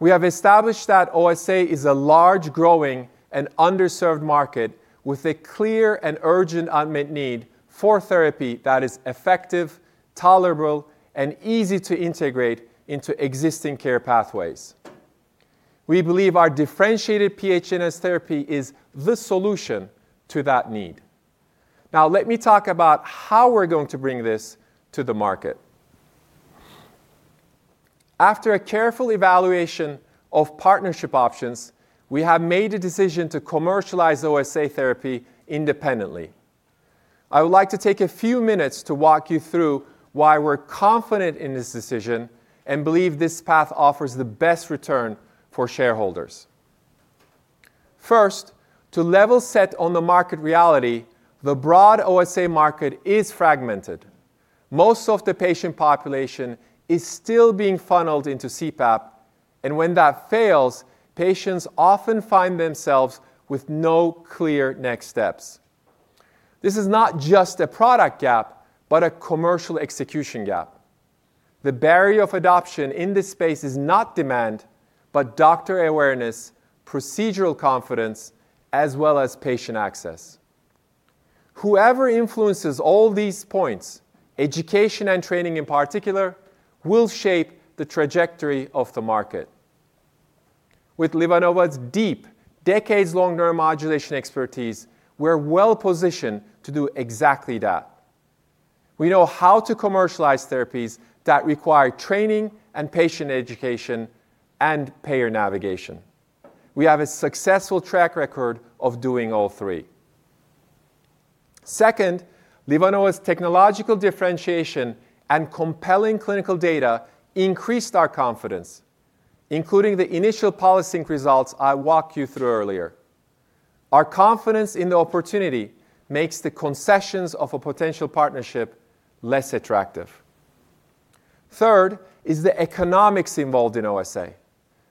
We have established that OSA is a large-growing and underserved market with a clear and urgent unmet need for therapy that is effective, tolerable, and easy to integrate into existing care pathways. We believe our differentiated PHNS therapy is the solution to that need. Now, let me talk about how we're going to bring this to the market. After a careful evaluation of partnership options, we have made a decision to commercialize OSA therapy independently. I would like to take a few minutes to walk you through why we're confident in this decision and believe this path offers the best return for shareholders. First, to level set on the market reality, the broad OSA market is fragmented. Most of the patient population is still being funneled into CPAP, and when that fails, patients often find themselves with no clear next steps. This is not just a product gap, but a commercial execution gap. The barrier of adoption in this space is not demand, but doctor awareness, procedural confidence, as well as patient access. Whoever influences all these points, education and training in particular, will shape the trajectory of the market. With LivaNova's deep, decades-long neuromodulation expertise, we're well-positioned to do exactly that. We know how to commercialize therapies that require training and patient education and payer navigation. We have a successful track record of doing all three. Second, LivaNova's technological differentiation and compelling clinical data increased our confidence, including the initial Polysink results I walked you through earlier. Our confidence in the opportunity makes the concessions of a potential partnership less attractive. Third is the economics involved in OSA.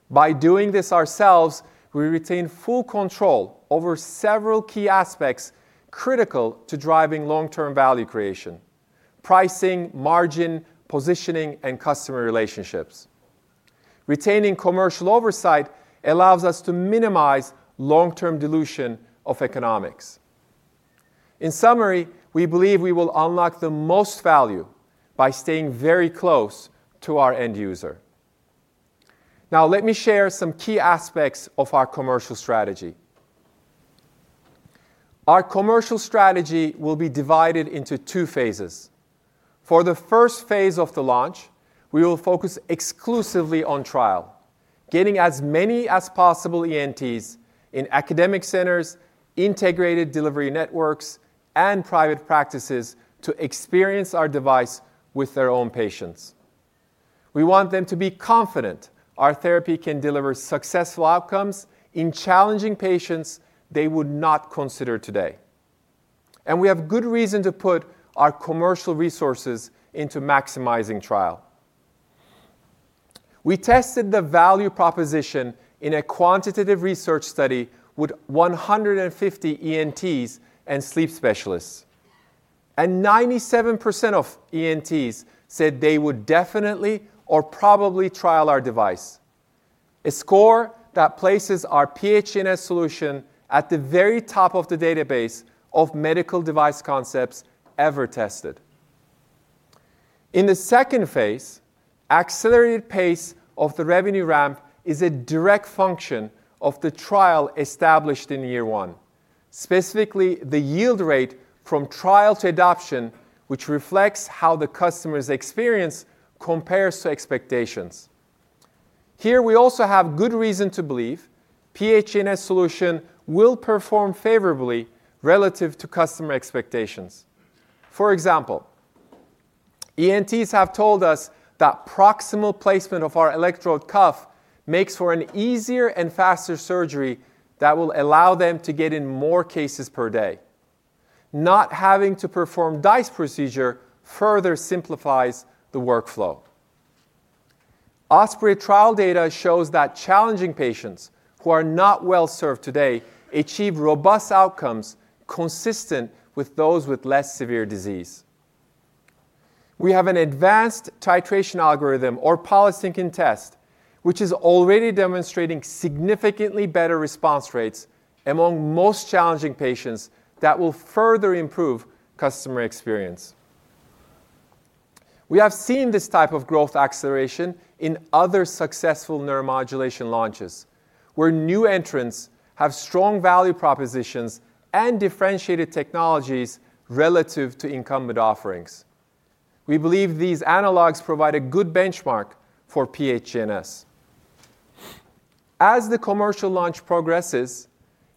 By doing this ourselves, we retain full control over several key aspects critical to driving long-term value creation: pricing, margin, positioning, and customer relationships. Retaining commercial oversight allows us to minimize long-term dilution of economics. In summary, we believe we will unlock the most value by staying very close to our end user. Now, let me share some key aspects of our commercial strategy. Our commercial strategy will be divided into two phases. For the first phase of the launch, we will focus exclusively on trial, getting as many as possible ENTs in academic centers, integrated delivery networks, and private practices to experience our device with their own patients. We want them to be confident our therapy can deliver successful outcomes in challenging patients they would not consider today. We have good reason to put our commercial resources into maximizing trial. We tested the value proposition in a quantitative research study with 150 ENTs and sleep specialists. 97% of ENTs said they would definitely or probably trial our device, a score that places our PHNS solution at the very top of the database of medical device concepts ever tested. In the second phase, accelerated pace of the revenue ramp is a direct function of the trial established in year one, specifically the yield rate from trial to adoption, which reflects how the customer's experience compares to expectations. Here, we also have good reason to believe PHNS solution will perform favorably relative to customer expectations. For example, ENTs have told us that proximal placement of our electrode cuff makes for an easier and faster surgery that will allow them to get in more cases per day. Not having to perform DISE procedure further simplifies the workflow. OSPREY trial data shows that challenging patients who are not well served today achieve robust outcomes consistent with those with less severe disease. We have an advanced titration algorithm or Polysink test, which is already demonstrating significantly better response rates among most challenging patients that will further improve customer experience. We have seen this type of growth acceleration in other successful neuromodulation launches where new entrants have strong value propositions and differentiated technologies relative to incumbent offerings. We believe these analogs provide a good benchmark for PHNS. As the commercial launch progresses,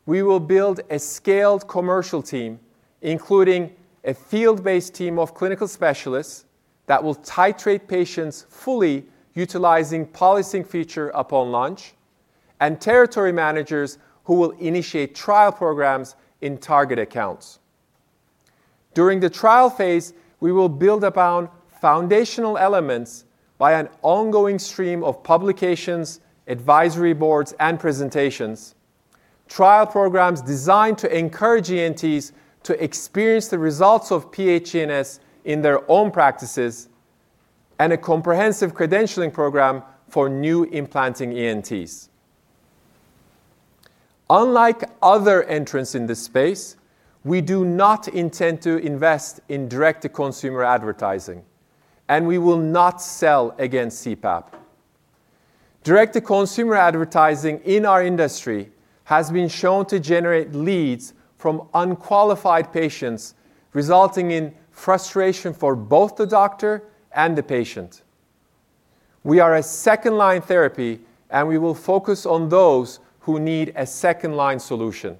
we will build a scaled commercial team, including a field-based team of clinical specialists that will titrate patients fully utilizing Polysink feature upon launch, and territory managers who will initiate trial programs in target accounts. During the trial phase, we will build upon foundational elements by an ongoing stream of publications, advisory boards, and presentations, trial programs designed to encourage ENTs to experience the results of PHNS in their own practices, and a comprehensive credentialing program for new implanting ENTs. Unlike other entrants in this space, we do not intend to invest in direct-to-consumer advertising, and we will not sell against CPAP. Direct-to-consumer advertising in our industry has been shown to generate leads from unqualified patients, resulting in frustration for both the doctor and the patient. We are a second-line therapy, and we will focus on those who need a second-line solution.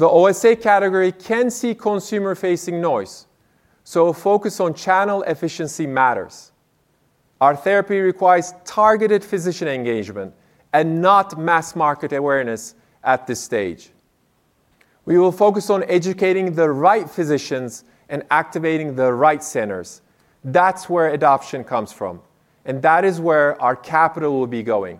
The OSA category can see consumer-facing noise, so a focus on channel efficiency matters. Our therapy requires targeted physician engagement and not mass market awareness at this stage. We will focus on educating the right physicians and activating the right centers. That's where adoption comes from, and that is where our capital will be going.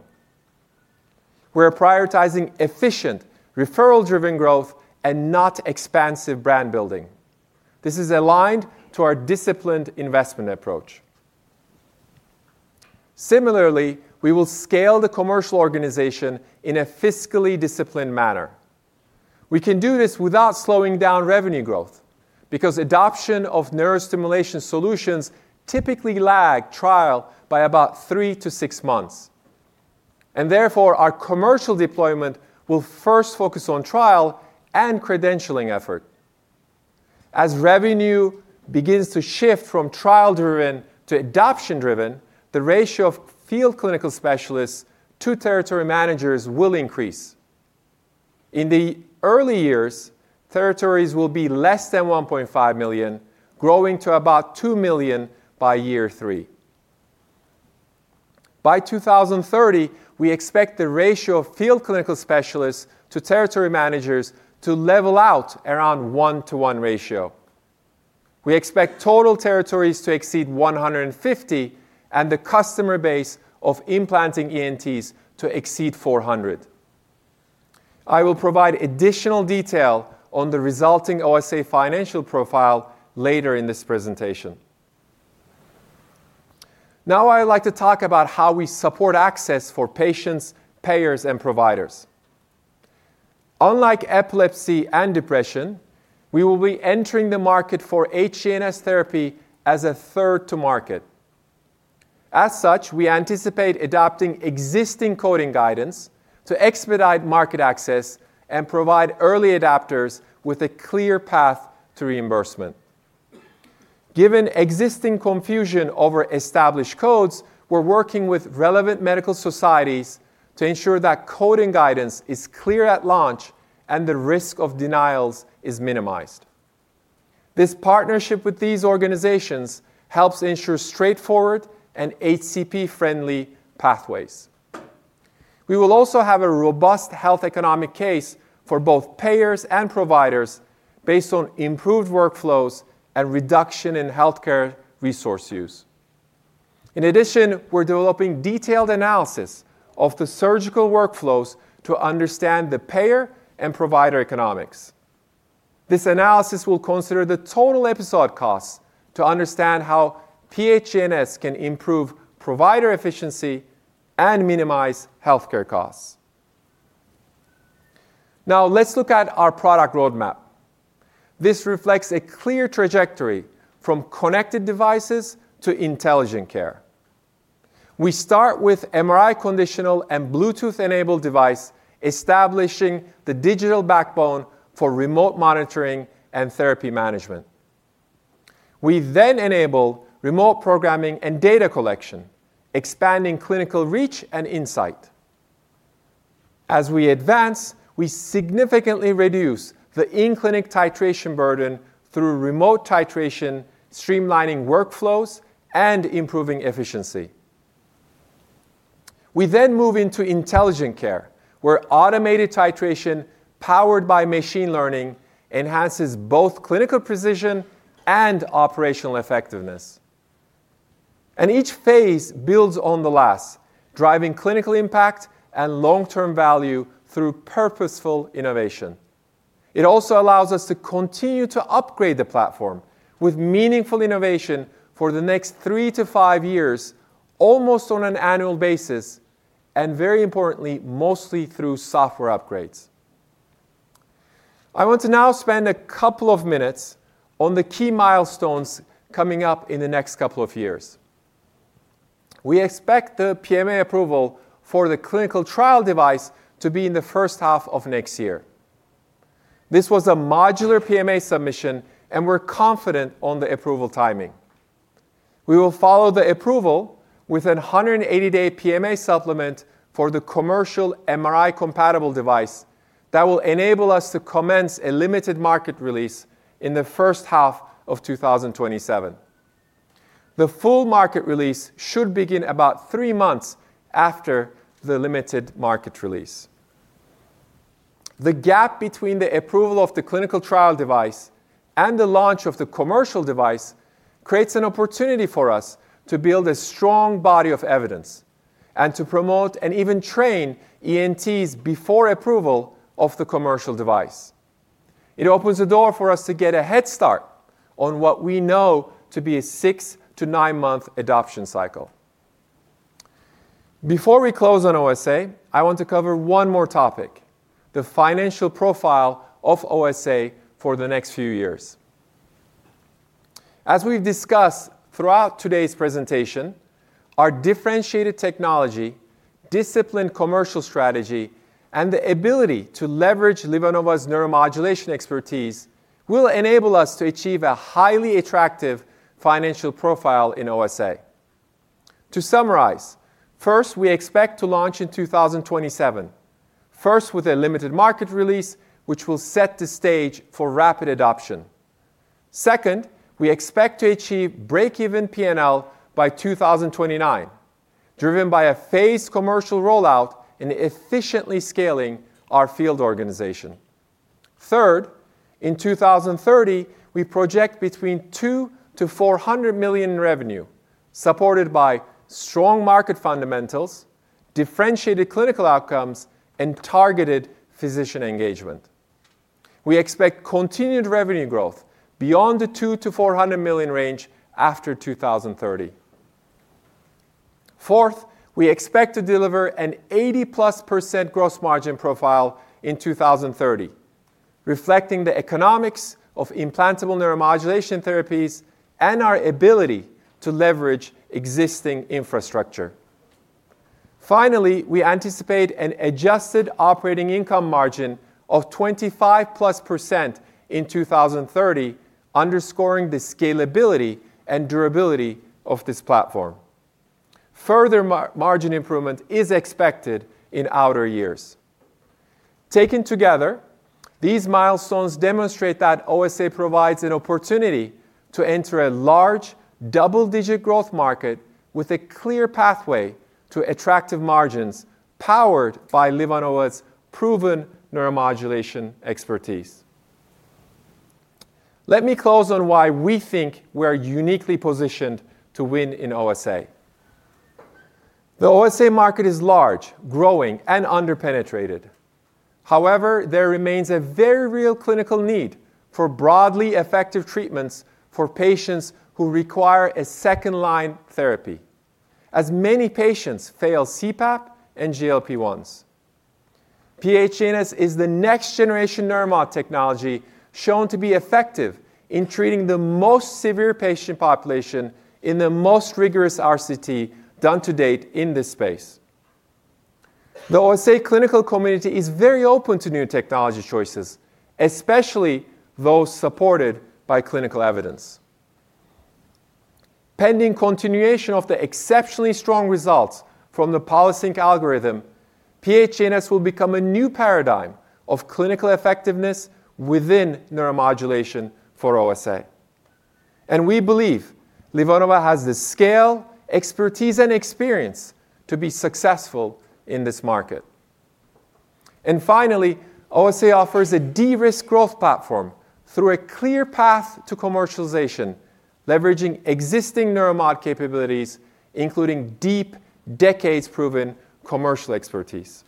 We're prioritizing efficient referral-driven growth and not expansive brand building. This is aligned to our disciplined investment approach. Similarly, we will scale the commercial organization in a fiscally disciplined manner. We can do this without slowing down revenue growth because adoption of neurostimulation solutions typically lags trial by about three to six months. Therefore, our commercial deployment will first focus on trial and credentialing effort. As revenue begins to shift from trial-driven to adoption-driven, the ratio of field clinical specialists to territory managers will increase. In the early years, territories will be less than 1.5 million, growing to about 2 million by year three. By 2030, we expect the ratio of field clinical specialists to territory managers to level out around a one-to-one ratio. We expect total territories to exceed 150 and the customer base of implanting ENTs to exceed 400. I will provide additional detail on the resulting OSA financial profile later in this presentation. Now, I would like to talk about how we support access for patients, payers, and providers. Unlike epilepsy and depression, we will be entering the market for HNS therapy as a third-to-market. As such, we anticipate adopting existing coding guidance to expedite market access and provide early adopters with a clear path to reimbursement. Given existing confusion over established codes, we're working with relevant medical societies to ensure that coding guidance is clear at launch and the risk of denials is minimized. This partnership with these organizations helps ensure straightforward and HCP-friendly pathways. We will also have a robust health economic case for both payers and providers based on improved workflows and reduction in healthcare resource use. In addition, we're developing detailed analysis of the surgical workflows to understand the payer and provider economics. This analysis will consider the total episode costs to understand how PHNS can improve provider efficiency and minimize healthcare costs. Now, let's look at our product roadmap. This reflects a clear trajectory from connected devices to intelligent care. We start with MRI conditional and Bluetooth-enabled devices, establishing the digital backbone for remote monitoring and therapy management. We then enable remote programming and data collection, expanding clinical reach and insight. As we advance, we significantly reduce the in-clinic titration burden through remote titration, streamlining workflows and improving efficiency. We then move into intelligent care, where automated titration powered by machine learning enhances both clinical precision and operational effectiveness. Each phase builds on the last, driving clinical impact and long-term value through purposeful innovation. It also allows us to continue to upgrade the platform with meaningful innovation for the next three to five years, almost on an annual basis, and very importantly, mostly through software upgrades. I want to now spend a couple of minutes on the key milestones coming up in the next couple of years. We expect the PMA approval for the clinical trial device to be in the first half of next year. This was a modular PMA submission, and we're confident on the approval timing. We will follow the approval with a 180-day PMA supplement for the commercial MRI compatible device that will enable us to commence a limited market release in the first half of 2027. The full market release should begin about three months after the limited market release. The gap between the approval of the clinical trial device and the launch of the commercial device creates an opportunity for us to build a strong body of evidence and to promote and even train ENTs before approval of the commercial device. It opens the door for us to get a head start on what we know to be a six to nine-month adoption cycle. Before we close on OSA, I want to cover one more topic: the financial profile of OSA for the next few years. As we've discussed throughout today's presentation, our differentiated technology, disciplined commercial strategy, and the ability to leverage LivaNova's neuromodulation expertise will enable us to achieve a highly attractive financial profile in OSA. To summarize, first, we expect to launch in 2027, first with a limited market release, which will set the stage for rapid adoption. Second, we expect to achieve break-even P&L by 2029, driven by a phased commercial rollout and efficiently scaling our field organization. Third, in 2030, we project between $200 million-$400 million in revenue, supported by strong market fundamentals, differentiated clinical outcomes, and targeted physician engagement. We expect continued revenue growth beyond the $200 million-$400 million range after 2030. Fourth, we expect to deliver an 80+% gross margin profile in 2030, reflecting the economics of implantable neuromodulation therapies and our ability to leverage existing infrastructure. Finally, we anticipate an adjusted operating income margin of 25+% in 2030, underscoring the scalability and durability of this platform. Further margin improvement is expected in outer years. Taken together, these milestones demonstrate that OSA provides an opportunity to enter a large double-digit growth market with a clear pathway to attractive margins powered by LivaNova's proven neuromodulation expertise. Let me close on why we think we're uniquely positioned to win in OSA. The OSA market is large, growing, and under-penetrated. However, there remains a very real clinical need for broadly effective treatments for patients who require a second-line therapy, as many patients fail CPAP and GLP-1s. PHENS is the next-generation neuromod technology shown to be effective in treating the most severe patient population in the most rigorous RCT done to date in this space. The OSA clinical community is very open to new technology choices, especially those supported by clinical evidence. Pending continuation of the exceptionally strong results from the Polysink algorithm, PHNS will become a new paradigm of clinical effectiveness within neuromodulation for OSA. We believe LivaNova has the scale, expertise, and experience to be successful in this market. OSA offers a de-risk growth platform through a clear path to commercialization, leveraging existing neuromod capabilities, including deep, decades-proven commercial expertise.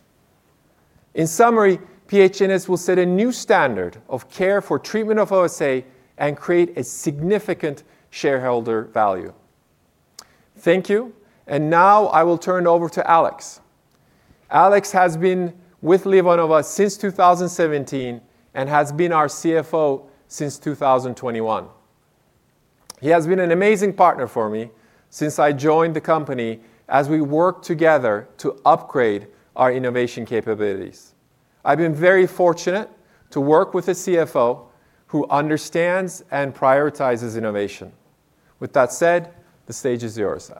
In summary, PHNS will set a new standard of care for treatment of OSA and create significant shareholder value. Thank you, and now I will turn it over to Alex. Alex has been with LivaNova since 2017 and has been our CFO since 2021. He has been an amazing partner for me since I joined the company as we worked together to upgrade our innovation capabilities. I've been very fortunate to work with a CFO who understands and prioritizes innovation. With that said, the stage is yours.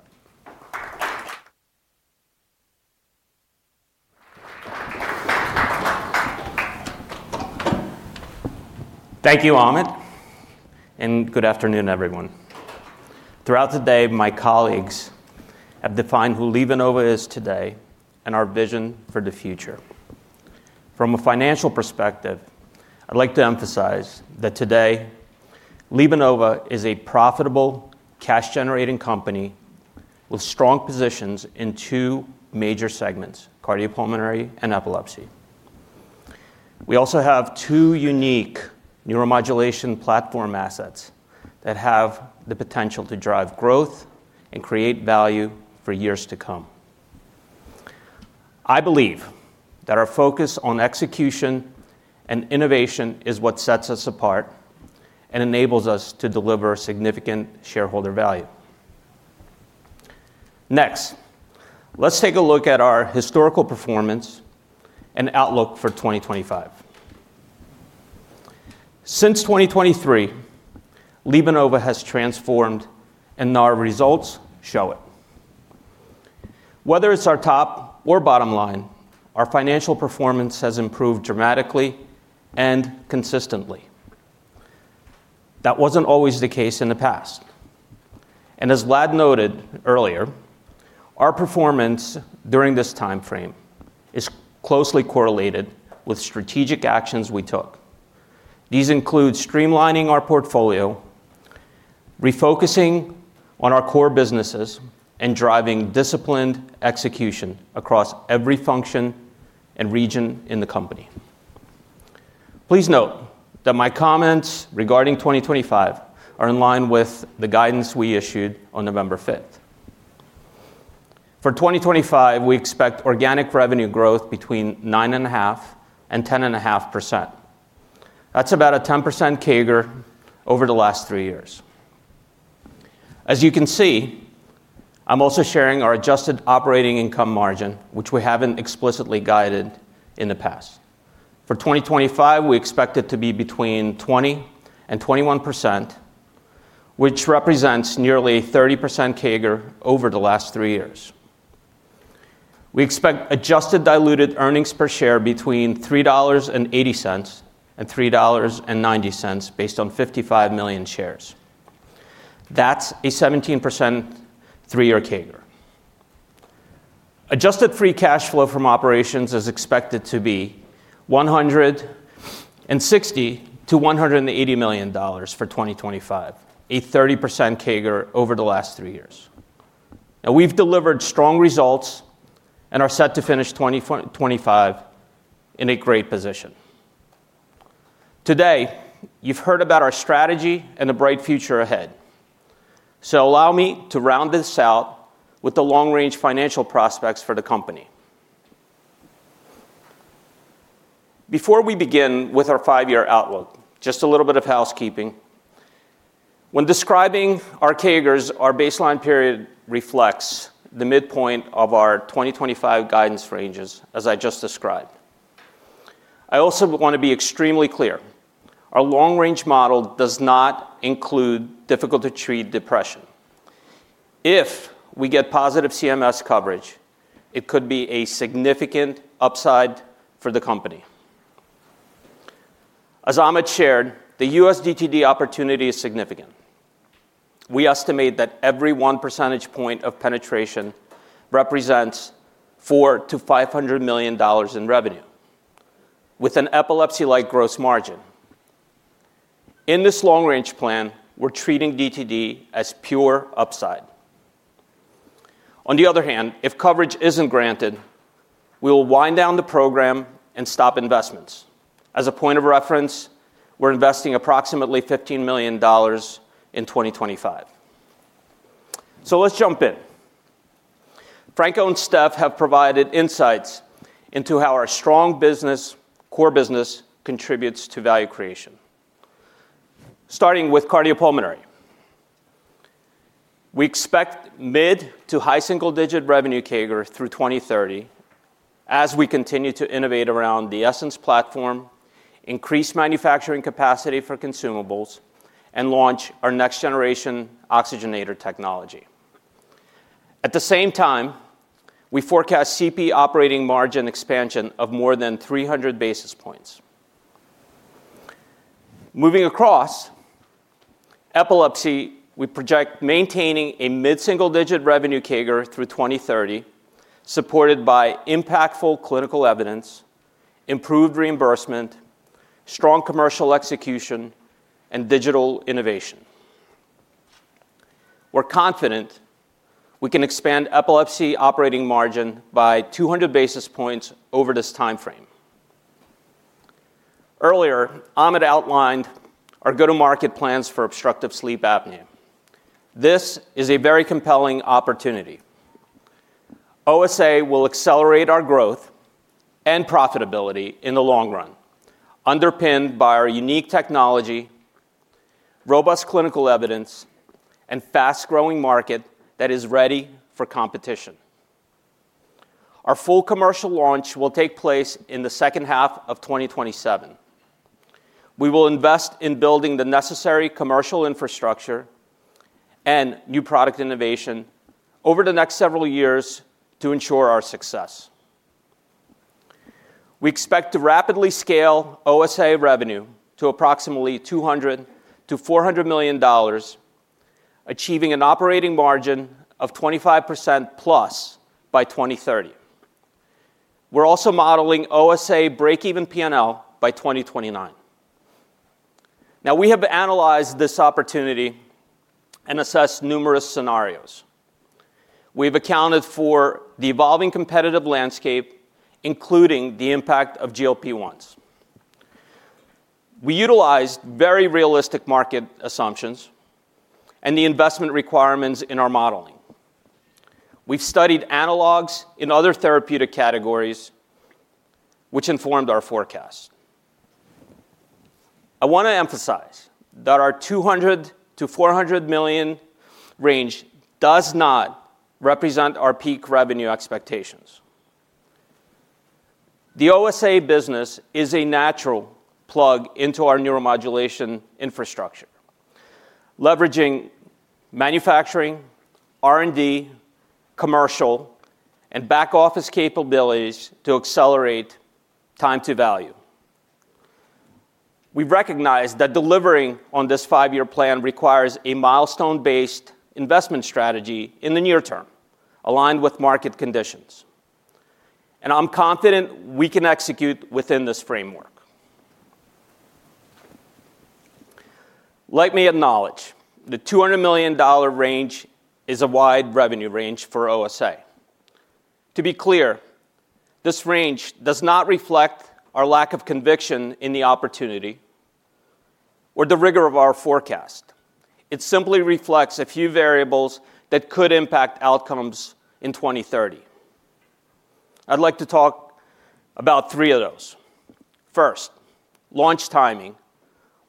Thank you, Ahmet, and good afternoon, everyone. Throughout the day, my colleagues have defined who LivaNova is today and our vision for the future. From a financial perspective, I'd like to emphasize that today, LivaNova is a profitable cash-generating company with strong positions in two major segments: cardiopulmonary and epilepsy. We also have two unique neuromodulation platform assets that have the potential to drive growth and create value for years to come. I believe that our focus on execution and innovation is what sets us apart and enables us to deliver significant shareholder value. Next, let's take a look at our historical performance and outlook for 2025. Since 2023, LivaNova has transformed, and our results show it. Whether it's our top or bottom line, our financial performance has improved dramatically and consistently. That was not always the case in the past. As Vlad noted earlier, our performance during this timeframe is closely correlated with strategic actions we took. These include streamlining our portfolio, refocusing on our core businesses, and driving disciplined execution across every function and region in the company. Please note that my comments regarding 2025 are in line with the guidance we issued on November 5th. For 2025, we expect organic revenue growth between 9.5%-10.5%. That is about a 10% CAGR over the last three years. As you can see, I'm also sharing our adjusted operating income margin, which we haven't explicitly guided in the past. For 2025, we expect it to be between 20%-21%, which represents nearly 30% CAGR over the last three years. We expect adjusted diluted earnings per share between $3.80-$3.90 based on 55 million shares. That's a 17% three-year CAGR. Adjusted free cash flow from operations is expected to be $160 million-$180 million for 2025, a 30% CAGR over the last three years. Now, we've delivered strong results and are set to finish 2025 in a great position. Today, you've heard about our strategy and the bright future ahead. Allow me to round this out with the long-range financial prospects for the company. Before we begin with our five-year outlook, just a little bit of housekeeping. When describing our CAGRs, our baseline period reflects the midpoint of our 2025 guidance ranges, as I just described. I also want to be extremely clear. Our long-range model does not include difficult-to-treat depression. If we get positive CMS coverage, it could be a significant upside for the company. As Ahmet shared, the U.S. DTD opportunity is significant. We estimate that every one percentage point of penetration represents $400 million-$500 million in revenue, with an epilepsy-like gross margin. In this long-range plan, we're treating DTD as pure upside. On the other hand, if coverage isn't granted, we will wind down the program and stop investments. As a point of reference, we're investing approximately $15 million in 2025. Let's jump in. Franco and Steph have provided insights into how our strong business, core business, contributes to value creation. Starting with cardiopulmonary, we expect mid to high single-digit revenue CAGR through 2030, as we continue to innovate around the Essenz platform, increase manufacturing capacity for consumables, and launch our next-generation oxygenator technology. At the same time, we forecast CP operating margin expansion of more than 300 basis points. Moving across epilepsy, we project maintaining a mid-single-digit revenue CAGR through 2030, supported by impactful clinical evidence, improved reimbursement, strong commercial execution, and digital innovation. We're confident we can expand epilepsy operating margin by 200 basis points over this timeframe. Earlier, Ahmet outlined our go-to-market plans for obstructive sleep apnea. This is a very compelling opportunity. OSA will accelerate our growth and profitability in the long run, underpinned by our unique technology, robust clinical evidence, and fast-growing market that is ready for competition. Our full commercial launch will take place in the second half of 2027. We will invest in building the necessary commercial infrastructure and new product innovation over the next several years to ensure our success. We expect to rapidly scale OSA revenue to approximately $200 million-$400 million, achieving an operating margin of 25%+ by 2030. We're also modeling OSA break-even P&L by 2029. Now, we have analyzed this opportunity and assessed numerous scenarios. We've accounted for the evolving competitive landscape, including the impact of GLP-1s. We utilized very realistic market assumptions and the investment requirements in our modeling. We've studied analogs in other therapeutic categories, which informed our forecast. I want to emphasize that our $200 million-$400 million range does not represent our peak revenue expectations. The OSA business is a natural plug into our neuromodulation infrastructure, leveraging manufacturing, R&D, commercial, and back-office capabilities to accelerate time to value. We recognize that delivering on this five-year plan requires a milestone-based investment strategy in the near term, aligned with market conditions. I'm confident we can execute within this framework. Let me acknowledge the $200 million range is a wide revenue range for OSA. To be clear, this range does not reflect our lack of conviction in the opportunity or the rigor of our forecast. It simply reflects a few variables that could impact outcomes in 2030. I'd like to talk about three of those. First, launch timing.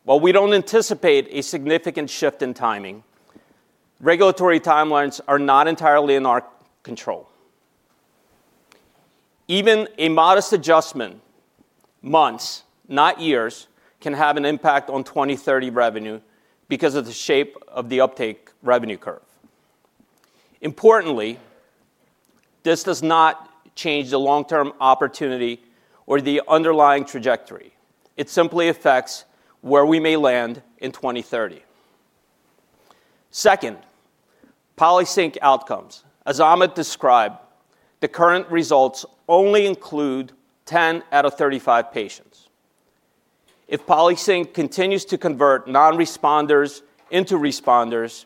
While we don't anticipate a significant shift in timing, regulatory timelines are not entirely in our control. Even a modest adjustment, months, not years, can have an impact on 2030 revenue because of the shape of the uptake revenue curve. Importantly, this does not change the long-term opportunity or the underlying trajectory. It simply affects where we may land in 2030. Second, Polysink outcomes. As Ahmet described, the current results only include 10 out of 35 patients. If Polysink continues to convert non-responders into responders,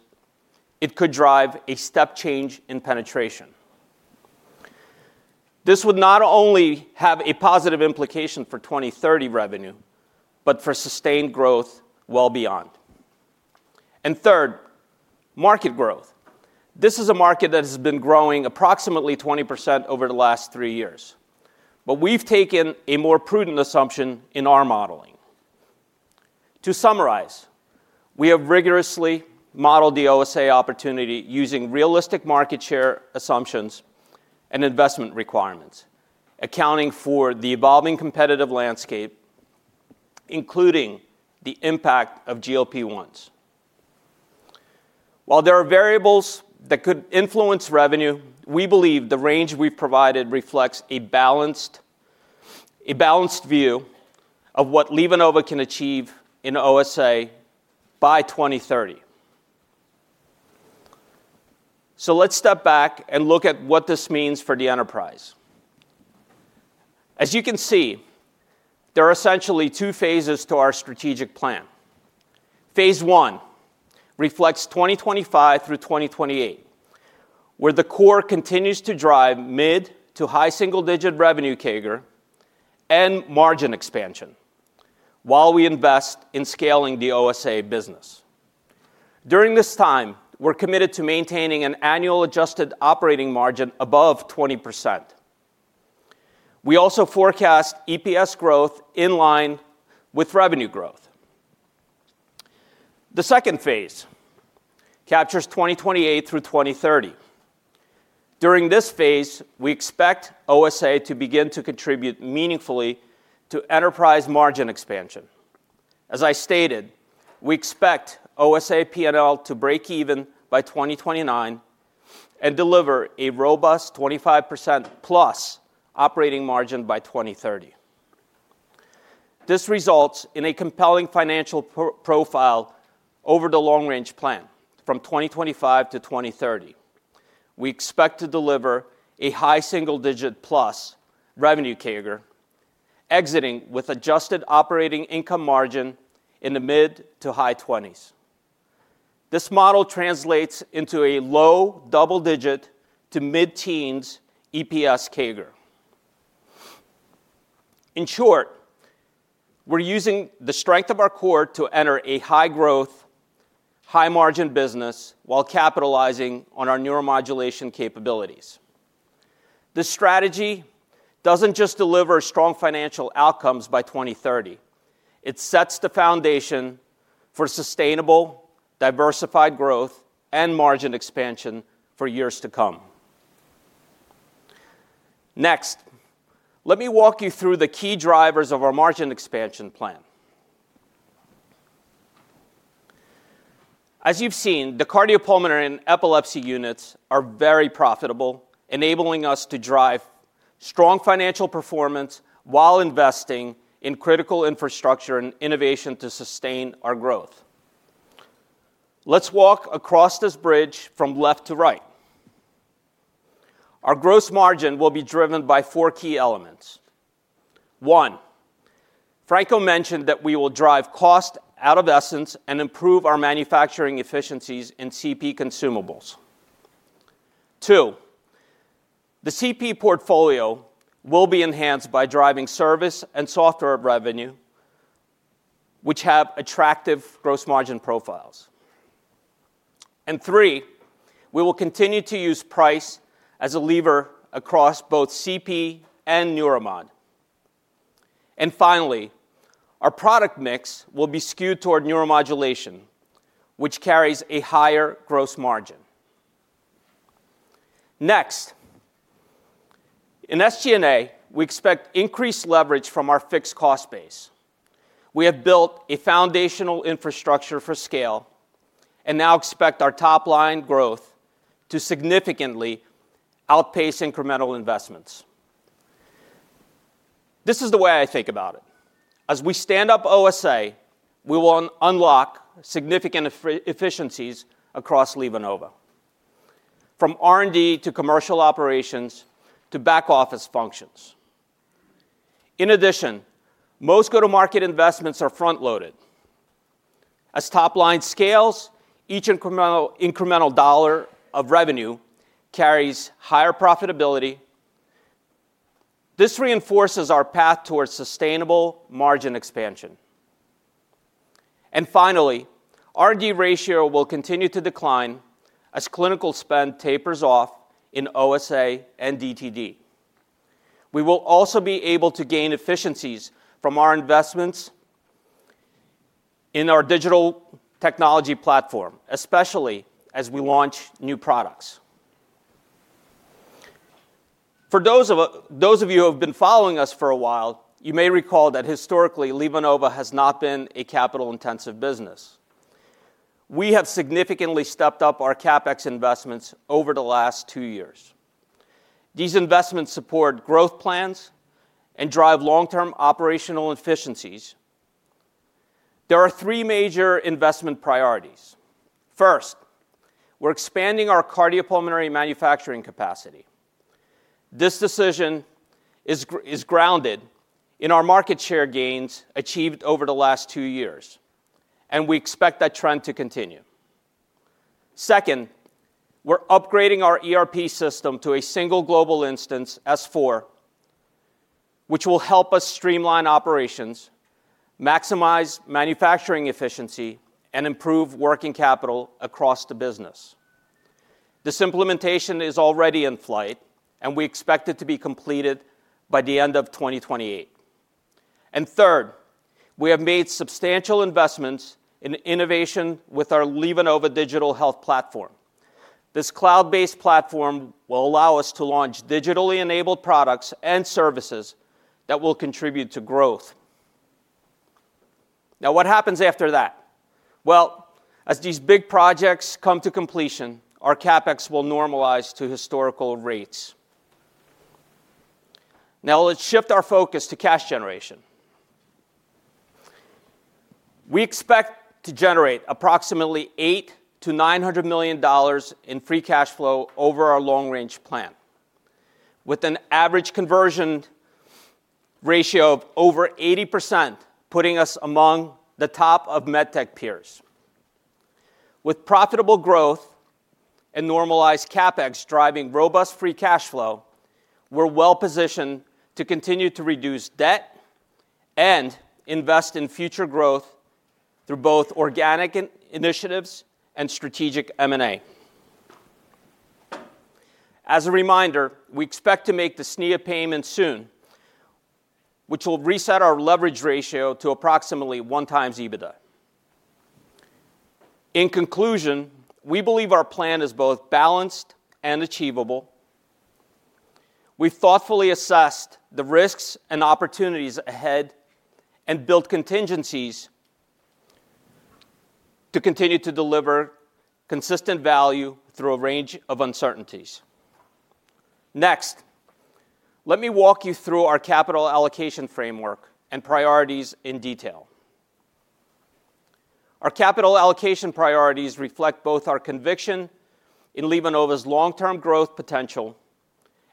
it could drive a step change in penetration. This would not only have a positive implication for 2030 revenue, but for sustained growth well beyond. Third, market growth. This is a market that has been growing approximately 20% over the last three years. We have taken a more prudent assumption in our modeling. To summarize, we have rigorously modeled the OSA opportunity using realistic market share assumptions and investment requirements, accounting for the evolving competitive landscape, including the impact of GLP-1s. While there are variables that could influence revenue, we believe the range we have provided reflects a balanced view of what LivaNova can achieve in OSA by 2030. Let's step back and look at what this means for the enterprise. As you can see, there are essentially two phases to our strategic plan. Phase one reflects 2025-2028, where the core continues to drive mid to high single-digit revenue CAGR and margin expansion while we invest in scaling the OSA business. During this time, we're committed to maintaining an annual adjusted operating margin above 20%. We also forecast EPS growth in line with revenue growth. The second phase captures 2028-2030. During this phase, we expect OSA to begin to contribute meaningfully to enterprise margin expansion. As I stated, we expect OSA P&L to break even by 2029 and deliver a robust 25%+ operating margin by 2030. This results in a compelling financial profile over the long-range plan from 2025 to 2030. We expect to deliver a high single-digit plus revenue CAGR, exiting with adjusted operating income margin in the mid to high 20s. This model translates into a low double-digit to mid-teens EPS CAGR. In short, we're using the strength of our core to enter a high-growth, high-margin business while capitalizing on our neuromodulation capabilities. This strategy doesn't just deliver strong financial outcomes by 2030. It sets the foundation for sustainable, diversified growth and margin expansion for years to come. Next, let me walk you through the key drivers of our margin expansion plan. As you've seen, the cardiopulmonary and epilepsy units are very profitable, enabling us to drive strong financial performance while investing in critical infrastructure and innovation to sustain our growth. Let's walk across this bridge from left to right. Our gross margin will be driven by four key elements. One, Franco mentioned that we will drive cost out of Essenz and improve our manufacturing efficiencies in CP consumables. Two, the CP portfolio will be enhanced by driving service and software revenue, which have attractive gross margin profiles. Three, we will continue to use price as a lever across both CP and Neuromod. Finally, our product mix will be skewed toward neuromodulation, which carries a higher gross margin. Next, in SG&A, we expect increased leverage from our fixed cost base. We have built a foundational infrastructure for scale and now expect our top-line growth to significantly outpace incremental investments. This is the way I think about it. As we stand up OSA, we will unlock significant efficiencies across LivaNova, from R&D to commercial operations to back-office functions. In addition, most go-to-market investments are front-loaded. As top-line scales, each incremental dollar of revenue carries higher profitability. This reinforces our path towards sustainable margin expansion. Research and development ratio will continue to decline as clinical spend tapers off in OSA and DTD. We will also be able to gain efficiencies from our investments in our digital technology platform, especially as we launch new products. For those of you who have been following us for a while, you may recall that historically, LivaNova has not been a capital-intensive business. We have significantly stepped up our CapEx investments over the last two years. These investments support growth plans and drive long-term operational efficiencies. There are three major investment priorities. First, we're expanding our cardiopulmonary manufacturing capacity. This decision is grounded in our market share gains achieved over the last two years, and we expect that trend to continue. Second, we're upgrading our ERP system to a single global instance, S4, which will help us streamline operations, maximize manufacturing efficiency, and improve working capital across the business. This implementation is already in flight, and we expect it to be completed by the end of 2028. Third, we have made substantial investments in innovation with our LivaNova digital health platform. This cloud-based platform will allow us to launch digitally enabled products and services that will contribute to growth. Now, what happens after that? As these big projects come to completion, our CapEx will normalize to historical rates. Let's shift our focus to cash generation. We expect to generate approximately $800 million-$900 million in free cash flow over our long-range plan, with an average conversion ratio of over 80%, putting us among the top of medtech peers. With profitable growth and normalized CapEx driving robust free cash flow, we're well-positioned to continue to reduce debt and invest in future growth through both organic initiatives and strategic M&A. As a reminder, we expect to make the SNIA payment soon, which will reset our leverage ratio to approximately 1x EBITDA. In conclusion, we believe our plan is both balanced and achievable. We've thoughtfully assessed the risks and opportunities ahead and built contingencies to continue to deliver consistent value through a range of uncertainties. Next, let me walk you through our capital allocation framework and priorities in detail. Our capital allocation priorities reflect both our conviction in LivaNova's long-term growth potential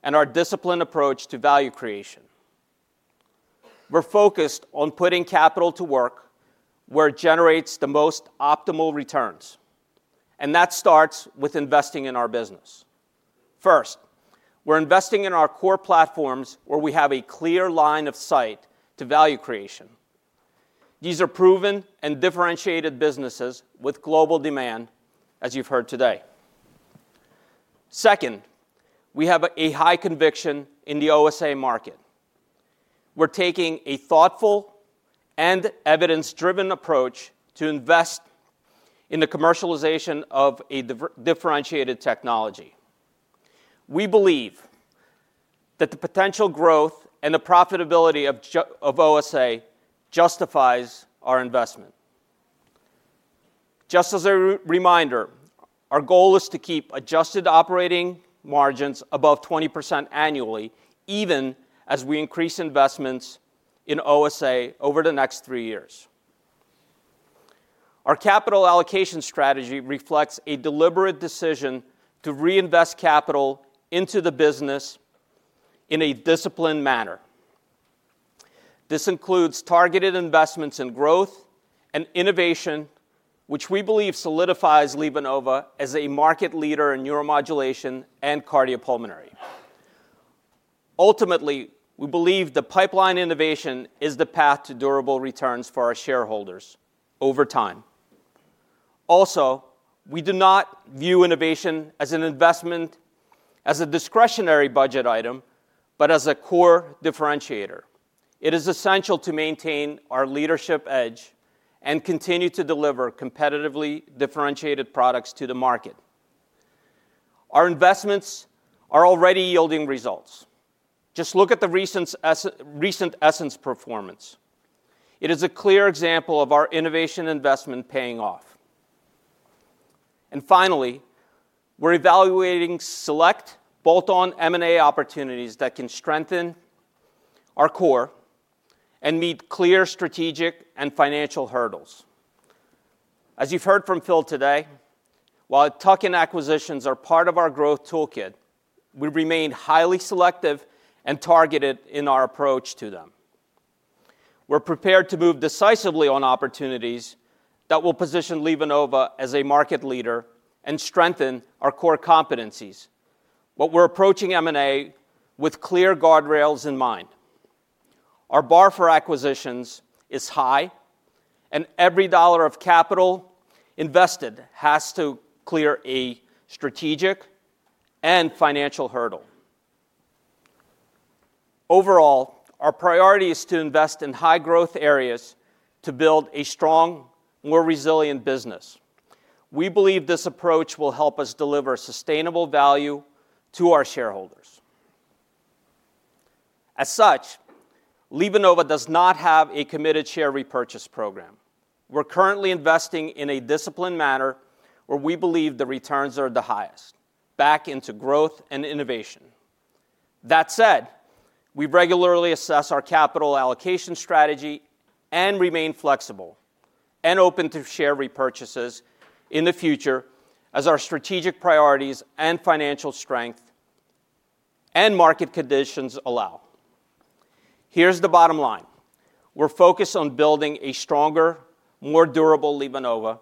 and our disciplined approach to value creation. We're focused on putting capital to work where it generates the most optimal returns, and that starts with investing in our business. First, we're investing in our core platforms where we have a clear line of sight to value creation. These are proven and differentiated businesses with global demand, as you've heard today. Second, we have a high conviction in the OSA market. We're taking a thoughtful and evidence-driven approach to invest in the commercialization of a differentiated technology. We believe that the potential growth and the profitability of OSA justifies our investment. Just as a reminder, our goal is to keep adjusted operating margins above 20% annually, even as we increase investments in OSA over the next three years. Our capital allocation strategy reflects a deliberate decision to reinvest capital into the business in a disciplined manner. This includes targeted investments in growth and innovation, which we believe solidifies LivaNova as a market leader in neuromodulation and cardiopulmonary. Ultimately, we believe the pipeline innovation is the path to durable returns for our shareholders over time. Also, we do not view innovation as an investment as a discretionary budget item, but as a core differentiator. It is essential to maintain our leadership edge and continue to deliver competitively differentiated products to the market. Our investments are already yielding results. Just look at the recent Essenz performance. It is a clear example of our innovation investment paying off. Finally, we're evaluating select bolt-on M&A opportunities that can strengthen our core and meet clear strategic and financial hurdles. As you've heard from Phil today, while tuck-in acquisitions are part of our growth toolkit, we remain highly selective and targeted in our approach to them. We're prepared to move decisively on opportunities that will position LivaNova as a market leader and strengthen our core competencies. We're approaching M&A with clear guardrails in mind. Our bar for acquisitions is high, and every dollar of capital invested has to clear a strategic and financial hurdle. Overall, our priority is to invest in high-growth areas to build a strong, more resilient business. We believe this approach will help us deliver sustainable value to our shareholders. As such, LivaNova does not have a committed share repurchase program. We're currently investing in a disciplined manner where we believe the returns are the highest, back into growth and innovation. That said, we regularly assess our capital allocation strategy and remain flexible and open to share repurchases in the future as our strategic priorities and financial strength and market conditions allow. Here's the bottom line. We're focused on building a stronger, more durable LivaNova,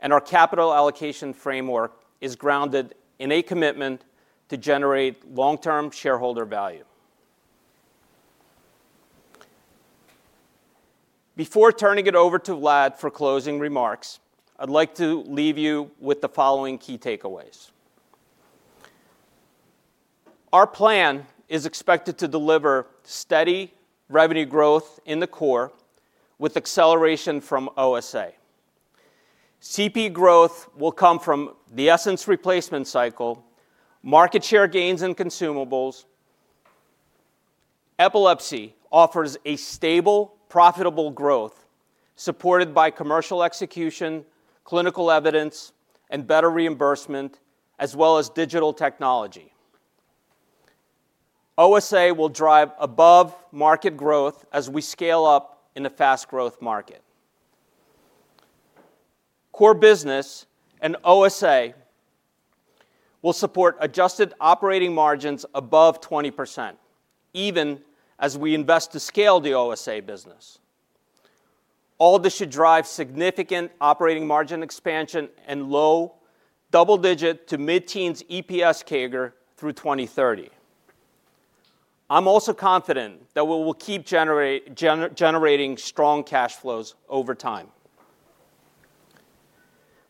and our capital allocation framework is grounded in a commitment to generate long-term shareholder value. Before turning it over to Vlad for closing remarks, I'd like to leave you with the following key takeaways. Our plan is expected to deliver steady revenue growth in the core with acceleration from OSA. CP growth will come from the Essenz replacement cycle, market share gains in consumables. Epilepsy offers a stable, profitable growth supported by commercial execution, clinical evidence, and better reimbursement, as well as digital technology. OSA will drive above-market growth as we scale up in a fast-growth market. Core business and OSA will support adjusted operating margins above 20%, even as we invest to scale the OSA business. All this should drive significant operating margin expansion and low double-digit to mid-teens EPS CAGR through 2030. I'm also confident that we will keep generating strong cash flows over time.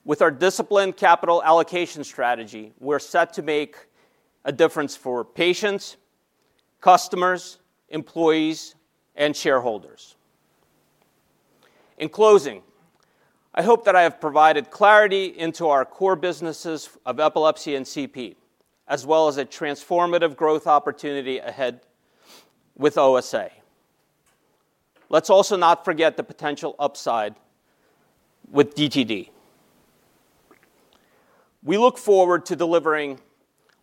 With our disciplined capital allocation strategy, we're set to make a difference for patients, customers, employees, and shareholders. In closing, I hope that I have provided clarity into our core businesses of Epilepsy and CP, as well as a transformative growth opportunity ahead with OSA. Let's also not forget the potential upside with DTD. We look forward to delivering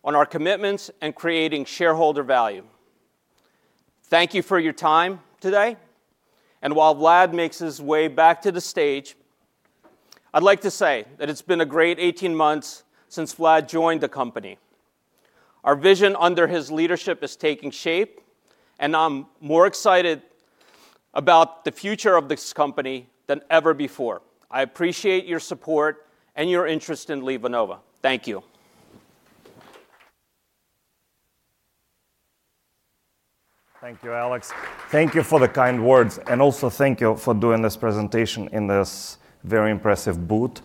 on our commitments and creating shareholder value. Thank you for your time today. While Vlad makes his way back to the stage, I'd like to say that it's been a great 18 months since Vlad joined the company. Our vision under his leadership is taking shape, and I'm more excited about the future of this company than ever before. I appreciate your support and your interest in LivaNova. Thank you.
Thank you, Alex. Thank you for the kind words, and also thank you for doing this presentation in this very impressive booth.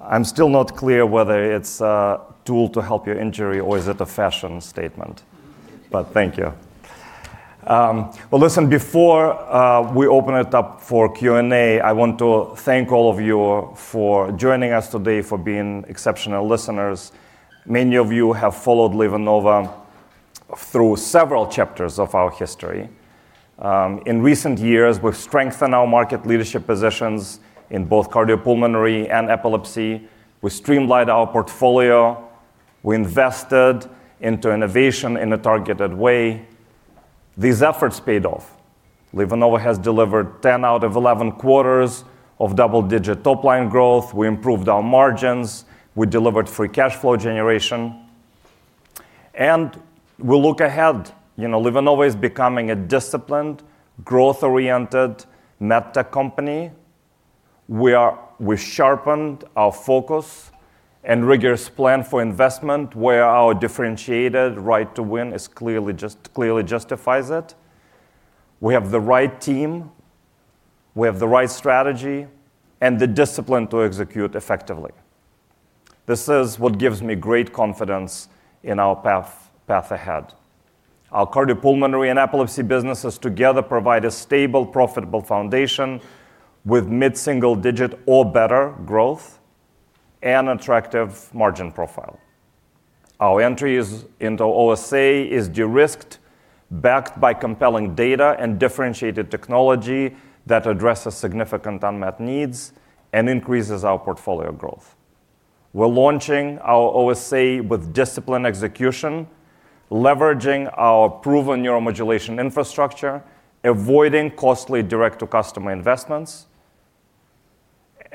I'm still not clear whether it's a tool to help your injury or is it a fashion statement, but thank you. Before we open it up for Q&A, I want to thank all of you for joining us today, for being exceptional listeners. Many of you have followed LivaNova through several chapters of our history. In recent years, we've strengthened our market leadership positions in both cardiopulmonary and epilepsy. We streamlined our portfolio. We invested into innovation in a targeted way. These efforts paid off. LivaNova has delivered 10 out of 11 quarters of double-digit top-line growth. We improved our margins. We delivered free cash flow generation. As we look ahead, LivaNova is becoming a disciplined, growth-oriented medtech company. We sharpened our focus and rigorous plan for investment, where our differentiated right to win just clearly justifies it. We have the right team. We have the right strategy and the discipline to execute effectively. This is what gives me great confidence in our path ahead. Our cardiopulmonary and epilepsy businesses together provide a stable, profitable foundation with mid-single-digit or better growth and an attractive margin profile. Our entry into OSA is de-risked, backed by compelling data and differentiated technology that addresses significant unmet needs and increases our portfolio growth. We are launching our OSA with disciplined execution, leveraging our proven neuromodulation infrastructure, avoiding costly direct-to-customer investments.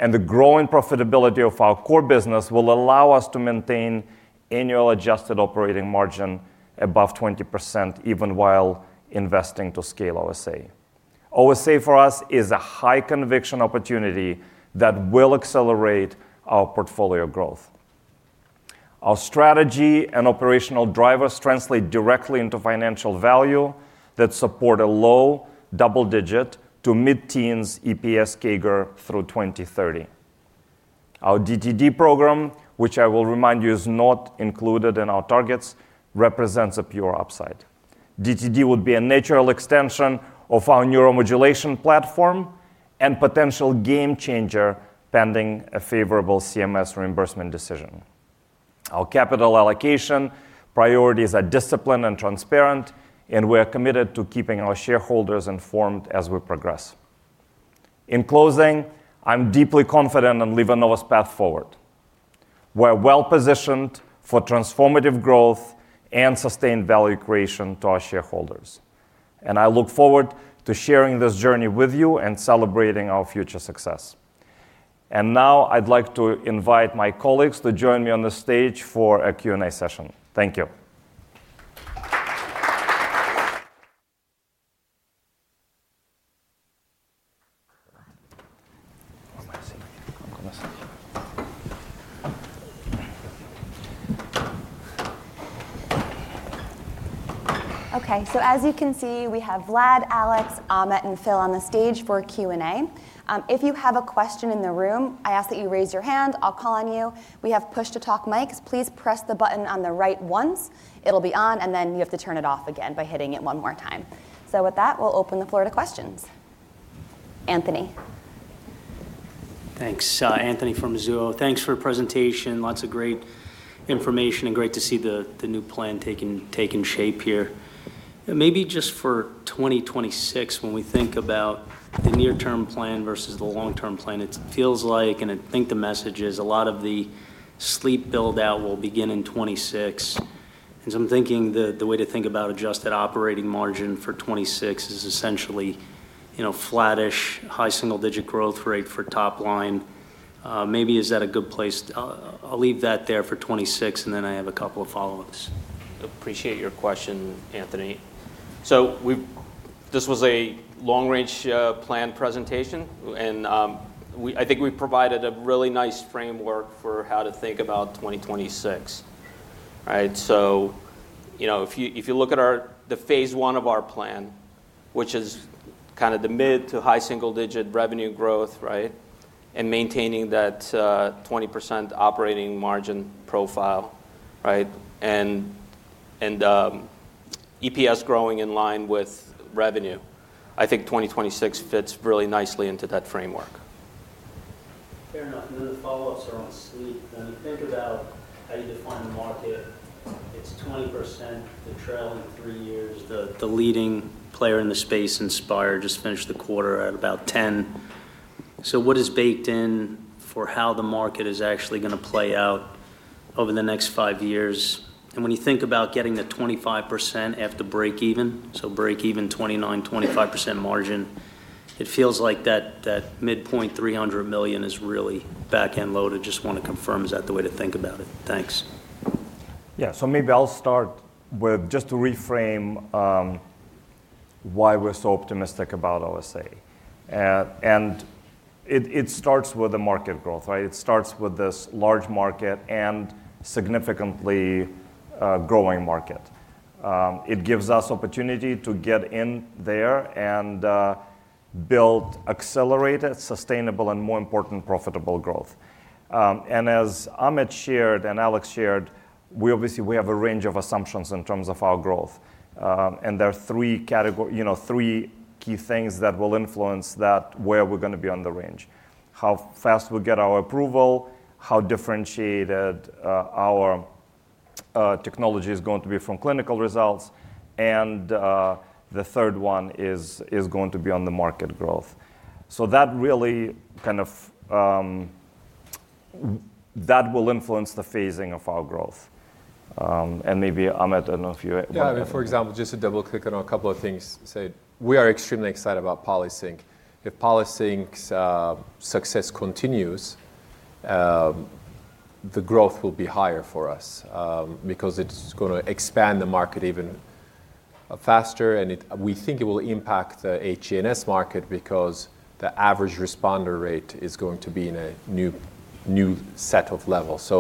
The growing profitability of our core business will allow us to maintain annual adjusted operating margin above 20%, even while investing to scale OSA. OSA for us is a high-conviction opportunity that will accelerate our portfolio growth. Our strategy and operational drivers translate directly into financial value that support a low double-digit to mid-teens EPS CAGR through 2030. Our DTD program, which I will remind you is not included in our targets, represents a pure upside. DTD would be a natural extension of our neuromodulation platform and a potential game changer pending a favorable CMS reimbursement decision. Our capital allocation priorities are disciplined and transparent, and we are committed to keeping our shareholders informed as we progress. In closing, I'm deeply confident in LivaNova's path forward. We're well-positioned for transformative growth and sustained value creation to our shareholders. I look forward to sharing this journey with you and celebrating our future success. Now, I'd like to invite my colleagues to join me on the stage for a Q&A session. Thank you.
Okay, as you can see, we have Vlad, Alex, Ahmet, and Phil on the stage for Q&A. If you have a question in the room, I ask that you raise your hand. I'll call on you. We have push-to-talk mics. Please press the button on the right once. It'll be on, and then you have to turn it off again by hitting it one more time. With that, we'll open the floor to questions. Anthony. Thanks, Anthony from Zoom. Thanks for the presentation. Lots of great information, and great to see the new plan taking shape here. Maybe just for 2026, when we think about the near-term plan versus the long-term plan, it feels like, and I think the message is, a lot of the sleep buildout will begin in 2026. I'm thinking the way to think about adjusted operating margin for 2026 is essentially flattish, high single-digit growth rate for top line. Maybe is that a good place? I'll leave that there for 2026, and then I have a couple of follow-ups.
Appreciate your question, Anthony. This was a long-range plan presentation, and I think we provided a really nice framework for how to think about 2026. Right? If you look at the phase one of our plan, which is kind of the mid- to high single-digit revenue growth, right, and maintaining that 20% operating margin profile, right, and EPS growing in line with revenue, I think 2026 fits really nicely into that framework. Fair enough. The follow-ups are on sleep. When you think about how you define the market, it's 20% to trail in three years. The leading player in the space, Inspire, just finished the quarter at about 10. What is baked in for how the market is actually going to play out over the next five years? When you think about getting the 25% after break-even, so break-even 29%, 25% margin, it feels like that midpoint $300 million is really back-end load. I just want to confirm, is that the way to think about it? Thanks.
Yeah, maybe I'll start with just to reframe why we're so optimistic about OSA. It starts with the market growth, right? It starts with this large market and significantly growing market. It gives us opportunity to get in there and build accelerated, sustainable, and more important profitable growth. As Ahmet shared and Alex shared, obviously, we have a range of assumptions in terms of our growth. There are three key things that will influence where we're going to be on the range: how fast we get our approval, how differentiated our technology is going to be from clinical results, and the third one is going to be on the market growth. That will influence the phasing of our growth. Maybe, Ahmet, I don't know if you want to.
Yeah, I mean, for example, just to double-click on a couple of things. We are extremely excited about Polysink. If Polysink's success continues, the growth will be higher for us because it's going to expand the market even faster. We think it will impact the HNS market because the average responder rate is going to be in a new set of levels.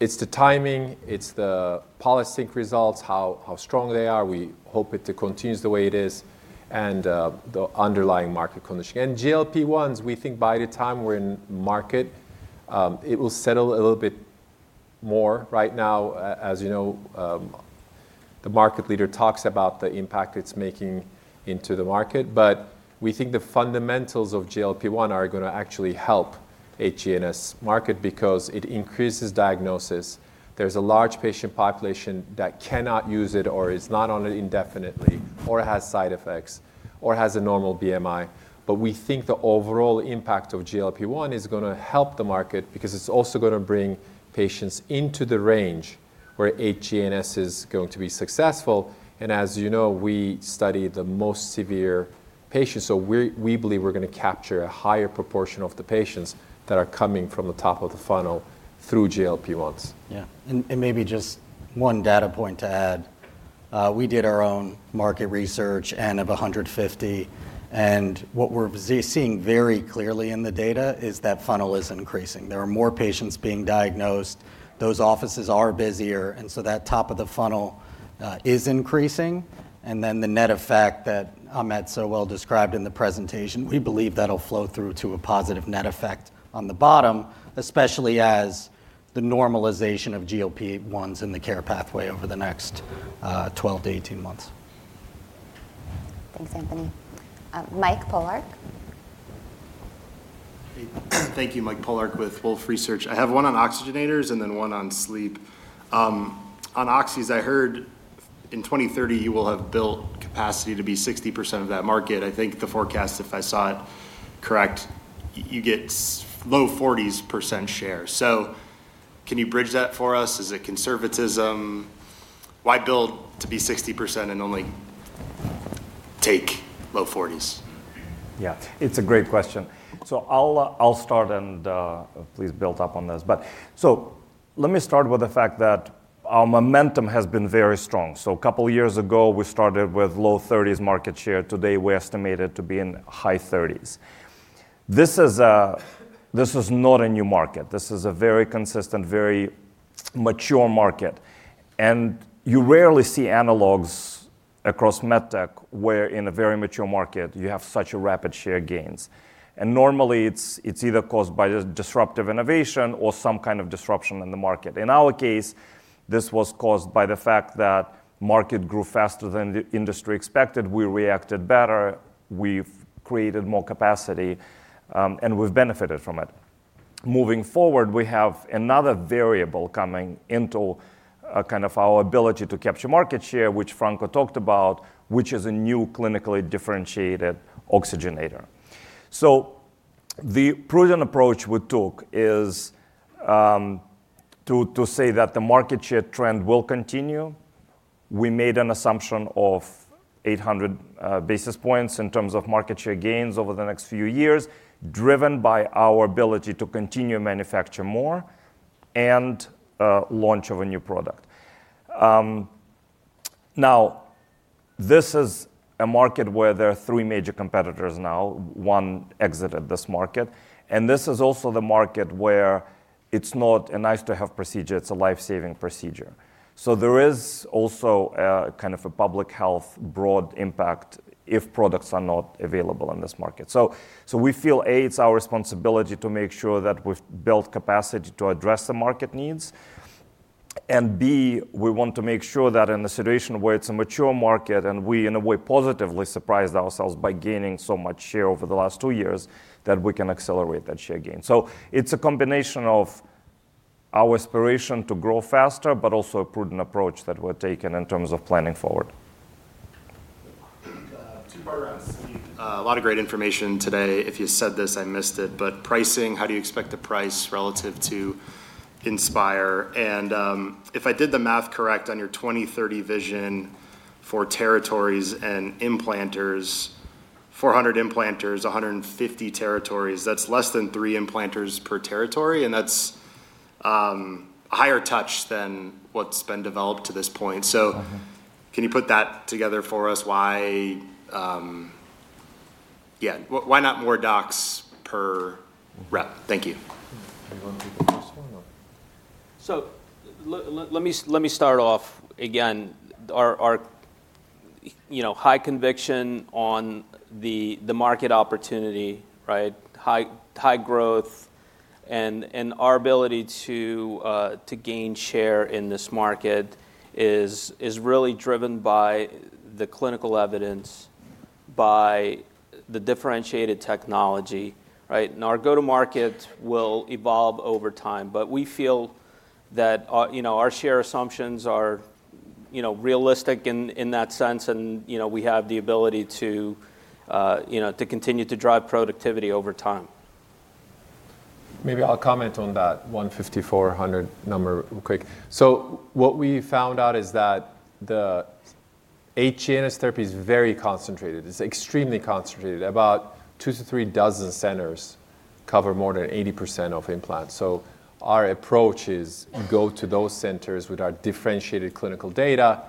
It's the timing, it's the Polysink results, how strong they are. We hope it continues the way it is and the underlying market conditioning. GLP-1s, we think by the time we're in market, it will settle a little bit more. Right now, as you know, the market leader talks about the impact it's making into the market. We think the fundamentals of GLP-1 are going to actually help the HGNS market because it increases diagnosis. There's a large patient population that cannot use it or is not on it indefinitely or has side effects or has a normal BMI. We think the overall impact of GLP-1 is going to help the market because it's also going to bring patients into the range where HGNS is going to be successful. As you know, we study the most severe patients. We believe we're going to capture a higher proportion of the patients that are coming from the top of the funnel through GLP-1s.
Yeah. Maybe just one data point to add. We did our own market research, and of 150. What we're seeing very clearly in the data is that funnel is increasing. There are more patients being diagnosed. Those offices are busier. That top of the funnel is increasing. The net effect that Ahmet so well described in the presentation, we believe that'll flow through to a positive net effect on the bottom, especially as the normalization of GLP-1s in the care pathway over the next 12-18 months.
Thanks, Anthony. Mike Polark.
Thank you, Mike Polark with Wolfe Research. I have one on oxygenators and then one on sleep. On Oxys, I heard in 2030 you will have built capacity to be 60% of that market. I think the forecast, if I saw it correct, you get low 40% share. Can you bridge that for us? Is it conservatism? Why build to be 60% and only take low 40%?
Yeah, it's a great question. I'll start and please build up on this. Let me start with the fact that our momentum has been very strong. A couple of years ago, we started with low 30% market share. Today, we estimate it to be in high 30%. This is not a new market. This is a very consistent, very mature market. You rarely see analogs across medtech where, in a very mature market, you have such rapid share gains. Normally, it's either caused by disruptive innovation or some kind of disruption in the market. In our case, this was caused by the fact that the market grew faster than the industry expected. We reacted better. We've created more capacity, and we've benefited from it. Moving forward, we have another variable coming into kind of our ability to capture market share, which Franco talked about, which is a new clinically differentiated oxygenator. The prudent approach we took is to say that the market share trend will continue. We made an assumption of 800 basis points in terms of market share gains over the next few years, driven by our ability to continue manufacturing more and launch of a new product. Now, this is a market where there are three major competitors now. One exited this market. This is also the market where it's not a nice-to-have procedure. It's a life-saving procedure. There is also kind of a public health broad impact if products are not available in this market. We feel, A, it's our responsibility to make sure that we've built capacity to address the market needs. B, we want to make sure that in a situation where it's a mature market and we, in a way, positively surprised ourselves by gaining so much share over the last two years, that we can accelerate that share gain. It's a combination of our aspiration to grow faster, but also a prudent approach that we're taking in terms of planning forward.
Two parts on sleep. A lot of great information today. If you said this, I missed it. Pricing, how do you expect the price relative to Inspire? If I did the math correct on your 2030 vision for territories and implanters, 400 implanters, 150 territories, that's less than three implanters per territory. That's a higher touch than what's been developed to this point. Can you put that together for us? Yeah. Why not more docs per rep? Thank you.
Anyone take the first one?
Let me start off again. Our high conviction on the market opportunity, high growth, and our ability to gain share in this market is really driven by the clinical evidence, by the differentiated technology. Our go-to-market will evolve over time. We feel that our share assumptions are realistic in that sense, and we have the ability to continue to drive productivity over time.
Maybe I'll comment on that 150, 400 number real quick. What we found out is that the HGNS therapy is very concentrated. It's extremely concentrated. About two to three dozen centers cover more than 80% of implants. Our approach is go to those centers with our differentiated clinical data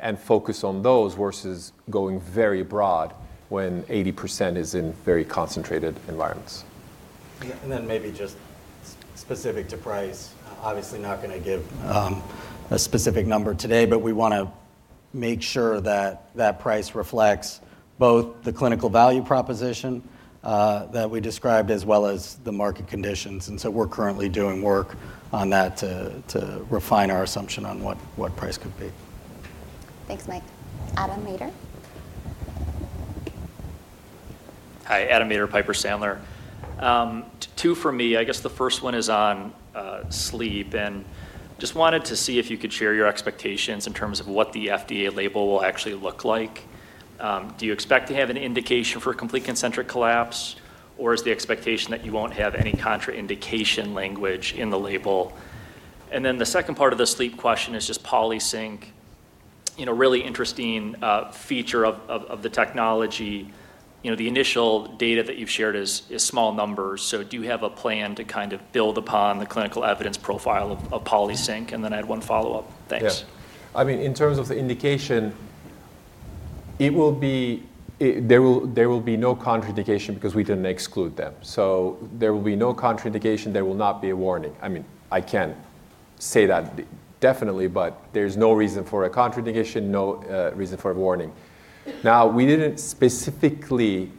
and focus on those versus going very broad when 80% is in very concentrated environments.
Maybe just specific to price. Obviously, not going to give a specific number today, but we want to make sure that that price reflects both the clinical value proposition that we described as well as the market conditions. We are currently doing work on that to refine our assumption on what price could be.
Thanks, Mike. Adam Maeder?
Hi, Adam Maeder, Piper Sandler. Two for me. I guess the first one is on sleep. Just wanted to see if you could share your expectations in terms of what the FDA label will actually look like. Do you expect to have an indication for complete concentric collapse, or is the expectation that you won't have any contraindication language in the label? The second part of the sleep question is just Polysink, really interesting feature of the technology. The initial data that you've shared is small numbers. Do you have a plan to kind of build upon the clinical evidence profile of Polysink? I had one follow-up. Thanks.
Yeah. I mean, in terms of the indication, there will be no contraindication because we didn't exclude them. There will be no contraindication. There will not be a warning. I mean, I can say that definitely, but there's no reason for a contraindication, no reason for a warning. Now, we didn't specifically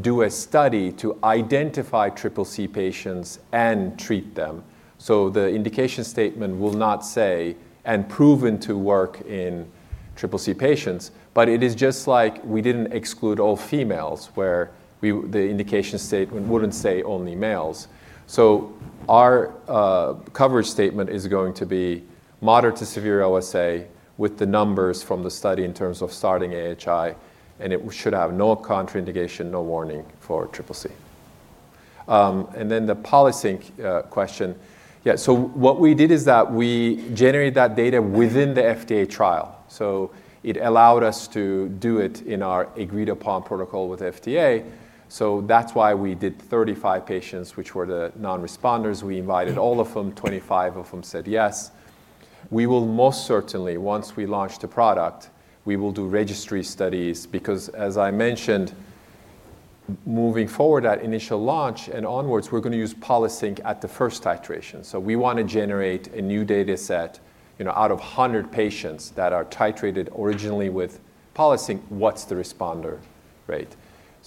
do a study to identify CCC patients and treat them. The indication statement will not say, and proven to work in CCC patients. It is just like we didn't exclude all females, where the indication statement wouldn't say only males. Our coverage statement is going to be moderate to severe OSA with the numbers from the study in terms of starting AHI, and it should have no contraindication, no warning for CCC. The Polysink question, yeah. What we did is that we generated that data within the FDA trial. It allowed us to do it in our agreed-upon protocol with FDA. That's why we did 35 patients, which were the non-responders. We invited all of them. Twenty-five of them said yes. We will most certainly, once we launch the product, we will do registry studies because, as I mentioned, moving forward, that initial launch and onwards, we're going to use Polysink at the first titration. We want to generate a new data set out of 100 patients that are titrated originally with Polysink, what's the responder rate.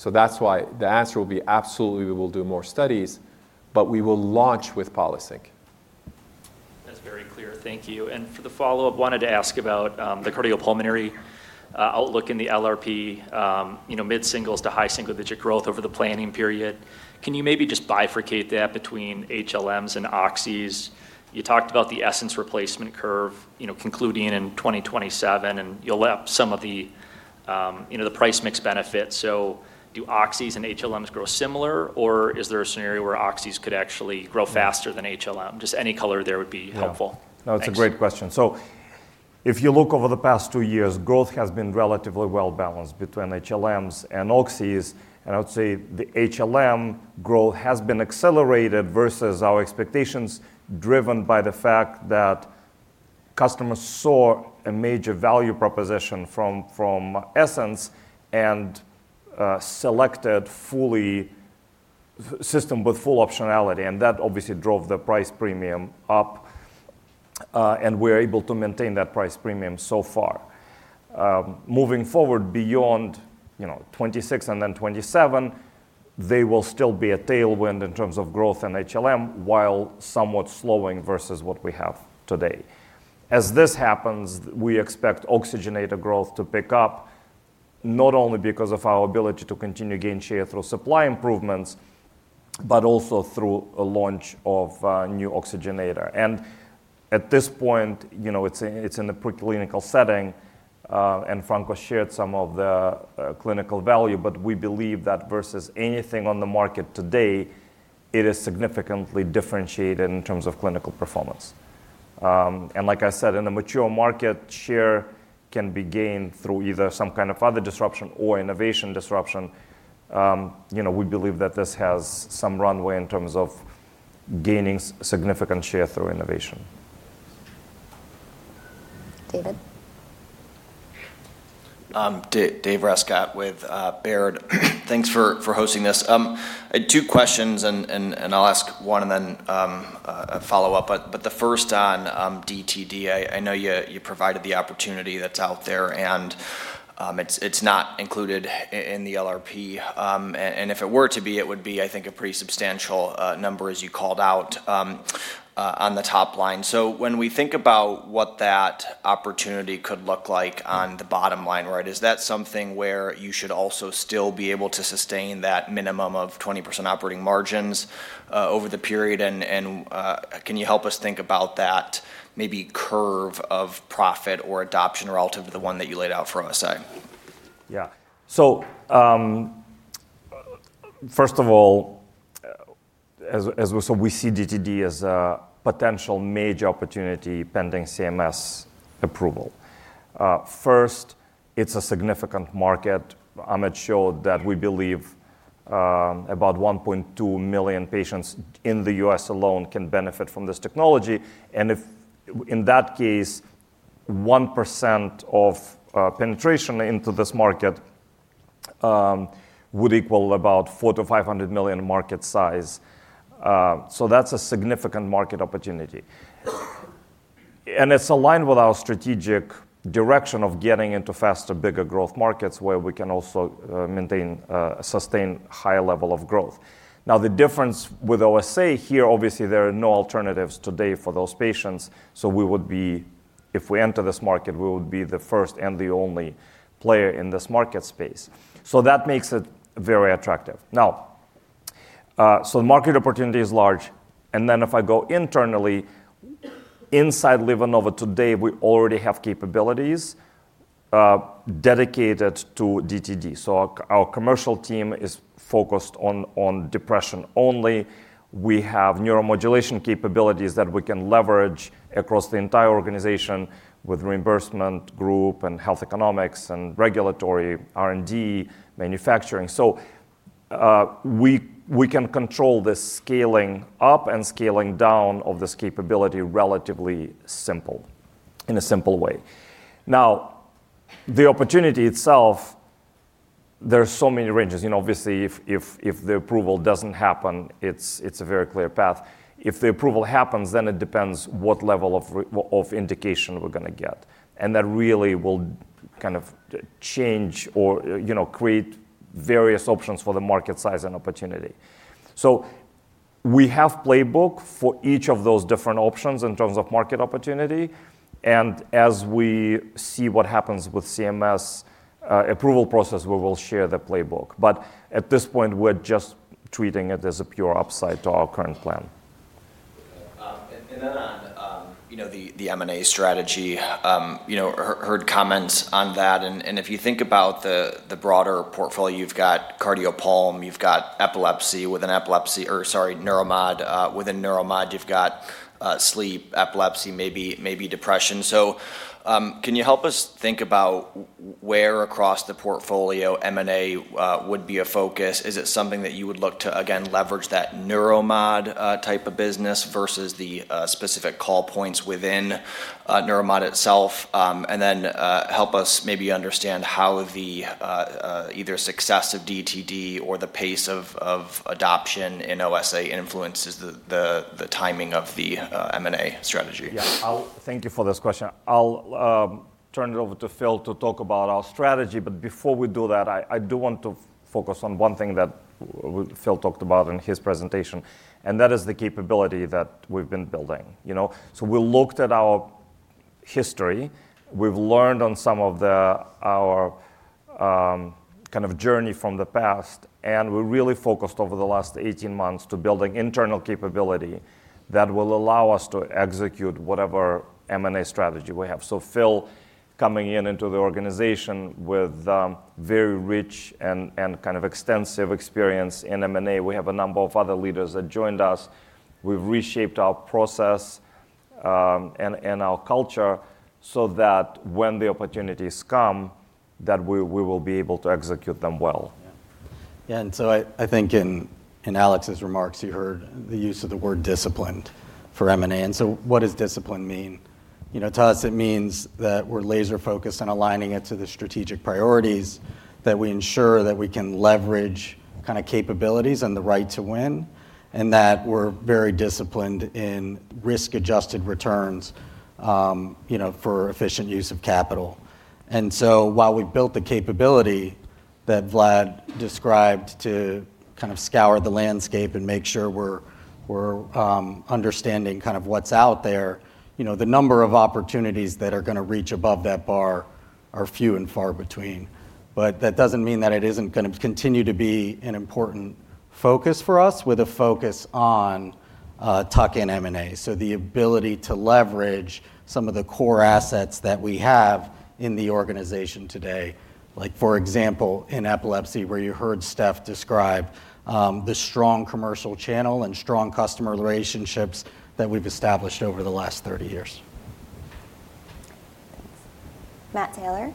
That is why the answer will be absolutely we will do more studies, but we will launch with Polysink.
That is very clear. Thank you. For the follow-up, wanted to ask about the cardiopulmonary outlook in the LRP, mid-singles to high single-digit growth over the planning period. Can you maybe just bifurcate that between HLMs and Oxys? You talked about the Essenz replacement curve concluding in 2027, and you'll have some of the price mix benefits. Do Oxys and HLMs grow similar, or is there a scenario where Oxys could actually grow faster than HLM? Just any color there would be helpful. Yeah.
No, it's a great question. If you look over the past two years, growth has been relatively well-balanced between HLMs and Oxys. I would say the HLM growth has been accelerated versus our expectations, driven by the fact that customers saw a major value proposition from Essenz and selected fully system with full optionality. That obviously drove the price premium up. We are able to maintain that price premium so far. Moving forward, beyond 2026 and then 2027, there will still be a tailwind in terms of growth in HLM while somewhat slowing versus what we have today. As this happens, we expect oxygenator growth to pick up not only because of our ability to continue to gain share through supply improvements, but also through a launch of new oxygenator. At this point, it's in a preclinical setting. Franco shared some of the clinical value, but we believe that versus anything on the market today, it is significantly differentiated in terms of clinical performance. Like I said, in a mature market, share can be gained through either some kind of other disruption or innovation disruption. We believe that this has some runway in terms of gaining significant share through innovation.
David?
David Rescott with Baird. Thanks for hosting this. Two questions, and I'll ask one and then a follow-up. The first on DTD, I know you provided the opportunity that's out there, and it's not included in the LRP. If it were to be, it would be, I think, a pretty substantial number, as you called out, on the top line. When we think about what that opportunity could look like on the bottom line, right, is that something where you should also still be able to sustain that minimum of 20% operating margins over the period? Can you help us think about that maybe curve of profit or adoption relative to the one that you laid out for OSA?
Yeah. First of all, as we saw, we see DTD as a potential major opportunity pending CMS approval. First, it is a significant market. Ahmet showed that we believe about 1.2 million patients in the U.S. alone can benefit from this technology. In that case, 1% of penetration into this market would equal about $400 million-$500 million market size. That's a significant market opportunity. It is aligned with our strategic direction of getting into faster, bigger growth markets where we can also maintain a sustained high level of growth. Now, the difference with OSA here, obviously, there are no alternatives today for those patients. If we enter this market, we would be the first and the only player in this market space. That makes it very attractive. The market opportunity is large. If I go internally, inside LivaNova, today, we already have capabilities dedicated to DTD. Our commercial team is focused on depression only. We have neuromodulation capabilities that we can leverage across the entire organization with reimbursement, group, and health economics and regulatory R&D manufacturing. We can control the scaling up and scaling down of this capability relatively simple in a simple way. Now, the opportunity itself, there are so many ranges. Obviously, if the approval does not happen, it is a very clear path. If the approval happens, then it depends what level of indication we are going to get. That really will kind of change or create various options for the market size and opportunity. We have a playbook for each of those different options in terms of market opportunity. As we see what happens with the CMS approval process, we will share the playbook. At this point, we are just treating it as a pure upside to our current plan.
On the M&A strategy, heard comments on that. If you think about the broader portfolio, you have got cardiopulmonary, you have got epilepsy. Within epilepsy, or sorry, neuromod. Within neuromod, you have got sleep, epilepsy, maybe depression. Can you help us think about where across the portfolio M&A would be a focus? Is it something that you would look to, again, leverage that neuromod type of business versus the specific call points within neuromod itself? Then help us maybe understand how either success of DTD or the pace of adoption in OSA influences the timing of the M&A strategy.
Yeah. Thank you for this question. I'll turn it over to Phil to talk about our strategy. Before we do that, I do want to focus on one thing that Phil talked about in his presentation. That is the capability that we've been building. We looked at our history. We've learned on some of our kind of journey from the past. We really focused over the last 18 months on building internal capability that will allow us to execute whatever M&A strategy we have. Phil, coming into the organization with very rich and kind of extensive experience in M&A, we have a number of other leaders that joined us. We have reshaped our process and our culture so that when the opportunities come, we will be able to execute them well.
Yeah. I think in Alex's remarks, you heard the use of the word disciplined for M&A. What does discipline mean? To us, it means that we are laser-focused on aligning it to the strategic priorities, that we ensure that we can leverage kind of capabilities and the right to win, and that we are very disciplined in risk-adjusted returns for efficient use of capital. While we've built the capability that Vlad described to kind of scour the landscape and make sure we're understanding kind of what's out there, the number of opportunities that are going to reach above that bar are few and far between. That does not mean that it is not going to continue to be an important focus for us with a focus on tuck-in M&A. The ability to leverage some of the core assets that we have in the organization today, like for example, in epilepsy, where you heard Steph describe the strong commercial channel and strong customer relationships that we've established over the last 30 years.
Thanks. Matt Taylor.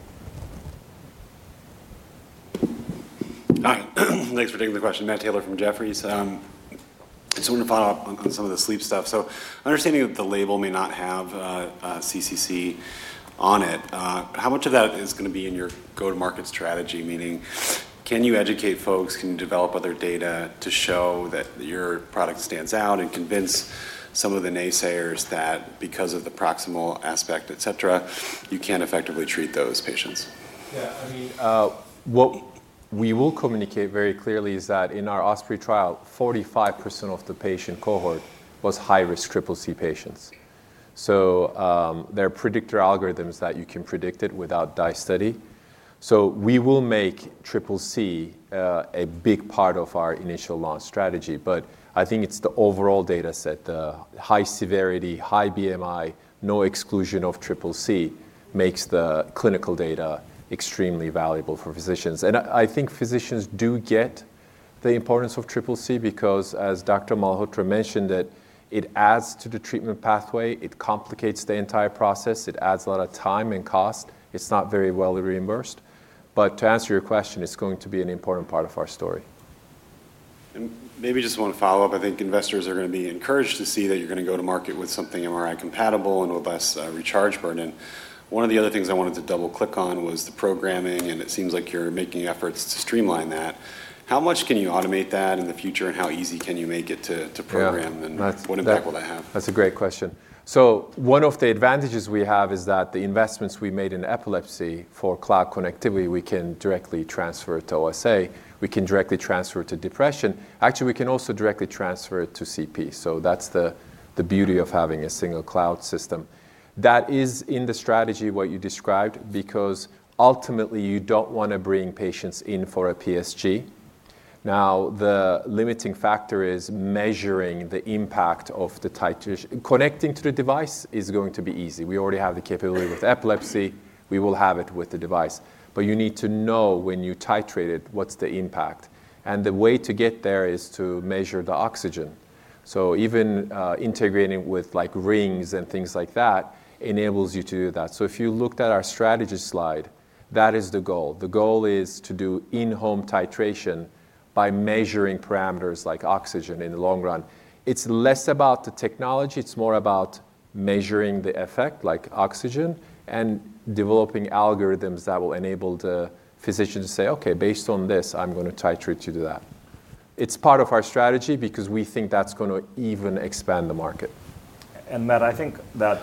Thanks for taking the question. Matt Taylor from Jefferies. I just want to follow up on some of the sleep stuff. So understanding that the label may not have CCC on it, how much of that is going to be in your go-to-market strategy? Meaning, can you educate folks? Can you develop other data to show that your product stands out and convince some of the naysayers that because of the proximal aspect, etc., you can effectively treat those patients?
Yeah. I mean, what we will communicate very clearly is that in our OSPREY trial, 45% of the patient cohort was high-risk CCC patients. So there are predictor algorithms that you can predict it without dye study. We will make CCC a big part of our initial launch strategy. I think it's the overall data set, the high severity, high BMI, no exclusion of CCC makes the clinical data extremely valuable for physicians. I think physicians do get the importance of triple C because, as Dr. Malhotra mentioned, it adds to the treatment pathway. It complicates the entire process. It adds a lot of time and cost. It is not very well reimbursed. To answer your question, it is going to be an important part of our story.
Maybe just want to follow up. I think investors are going to be encouraged to see that you are going to go to market with something MRI compatible and with less recharge burden. One of the other things I wanted to double-click on was the programming. It seems like you are making efforts to streamline that. How much can you automate that in the future? How easy can you make it to program? What impact will that have?
That is a great question. One of the advantages we have is that the investments we made in epilepsy for cloud connectivity, we can directly transfer to OSA. We can directly transfer to depression. Actually, we can also directly transfer it to CP. That is the beauty of having a single cloud system. That is in the strategy you described because ultimately, you do not want to bring patients in for a PSG. The limiting factor is measuring the impact of the titration. Connecting to the device is going to be easy. We already have the capability with epilepsy. We will have it with the device. You need to know when you titrate it, what is the impact. The way to get there is to measure the oxygen. Even integrating with rings and things like that enables you to do that. If you looked at our strategy slide, that is the goal. The goal is to do in-home titration by measuring parameters like oxygen in the long run. It's less about the technology. It's more about measuring the effect like oxygen and developing algorithms that will enable the physician to say, "Okay, based on this, I'm going to titrate you to that." It's part of our strategy because we think that's going to even expand the market.
Matt, I think that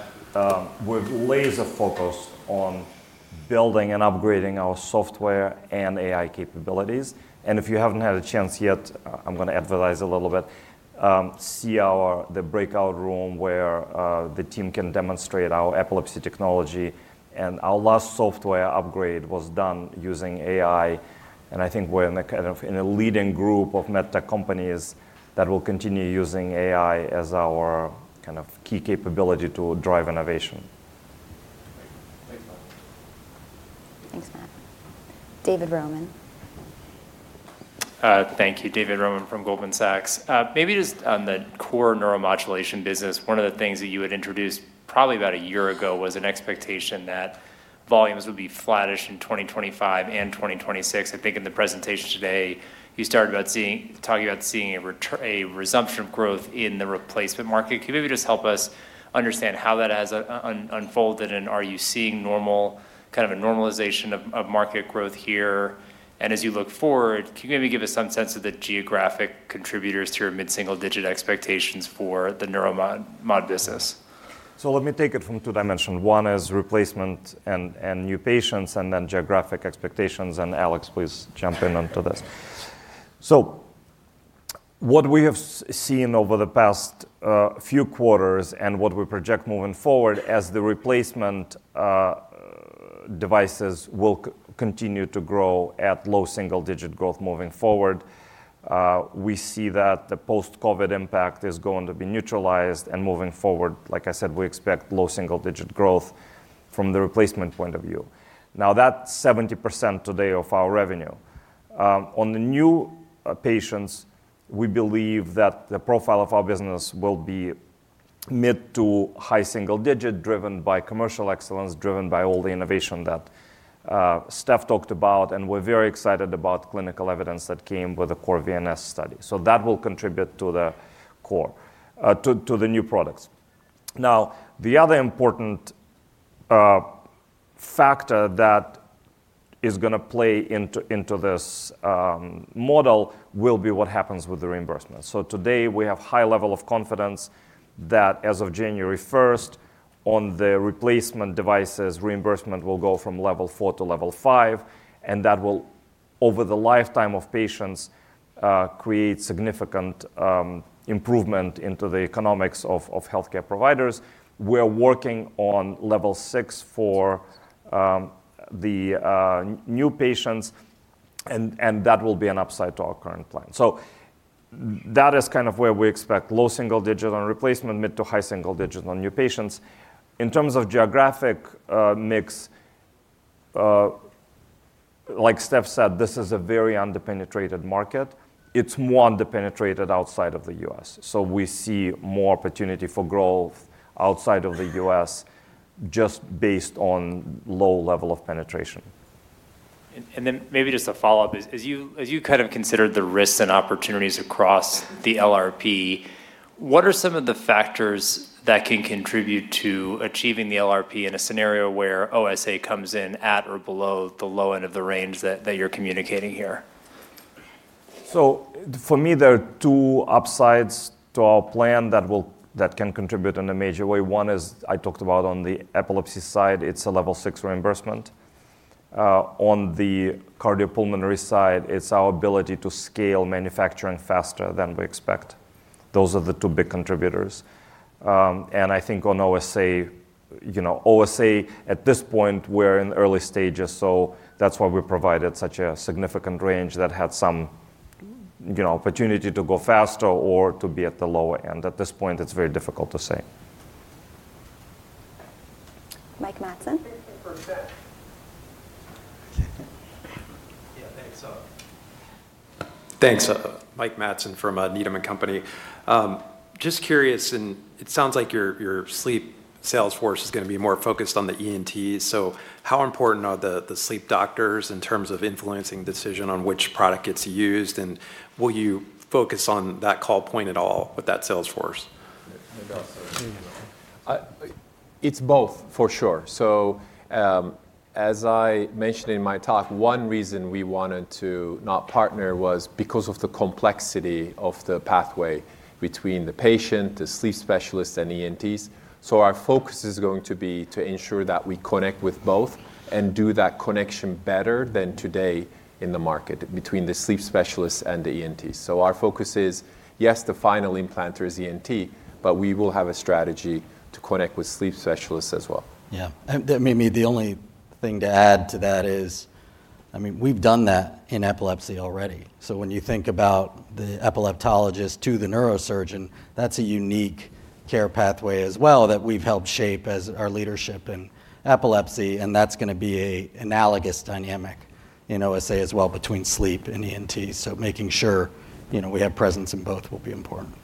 we're laser-focused on building and upgrading our software and AI capabilities. If you haven't had a chance yet, I'm going to advertise a little bit, see the breakout room where the team can demonstrate our epilepsy technology. Our last software upgrade was done using AI. I think we're in a leading group of med tech companies that will continue using AI as our kind of key capability to drive innovation.
Thanks, Matt. David Roman?
Thank you. David Roman from Goldman Sachs. Maybe just on the core neuromodulation business, one of the things that you had introduced probably about a year ago was an expectation that volumes would be flattish in 2025 and 2026. I think in the presentation today, you started talking about seeing a resumption of growth in the replacement market. Can you maybe just help us understand how that has unfolded? Are you seeing kind of a normalization of market growth here? As you look forward, can you maybe give us some sense of the geographic contributors to your mid-single-digit expectations for the neuromod business?
Let me take it from two dimensions. One is replacement and new patients, and then geographic expectations. Alex, please jump in onto this. What we have seen over the past few quarters and what we project moving forward is the replacement devices will continue to grow at low single-digit growth moving forward. We see that the post-COVID impact is going to be neutralized. Moving forward, like I said, we expect low single-digit growth from the replacement point of view. Now, that's 70% today of our revenue. On the new patients, we believe that the profile of our business will be mid to high single-digit, driven by commercial excellence, driven by all the innovation that Steph talked about. We're very excited about clinical evidence that came with the Core VNS study. That will contribute to the new products. Now, the other important factor that is going to play into this model will be what happens with the reimbursement. Today, we have a high level of confidence that as of January 1st, on the replacement devices, reimbursement will go from level 4 to level 5. That will, over the lifetime of patients, create significant improvement into the economics of healthcare providers. We're working on level 6 for the new patients, and that will be an upside to our current plan. That is kind of where we expect low single-digit on replacement, mid to high single-digit on new patients. In terms of geographic mix, like Steph said, this is a very underpenetrated market. It's more underpenetrated outside of the U.S. We see more opportunity for growth outside of the U.S. just based on low level of penetration.
Maybe just a follow-up. As you kind of considered the risks and opportunities across the LRP, what are some of the factors that can contribute to achieving the LRP in a scenario where OSA comes in at or below the low end of the range that you're communicating here?
For me, there are two upsides to our plan that can contribute in a major way. One is, I talked about on the epilepsy side, it's a level 6 reimbursement. On the cardiopulmonary side, it's our ability to scale manufacturing faster than we expect. Those are the two big contributors. I think on OSA, at this point, we're in early stages. That is why we provided such a significant range that had some opportunity to go faster or to be at the lower end. At this point, it's very difficult to say.
Mike Matson?
Yeah. Thanks. Thanks. Mike Matson from Needham & Company. Just curious, and it sounds like your sleep salesforce is going to be more focused on the ENTs. How important are the sleep doctors in terms of influencing decision on which product gets used? Will you focus on that call point at all with that salesforce?
It's both, for sure. As I mentioned in my talk, one reason we wanted to not partner was because of the complexity of the pathway between the patient, the sleep specialist, and ENTs. Our focus is going to be to ensure that we connect with both and do that connection better than today in the market between the sleep specialist and the ENTs. Our focus is, yes, the final implanter is ENT, but we will have a strategy to connect with sleep specialists as well.
Yeah. Maybe the only thing to add to that is, I mean, we've done that in epilepsy already. When you think about the epileptologist to the neurosurgeon, that's a unique care pathway as well that we've helped shape as our leadership in epilepsy. That's going to be an analogous dynamic in OSA as well between sleep and ENT. Making sure we have presence in both will be important.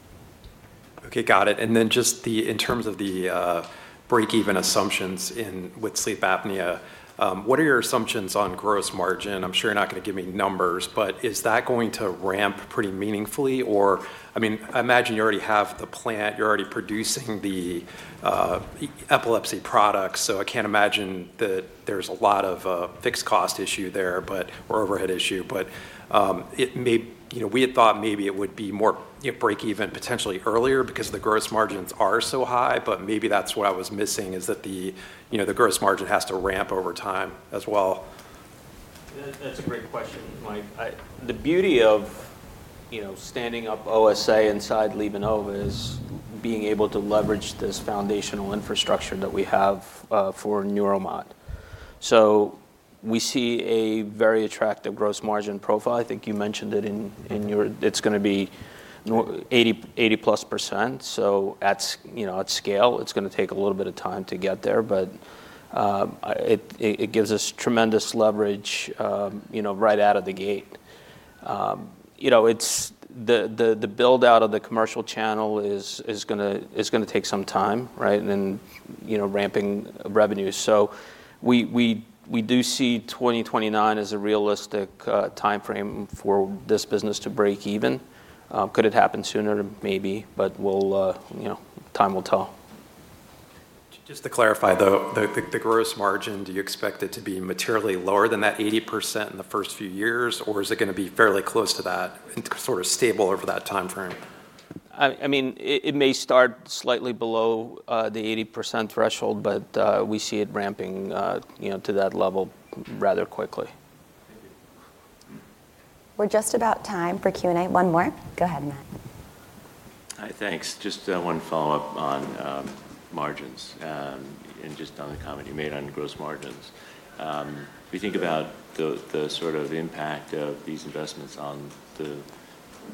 Okay. Got it. Just in terms of the break-even assumptions with sleep apnea, what are your assumptions on gross margin? I'm sure you're not going to give me numbers, but is that going to ramp pretty meaningfully? I mean, I imagine you already have the plant. You're already producing the epilepsy products. I can't imagine that there's a lot of fixed cost issue there or overhead issue. We had thought maybe it would be more break-even potentially earlier because the gross margins are so high. Maybe that's what I was missing is that the gross margin has to ramp over time as well.
That's a great question, Mike. The beauty of standing up OSA inside LivaNova is being able to leverage this foundational infrastructure that we have for Neuromod. We see a very attractive gross margin profile. I think you mentioned it in your it's going to be 80+%. At scale, it's going to take a little bit of time to get there. It gives us tremendous leverage right out of the gate. The build-out of the commercial channel is going to take some time, right, and then ramping revenue. We do see 2029 as a realistic time frame for this business to break even. Could it happen sooner? Maybe. Time will tell.
Just to clarify, the gross margin, do you expect it to be materially lower than that 80% in the first few years? Or is it going to be fairly close to that and sort of stable over that time frame?
I mean, it may start slightly below the 80% threshold, but we see it ramping to that level rather quickly.
Thank you. We're just about time for Q&A. One more. Go ahead, Matt.
Hi. Thanks. Just one follow-up on margins and just on the comment you made on gross margins. If you think about the sort of impact of these investments on the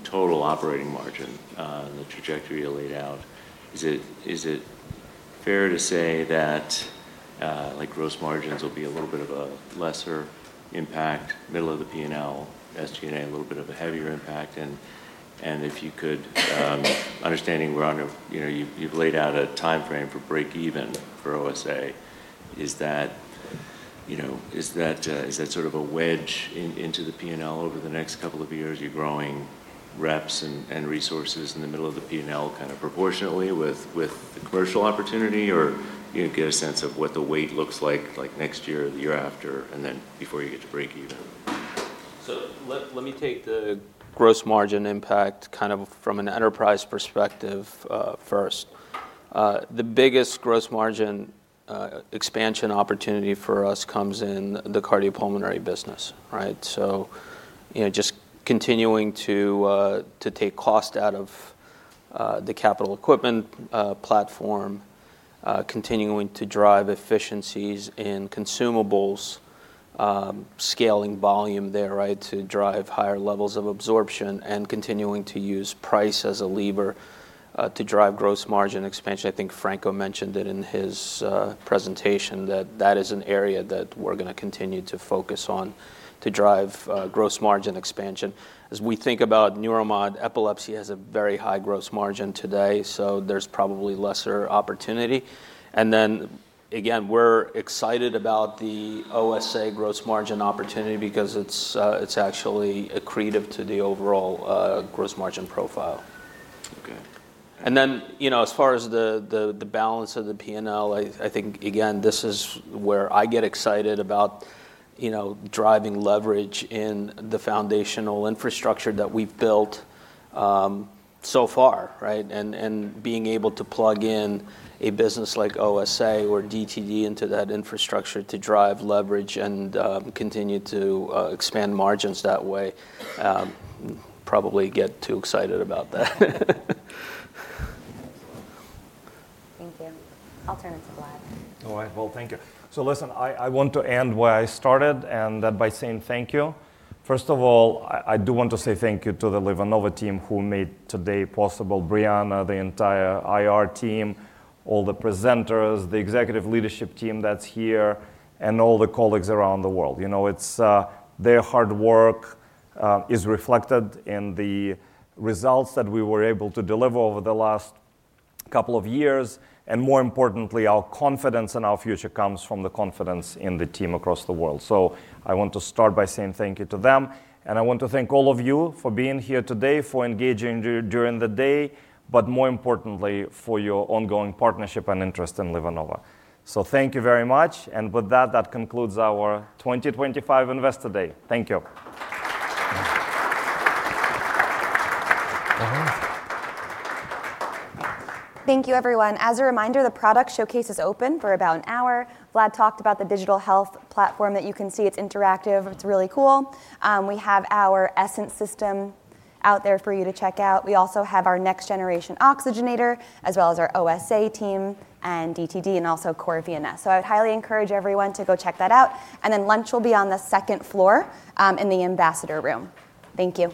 total operating margin and the trajectory you laid out, is it fair to say that gross margins will be a little bit of a lesser impact, middle of the P&L, SG&A a little bit of a heavier impact? If you could, understanding you have laid out a time frame for break-even for OSA, is that sort of a wedge into the P&L over the next couple of years? Are you growing reps and resources in the middle of the P&L kind of proportionately with the commercial opportunity? Do you get a sense of what the weight looks like next year, the year after, and then before you get to break-even?
Let me take the gross margin impact from an enterprise perspective first. The biggest gross margin expansion opportunity for us comes in the cardiopulmonary business, right? Just continuing to take cost out of the capital equipment platform, continuing to drive efficiencies in consumables, scaling volume there to drive higher levels of absorption, and continuing to use price as a lever to drive gross margin expansion. I think Franco mentioned it in his presentation that is an area that we're going to continue to focus on to drive gross margin expansion. As we think about Neuromod, epilepsy has a very high gross margin today. So there's probably lesser opportunity. Again, we're excited about the OSA gross margin opportunity because it's actually accretive to the overall gross margin profile.
Okay.
As far as the balance of the P&L, I think, again, this is where I get excited about driving leverage in the foundational infrastructure that we've built so far, right? Being able to plug in a business like OSA or DTD into that infrastructure to drive leverage and continue to expand margins that way. Probably get too excited about that.
Thank you. I'll turn it to Vlad.
Thank you. Listen, I want to end where I started by saying thank you. First of all, I do want to say thank you to the LivaNova team who made today possible, Briana, the entire IR team, all the presenters, the executive leadership team that's here, and all the colleagues around the world. Their hard work is reflected in the results that we were able to deliver over the last couple of years. More importantly, our confidence in our future comes from the confidence in the team across the world. I want to start by saying thank you to them. I want to thank all of you for being here today, for engaging during the day, but more importantly, for your ongoing partnership and interest in LivaNova. Thank you very much. With that, that concludes our 2025 Investor Day. Thank you.
Thank you, everyone. As a reminder, the product showcase is open for about an hour. Vlad talked about the digital health platform that you can see. It's interactive. It's really cool. We have our Essenz system out there for you to check out. We also have our Next-Generation Oxygenator, as well as our OSA team and DTD, and also Core VNS. I would highly encourage everyone to go check that out. Lunch will be on the second floor in the Ambassador Room. Thank you.